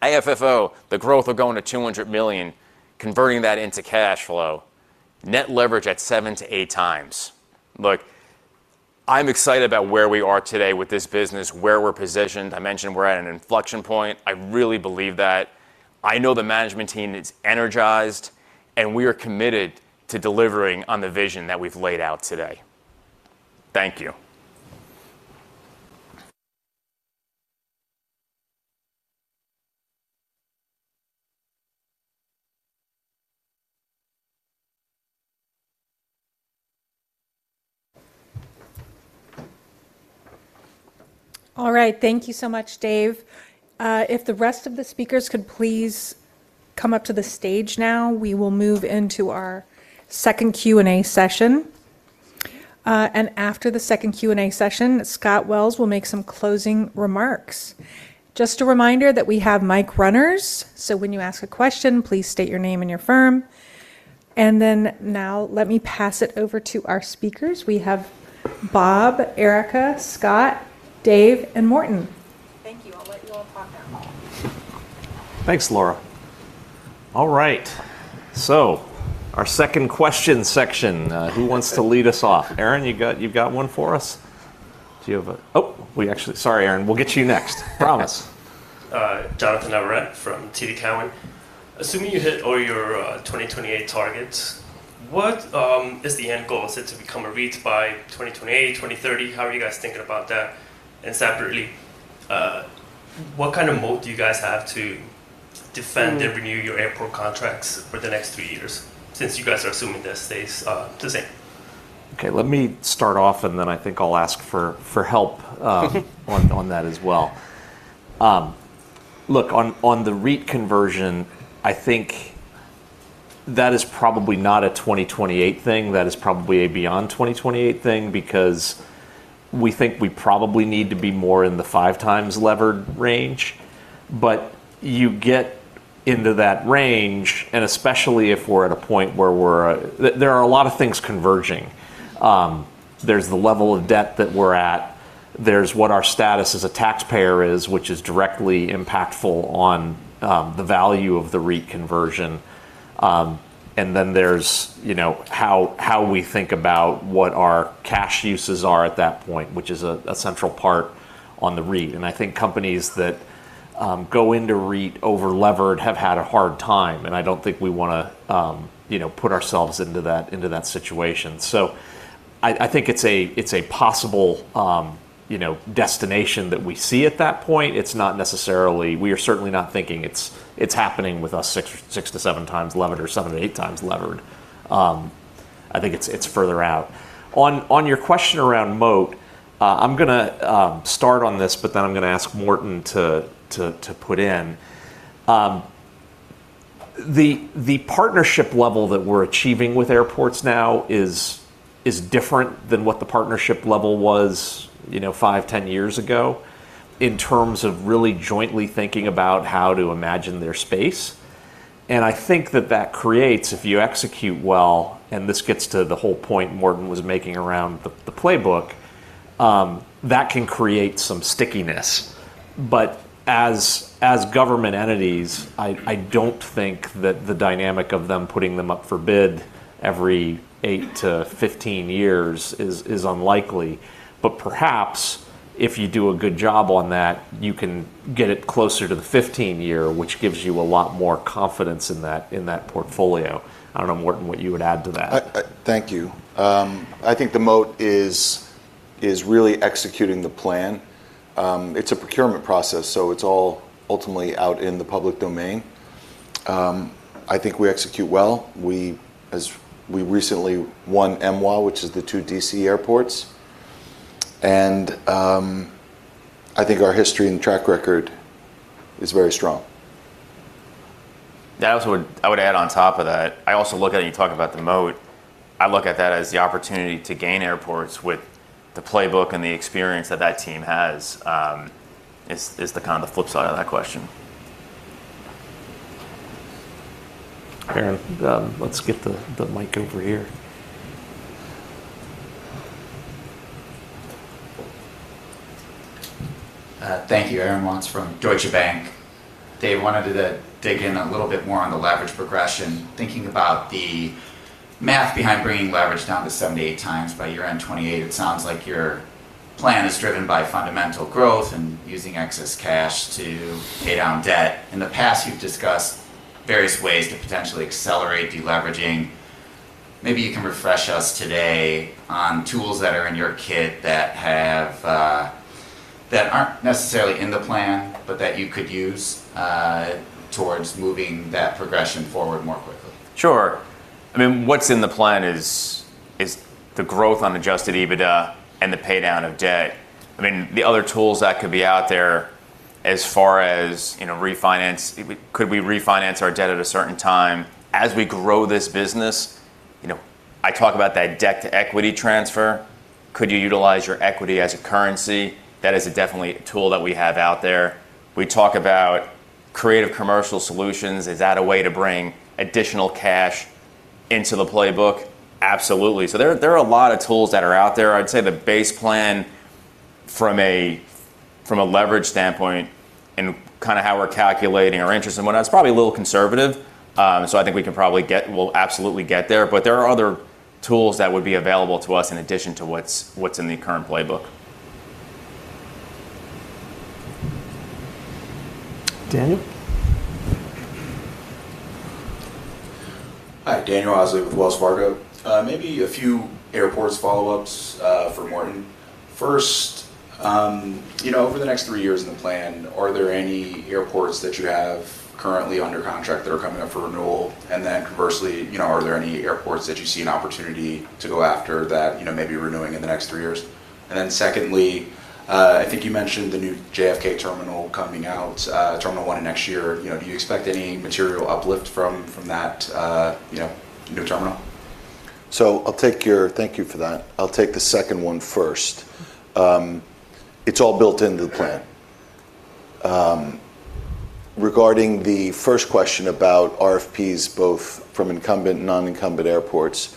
AFFO, the growth of going to $200 million, converting that into cash flow, net leverage at 7x-8x. Look, I'm excited about where we are today with this business, where we're positioned. I mentioned we're at an inflection point. I really believe that. I know the management team is energized and we are committed to delivering on the vision that we've laid out today. Thank you. All right. Thank you so much, Dave. If the rest of the speakers could please come up to the stage now, we will move into our second Q&A session. After the second Q&A session, Scott Wells will make some closing remarks. Just a reminder that we have mic runners. When you ask a question, please state your name and your firm. Now let me pass it over to our speakers. We have Bob, Erika, Scott, Dave, and Morten. Thank you. I'll let you all talk now. Thanks, Laura. All right. Our second question section. Who wants to lead us off? Aaron, you got one for us. Do you have a... Sorry, Aaron. We'll get you next. Promise. Jonathan Beck from TD Cowen. Assuming you hit all your 2028 targets, what is the end goal? Is it to become a REIT by 2028, 2030? How are you guys thinking about that? Separately, what kind of moat do you guys have to defend and renew your airport contracts for the next three years since you guys are assuming that stays the same? Okay, let me start off and then I think I'll ask for help on that as well. Look, on the REIT conversion, I think that is probably not a 2028 thing. That is probably a beyond 2028 thing because we think we probably need to be more in the five times levered range. You get into that range, and especially if we're at a point where we're... There are a lot of things converging. There's the level of debt that we're at. There's what our status as a taxpayer is, which is directly impactful on the value of the REIT conversion. Then there's, you know, how we think about what our cash uses are at that point, which is a central part on the REIT. I think companies that go into REIT over-levered have had a hard time. I don't think we want to, you know, put ourselves into that situation. I think it's a possible, you know, destination that we see at that point. It's not necessarily... We are certainly not thinking it's happening with us 6x-7x levered or 7x-8x levered. I think it's further out. On your question around moat, I'm going to start on this, but then I'm going to ask Morten to put in. The partnership level that we're achieving with airports now is different than what the partnership level was, you know, five, ten years ago in terms of really jointly thinking about how to imagine their space. I think that that creates, if you execute well, and this gets to the whole point Morten was making around the playbook, that can create some stickiness. As government entities, I don't think that the dynamic of them putting them up for bid every 8-15 years is unlikely. Perhaps if you do a good job on that, you can get it closer to the 15 year, which gives you a lot more confidence in that portfolio. I don't know, Morten, what you would add to that. Thank you. I think the moat is really executing the plan. It's a procurement process, so it's all ultimately out in the public domain. I think we execute well. We recently won MWAA, which is the two D.C. airports. I think our history and track record is very strong. I would add on top of that, I also look at it, and you talk about the moat. I look at that as the opportunity to gain airports with the playbook and the experience that that team has is kind of the flip side of that question. Aaron, let's get the mic over here. Thank you, Aaron Watts from Deutsche Bank. Dave, I wanted to dig in a little bit more on the leverage progression. Thinking about the math behind bringing leverage down to 7x-8x by year end 2028, it sounds like your plan is driven by fundamental growth and using excess cash to pay down debt. In the past, you've discussed various ways to potentially accelerate deleveraging. Maybe you can refresh us today on tools that are in your kit that aren't necessarily in the plan, but that you could use towards moving that progression forward more quickly. Sure. I mean, what's in the plan is the growth on adjusted EBITDA and the pay down of debt. The other tools that could be out there as far as, you know, refinance. Could we refinance our debt at a certain time as we grow this business? You know, I talk about that debt to equity transfer. Could you utilize your equity as a currency? That is definitely a tool that we have out there. We talk about creative commercial solutions. Is that a way to bring additional cash into the playbook? Absolutely. There are a lot of tools that are out there. I'd say the base plan from a leverage standpoint and kind of how we're calculating our interest and whatnot, it's probably a little conservative. I think we can probably get... We'll absolutely get there. There are other tools that would be available to us in addition to what's in the current playbook. Daniel. Hi, Daniel Osley with Wells Fargo. Maybe a few airports follow-ups for Morten. First, over the next three years in the plan, are there any airports that you have currently under contract that are coming up for renewal? Conversely, are there any airports that you see an opportunity to go after that may be renewing in the next three years? Secondly, I think you mentioned the new JFK terminal coming out, Terminal One next year. Do you expect any material uplift from that new terminal? Thank you for that. I'll take the second one first. It's all built into the plan. Regarding the first question about RFPs, both from incumbent and non-incumbent airports,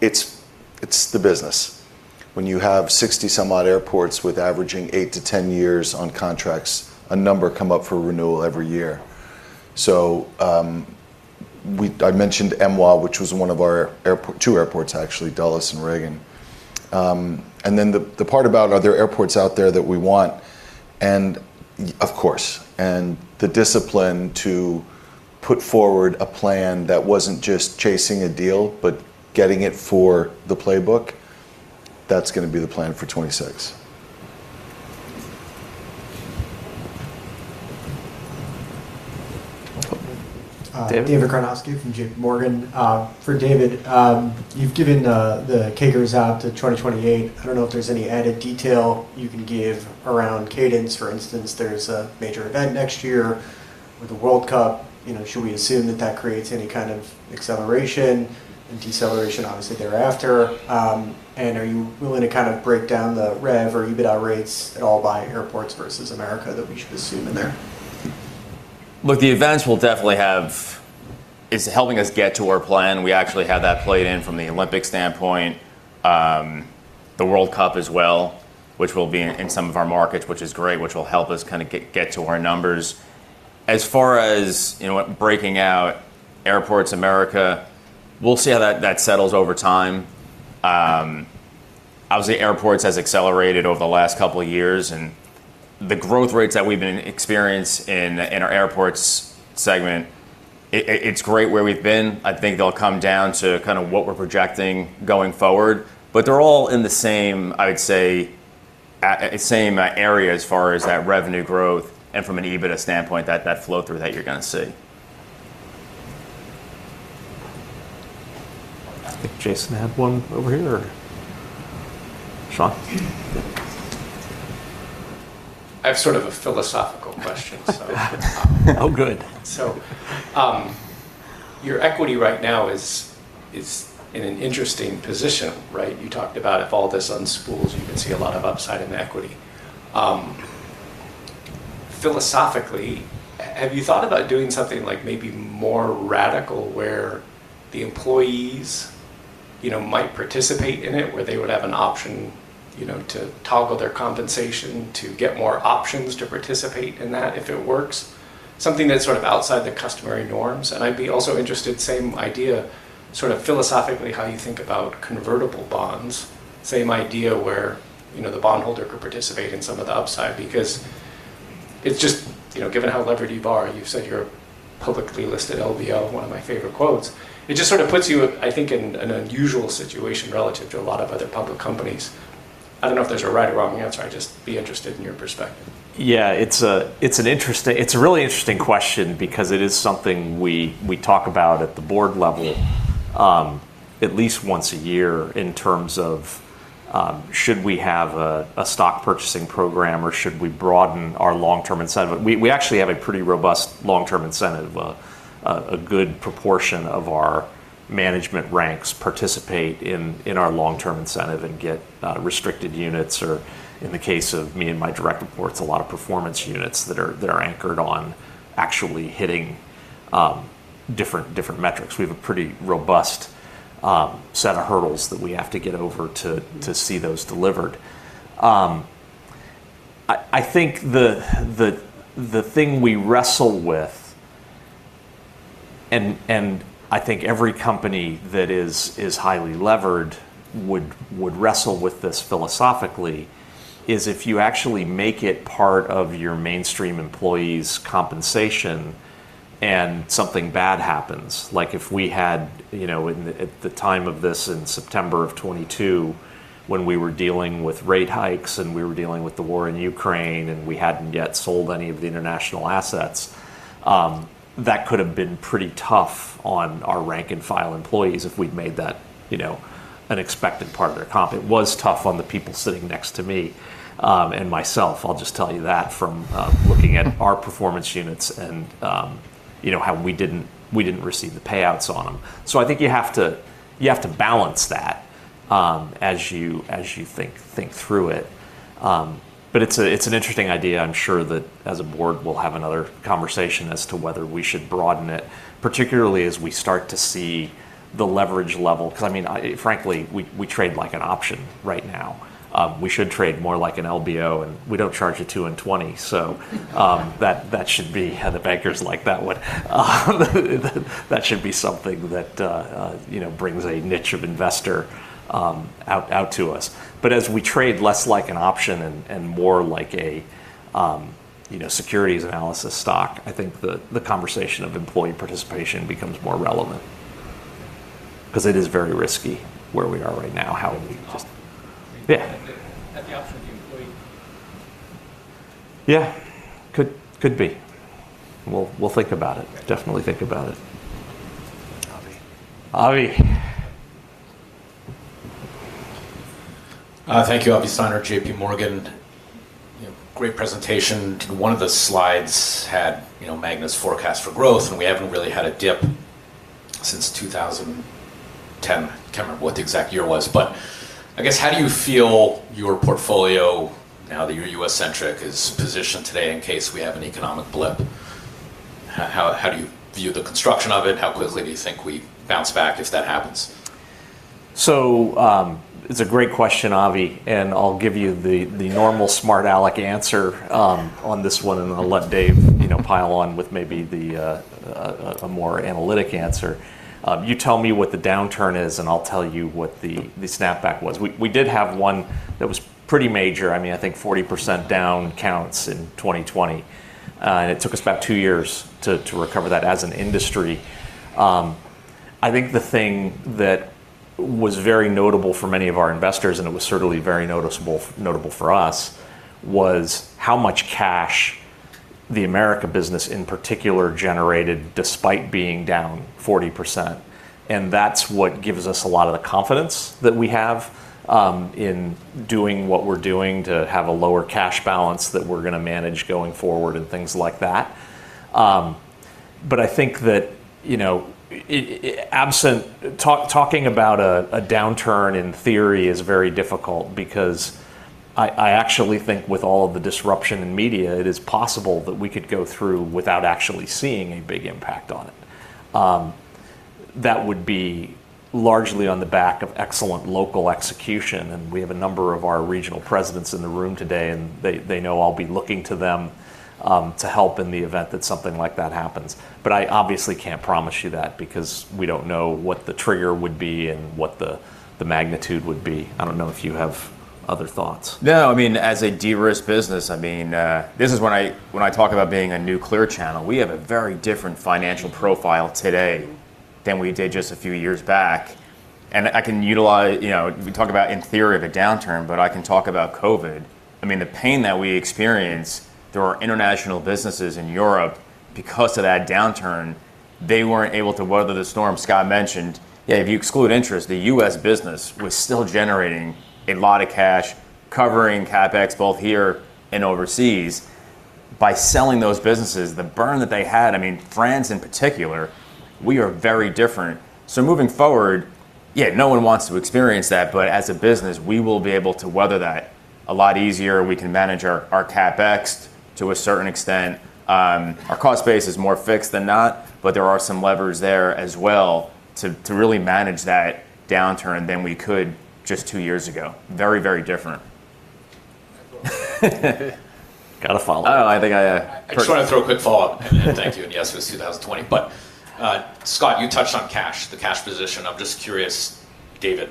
it's the business. When you have 60 some odd airports with averaging 8-10 years on contracts, a number come up for renewal every year. I mentioned MWAA, which was one of our airports, two airports, actually, Dulles and Reagan. The part about are there airports out there that we want? Of course, the discipline to put forward a plan that wasn't just chasing a deal, but getting it for the playbook. That's going to be the plan for 2026. David Karnovsky from JPMorgan. For David, you've given the CAGRs out to 2028. I don't know if there's any added detail you can give around cadence. For instance, there's a major event next year with the World Cup. Should we assume that that creates any kind of acceleration and deceleration, obviously thereafter? Are you willing to kind of break down the rev or EBITDA rates at all by airports versus America that we should assume in there? Look, the events will definitely have... It's helping us get to our plan. We actually have that played in from the Olympic standpoint, the World Cup as well, which will be in some of our markets, which is great, which will help us kind of get to our numbers. As far as, you know, breaking out airports in America, we'll see how that settles over time. Obviously, airports have accelerated over the last couple of years, and the growth rates that we've experienced in our airports segment, it's great where we've been. I think they'll come down to kind of what we're projecting going forward. They're all in the same, I would say, same area as far as that revenue growth and from an EBITDA standpoint, that flow through that you're going to see. I think Jason had one over here. I have sort of a philosophical question. Oh, good. Your equity right now is in an interesting position, right? You talked about if all this unspools, you can see a lot of upside in the equity. Philosophically, have you thought about doing something like maybe more radical where the employees might participate in it, where they would have an option to toggle their compensation to get more options to participate in that if it works? Something that's sort of outside the customary norms. I'd be also interested, same idea, sort of philosophically, how you think about convertible bonds. Same idea where the bondholder could participate in some of the upside because it's just, given how levered you are, you've said your publicly listed LVO, one of my favorite quotes. It just sort of puts you, I think, in an unusual situation relative to a lot of other public companies. I don't know if there's a right or wrong answer. I'd just be interested in your perspective. Yeah, it's an interesting, it's a really interesting question because it is something we talk about at the board level at least once a year in terms of should we have a stock purchasing program or should we broaden our long-term incentive? We actually have a pretty robust long-term incentive. A good proportion of our management ranks participate in our long-term incentive and get restricted units, or in the case of me and my direct reports, a lot of performance units that are anchored on actually hitting different metrics. We have a pretty robust set of hurdles that we have to get over to see those delivered. I think the thing we wrestle with, and I think every company that is highly levered would wrestle with this philosophically, is if you actually make it part of your mainstream employees' compensation and something bad happens. Like if we had, you know, at the time of this in September of 2022, when we were dealing with rate hikes and we were dealing with the war in Ukraine and we hadn't yet sold any of the international assets, that could have been pretty tough on our rank-and-file employees if we'd made that, you know, an expected part of their comp. It was tough on the people sitting next to me and myself. I'll just tell you that from looking at our performance units and, you know, how we didn't receive the payouts on them. I think you have to balance that as you think through it. It's an interesting idea. I'm sure that as a board, we'll have another conversation as to whether we should broaden it, particularly as we start to see the leverage level. I mean, frankly, we trade like an option right now. We should trade more like an LBO, and we don't charge a 2 in 20. That should be, the bankers like that one. That should be something that, you know, brings a niche of investor out to us. As we trade less like an option and more like a, you know, securities analysis stock, I think the conversation of employee participation becomes more relevant because it is very risky where we are right now. How are we? Yeah, could be. We'll think about it. Definitely think about it. Thank you, Avi Steiner, JPMorgan. Great presentation. One of the slides had Magna's forecast for growth, and we haven't really had a dip since 2010. I can't remember what the exact year was, but I guess how do you feel your portfolio now that you're U.S.-centric is positioned today in case we have an economic blip? How do you view the construction of it? How quickly do you think we bounce back if that happens? It's a great question, Avi, and I'll give you the normal smart aleck answer on this one, and I'll let Dave pile on with maybe a more analytic answer. You tell me what the downturn is, and I'll tell you what the snapback was. We did have one that was pretty major. I mean, I think 40% down counts in 2020, and it took us about two years to recover that as an industry. The thing that was very notable for many of our investors, and it was certainly very notable for us, was how much cash the America business in particular generated despite being down 40%. That's what gives us a lot of the confidence that we have in doing what we're doing to have a lower cash balance that we're going to manage going forward and things like that. I think that talking about a downturn in theory is very difficult because I actually think with all of the disruption in media, it is possible that we could go through without actually seeing a big impact on it. That would be largely on the back of excellent local execution. We have a number of our regional presidents in the room today, and they know I'll be looking to them to help in the event that something like that happens. I obviously can't promise you that because we don't know what the trigger would be and what the magnitude would be. I don't know if you have other thoughts. No, I mean, as a de-risked business, this is when I talk about being a new Clear Channel. We have a very different financial profile today than we did just a few years back. I can utilize, you know, we talk about in theory of a downturn, but I can talk about COVID. I mean, the pain that we experienced through our international businesses in Europe because of that downturn, they weren't able to weather the storm. Scott mentioned, yeah, if you exclude interest, the U.S. business was still generating a lot of cash, covering CapEx both here and overseas. By selling those businesses, the burn that they had, I mean, France in particular, we are very different. Moving forward, yeah, no one wants to experience that, but as a business, we will be able to weather that a lot easier. We can manage our CapEx to a certain extent. Our cost base is more fixed than not, but there are some levers there as well to really manage that downturn than we could just two years ago. Very, very different. Got to follow. I think I... I just want to throw a quick follow-up. Thank you. Yes, it was 2020. Scott, you touched on cash, the cash position. I'm just curious, David,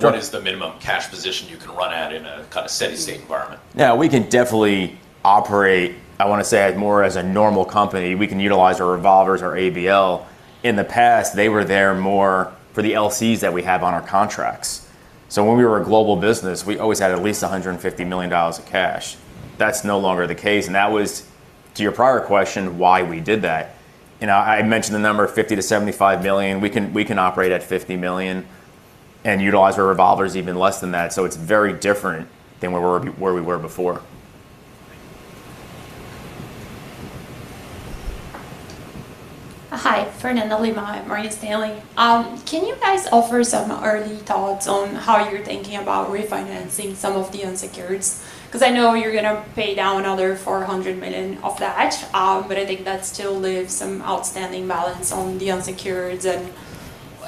what is the minimum cash position you can run at in a kind of steady-state environment? Yeah, we can definitely operate, I want to say, more as a normal company. We can utilize our revolvers, our ABL. In the past, they were there more for the LCs that we have on our contracts. When we were a global business, we always had at least $150 million of cash. That is no longer the case. That was to your prior question, why we did that. I mentioned the number of $50 million-$75 million. We can operate at $50 million and utilize our revolvers, even less than that. It is very different than where we were before. Hi, Fernanda Lima, I'm from Morgan Stanley. Can you guys offer some early thoughts on how you're thinking about refinancing some of the unsecured? I know you're going to pay down another $400 million of that, but I think that still leaves some outstanding balance on the unsecured.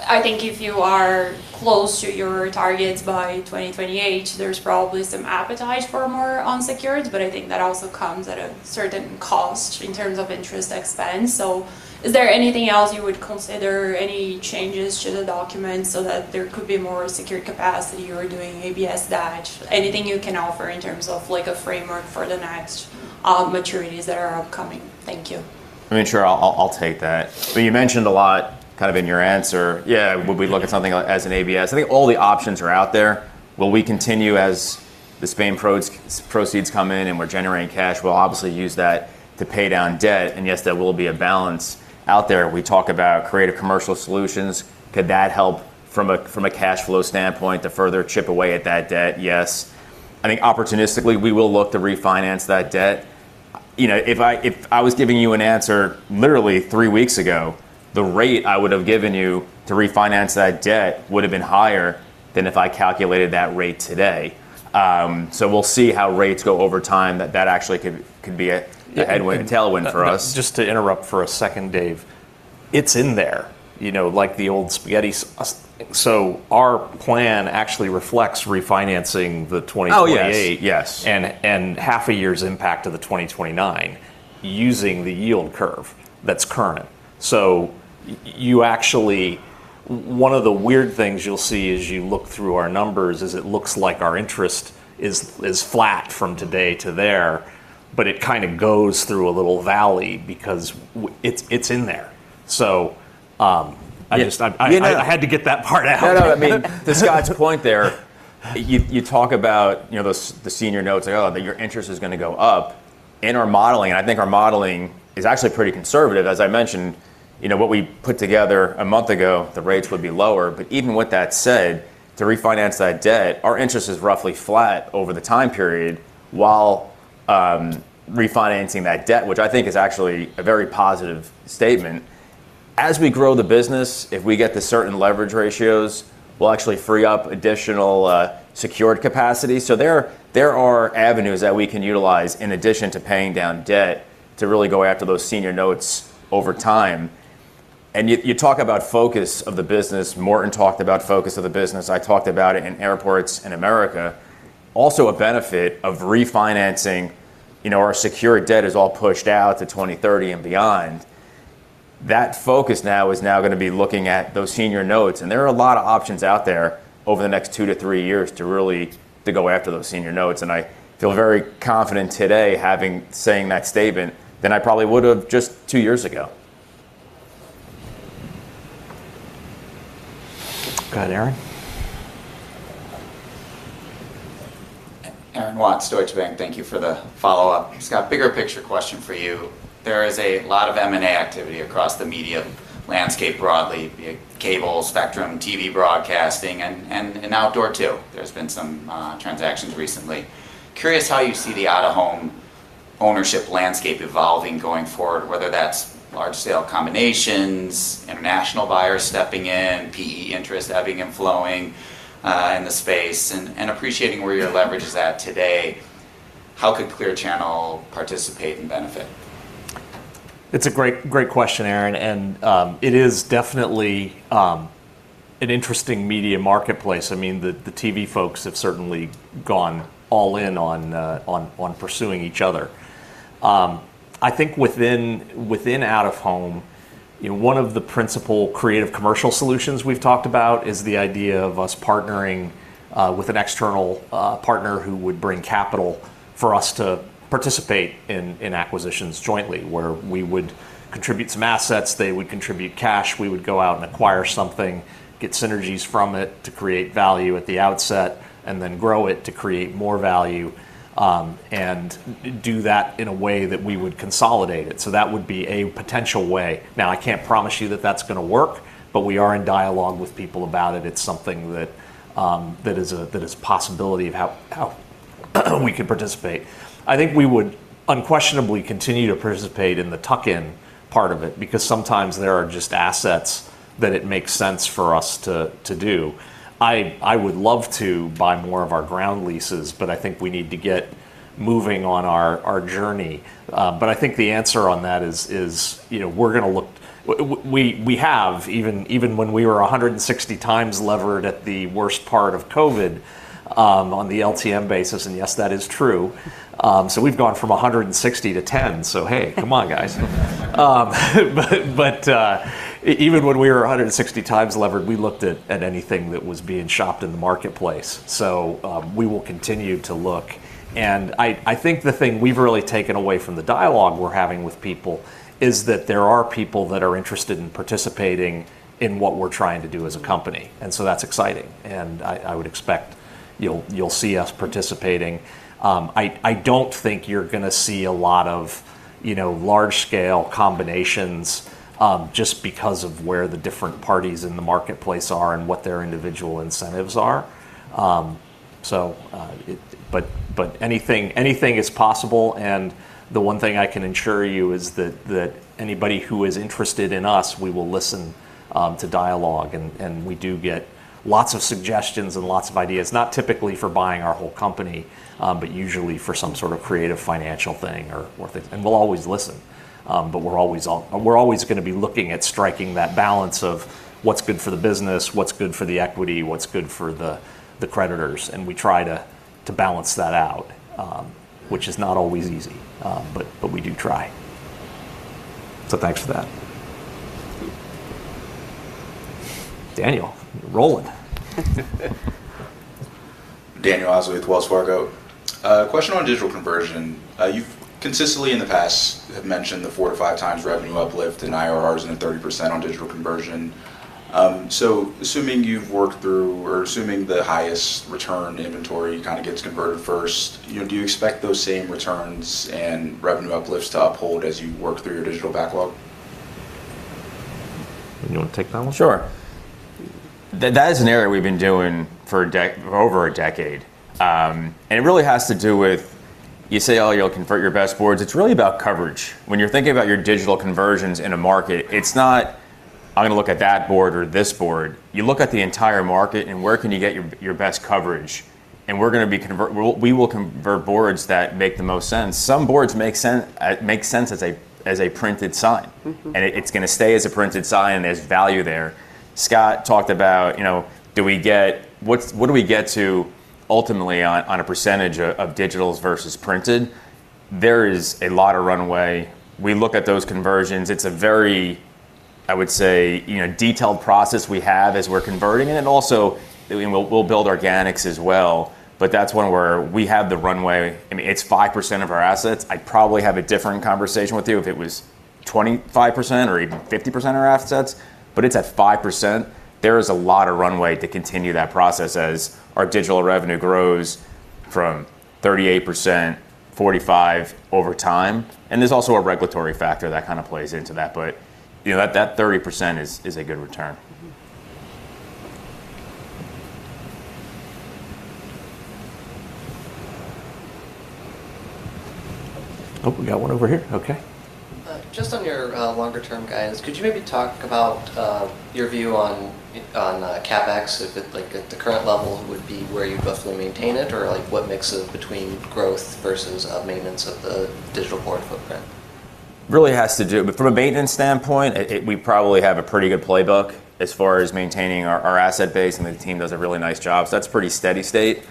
I think if you are close to your targets by 2028, there's probably some appetite for more unsecured, but I think that also comes at a certain cost in terms of interest expense. Is there anything else you would consider, any changes to the document so that there could be more secured capacity or doing ABS? Anything you can offer in terms of a framework for the next maturities that are upcoming? Thank you. I mean, sure, I'll take that. You mentioned a lot kind of in your answer. Would we look at something as an ABS? I think all the options are out there. Will we continue as the SPAM proceeds come in and we're generating cash? We'll obviously use that to pay down debt. Yes, there will be a balance out there. We talk about creative commercial solutions. Could that help from a cash flow standpoint to further chip away at that debt? Yes. I think opportunistically, we will look to refinance that debt. If I was giving you an answer literally three weeks ago, the rate I would have given you to refinance that debt would have been higher than if I calculated that rate today. We will see how rates go over time. That actually could be a headwind and tailwind for us. Just to interrupt for a second, Dave, it's in there, you know, like the old spaghetti sauce. Our plan actually reflects refinancing the 2028, yes, and half a year's impact to the 2029 using the yield curve that's current. One of the weird things you'll see as you look through our numbers is it looks like our interest is flat from today to there, but it kind of goes through a little valley because it's in there. I just had to get that part out. No, I mean, to Scott's point there, you talk about the senior notes that your interest is going to go up in our modeling. I think our modeling is actually pretty conservative. As I mentioned, what we put together a month ago, the rates would be lower. Even with that said, to refinance that debt, our interest is roughly flat over the time period while refinancing that debt, which I think is actually a very positive statement. As we grow the business, if we get to certain leverage ratios, we'll actually free up additional secured capacity. There are avenues that we can utilize in addition to paying down debt to really go after those senior notes over time. You talk about focus of the business. Morten talked about focus of the business. I talked about it in airports in America. Also, a benefit of refinancing, our secured debt is all pushed out to 2030 and beyond. That focus now is now going to be looking at those senior notes. There are a lot of options out there over the next two to three years to really go after those senior notes. I feel very confident today having saying that statement than I probably would have just two years ago. Go ahead, Aaron. Thank you for the follow-up. Scott, bigger picture question for you. There is a lot of M&A activity across the media landscape broadly, be it cable, spectrum, TV broadcasting, and outdoor too. There's been some transactions recently. Curious how you see the out-of-home ownership landscape evolving going forward, whether that's large-scale combinations, international buyers stepping in, PE interest ebbing and flowing in the space, and appreciating where your leverage is at today. How could Clear Channel participate and benefit? It's a great question, Aaron. It is definitely an interesting media marketplace. The TV folks have certainly gone all in on pursuing each other. I think within out-of-home, one of the principal creative commercial solutions we've talked about is the idea of us partnering with an external partner who would bring capital for us to participate in acquisitions jointly, where we would contribute some assets, they would contribute cash, we would go out and acquire something, get synergies from it to create value at the outset, and then grow it to create more value, and do that in a way that we would consolidate it. That would be a potential way. I can't promise you that that's going to work, but we are in dialogue with people about it. It's something that is a possibility of how we could participate. I think we would unquestionably continue to participate in the tuck-in part of it because sometimes there are just assets that it makes sense for us to do. I would love to buy more of our ground leases, but I think we need to get moving on our journey. I think the answer on that is, we're going to look, we have, even when we were 160x levered at the worst part of COVID on the LTM basis, and yes, that is true. We've gone from 160x to 10x. Hey, come on, guys. Even when we were 160x levered, we looked at anything that was being shopped in the marketplace. We will continue to look. I think the thing we've really taken away from the dialogue we're having with people is that there are people that are interested in participating in what we're trying to do as a company. That is exciting. I would expect you'll see us participating. I don't think you're going to see a lot of large-scale combinations just because of where the different parties in the marketplace are and what their individual incentives are. Anything is possible. The one thing I can ensure you is that anybody who is interested in us, we will listen to dialogue. We do get lots of suggestions and lots of ideas, not typically for buying our whole company, but usually for some sort of creative financial thing. We'll always listen. We're always going to be looking at striking that balance of what's good for the business, what's good for the equity, what's good for the creditors. We try to balance that out, which is not always easy, but we do try. Thanks for that. Daniel, rolling. Daniel Osley with Wells Fargo. Question on digital conversion. You've consistently in the past have mentioned the four to five times revenue uplift and IRRs at 30% on digital conversion. Assuming you've worked through or assuming the highest return inventory kind of gets converted first, do you expect those same returns and revenue uplifts to uphold as you work through your digital backlog? You want to take that one? Sure. That is an area we've been doing for over a decade. It really has to do with, you say, oh, you'll convert your best boards. It's really about coverage. When you're thinking about your digital conversions in a market, it's not, I'm going to look at that board or this board. You look at the entire market and where can you get your best coverage. We're going to be converting. We will convert boards that make the most sense. Some boards make sense as a printed sign. It's going to stay as a printed sign and there's value there. Scott talked about, you know, do we get, what do we get to ultimately on a % of digital versus printed. There is a lot of runway. We look at those conversions. It's a very, I would say, detailed process we have as we're converting it. Also, you know, we'll build organics as well. That's one where we have the runway. I mean, it's 5% of our assets. I'd probably have a different conversation with you if it was 25% or even 50% of our assets. It's at 5%. There is a lot of runway to continue that process as our digital revenue grows from 38%, 45% over time. There's also a regulatory factor that kind of plays into that. You know, that 30% is a good return. Oh, we got one over here. Okay. Just on your longer-term guidance, could you maybe talk about your view on CapEx? If it, like at the current level, would be where you'd roughly maintain it, or like what mix of between growth versus maintenance of the digital board footprint? Really has to do, but from a maintenance standpoint, we probably have a pretty good playbook as far as maintaining our asset base, and the team does a really nice job. That's pretty steady state.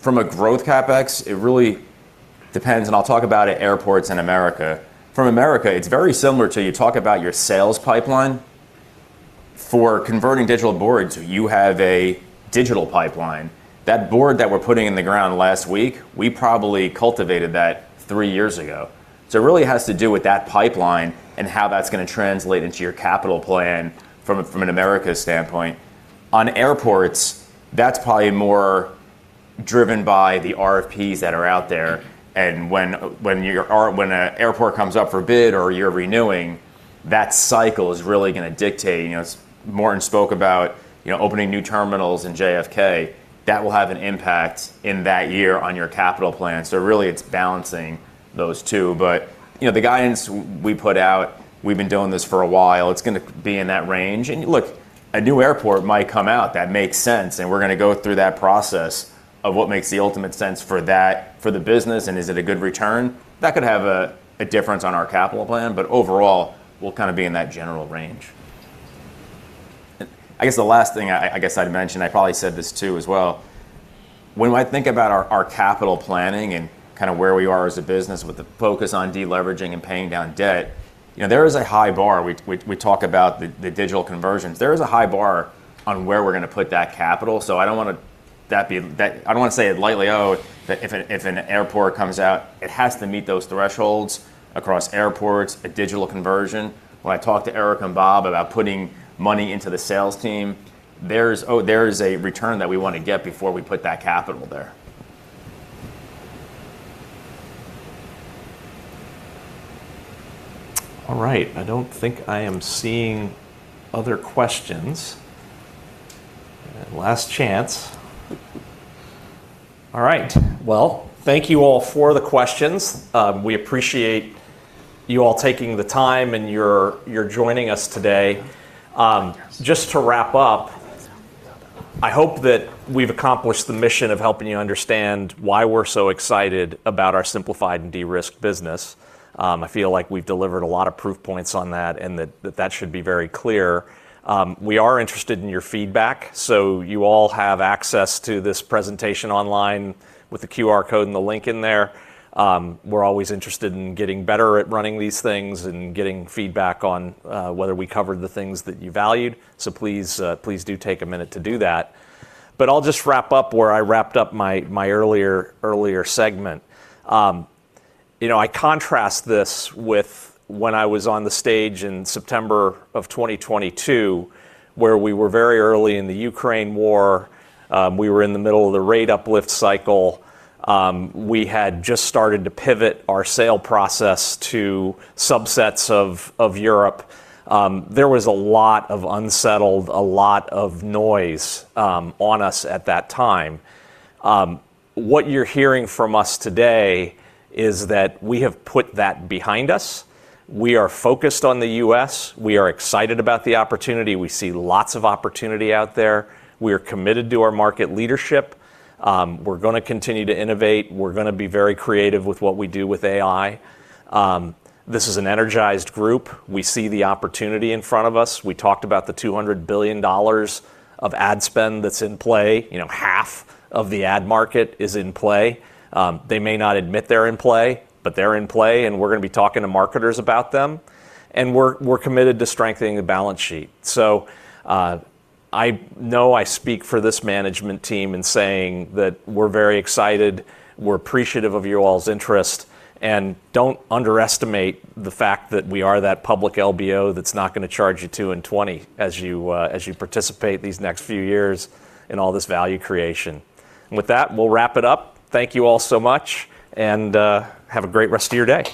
From a growth CapEx, it really depends, and I'll talk about it airports in America. From America, it's very similar to you talk about your sales pipeline. For converting digital boards, you have a digital pipeline. That board that we're putting in the ground last week, we probably cultivated that three years ago. It really has to do with that pipeline and how that's going to translate into your capital plan from an America standpoint. On airports, that's probably more driven by the RFPs that are out there. When an airport comes up for bid or you're renewing, that cycle is really going to dictate. Morgan spoke about opening new terminals in JFK. That will have an impact in that year on your capital plan. It's balancing those two. The guidance we put out, we've been doing this for a while. It's going to be in that range. A new airport might come out that makes sense. We're going to go through that process of what makes the ultimate sense for the business. Is it a good return? That could have a difference on our capital plan. Overall, we'll kind of be in that general range. The last thing I'd mention, I probably said this too as well. When I think about our capital planning and kind of where we are as a business with the focus on deleveraging and paying down debt, there is a high bar. We talk about the digital conversions. There is a high bar on where we're going to put that capital. I don't want to say it lightly. If an airport comes out, it has to meet those thresholds across airports, a digital conversion. When I talk to Erik and Bob about putting money into the sales team, there's a return that we want to get before we put that capital there. All right. I don't think I am seeing other questions. Last chance. All right. Thank you all for the questions. We appreciate you all taking the time and you're joining us today. Just to wrap up, I hope that we've accomplished the mission of helping you understand why we're so excited about our simplified and de-risked business. I feel like we've delivered a lot of proof points on that, and that should be very clear. We are interested in your feedback. You all have access to this presentation online with the QR code and the link in there. We're always interested in getting better at running these things and getting feedback on whether we covered the things that you valued. Please, please do take a minute to do that. I'll just wrap up where I wrapped up my earlier segment. I contrast this with when I was on the stage in September of 2022, where we were very early in the Ukraine war. We were in the middle of the rate uplift cycle. We had just started to pivot our sale process to subsets of Europe. There was a lot of unsettled, a lot of noise on us at that time. What you're hearing from us today is that we have put that behind us. We are focused on the U.S. We are excited about the opportunity. We see lots of opportunity out there. We are committed to our market leadership. We're going to continue to innovate. We're going to be very creative with what we do with AI. This is an energized group. We see the opportunity in front of us. We talked about the $200 billion of ad spend that's in play. Half of the ad market is in play. They may not admit they're in play, but they're in play, and we're going to be talking to marketers about them. We're committed to strengthening the balance sheet. I know I speak for this management team in saying that we're very excited. We're appreciative of you all's interest. Don't underestimate the fact that we are that public LBO that's not going to charge you 2 in 20 as you participate these next few years in all this value creation. With that, we'll wrap it up. Thank you all so much, and have a great rest of your day.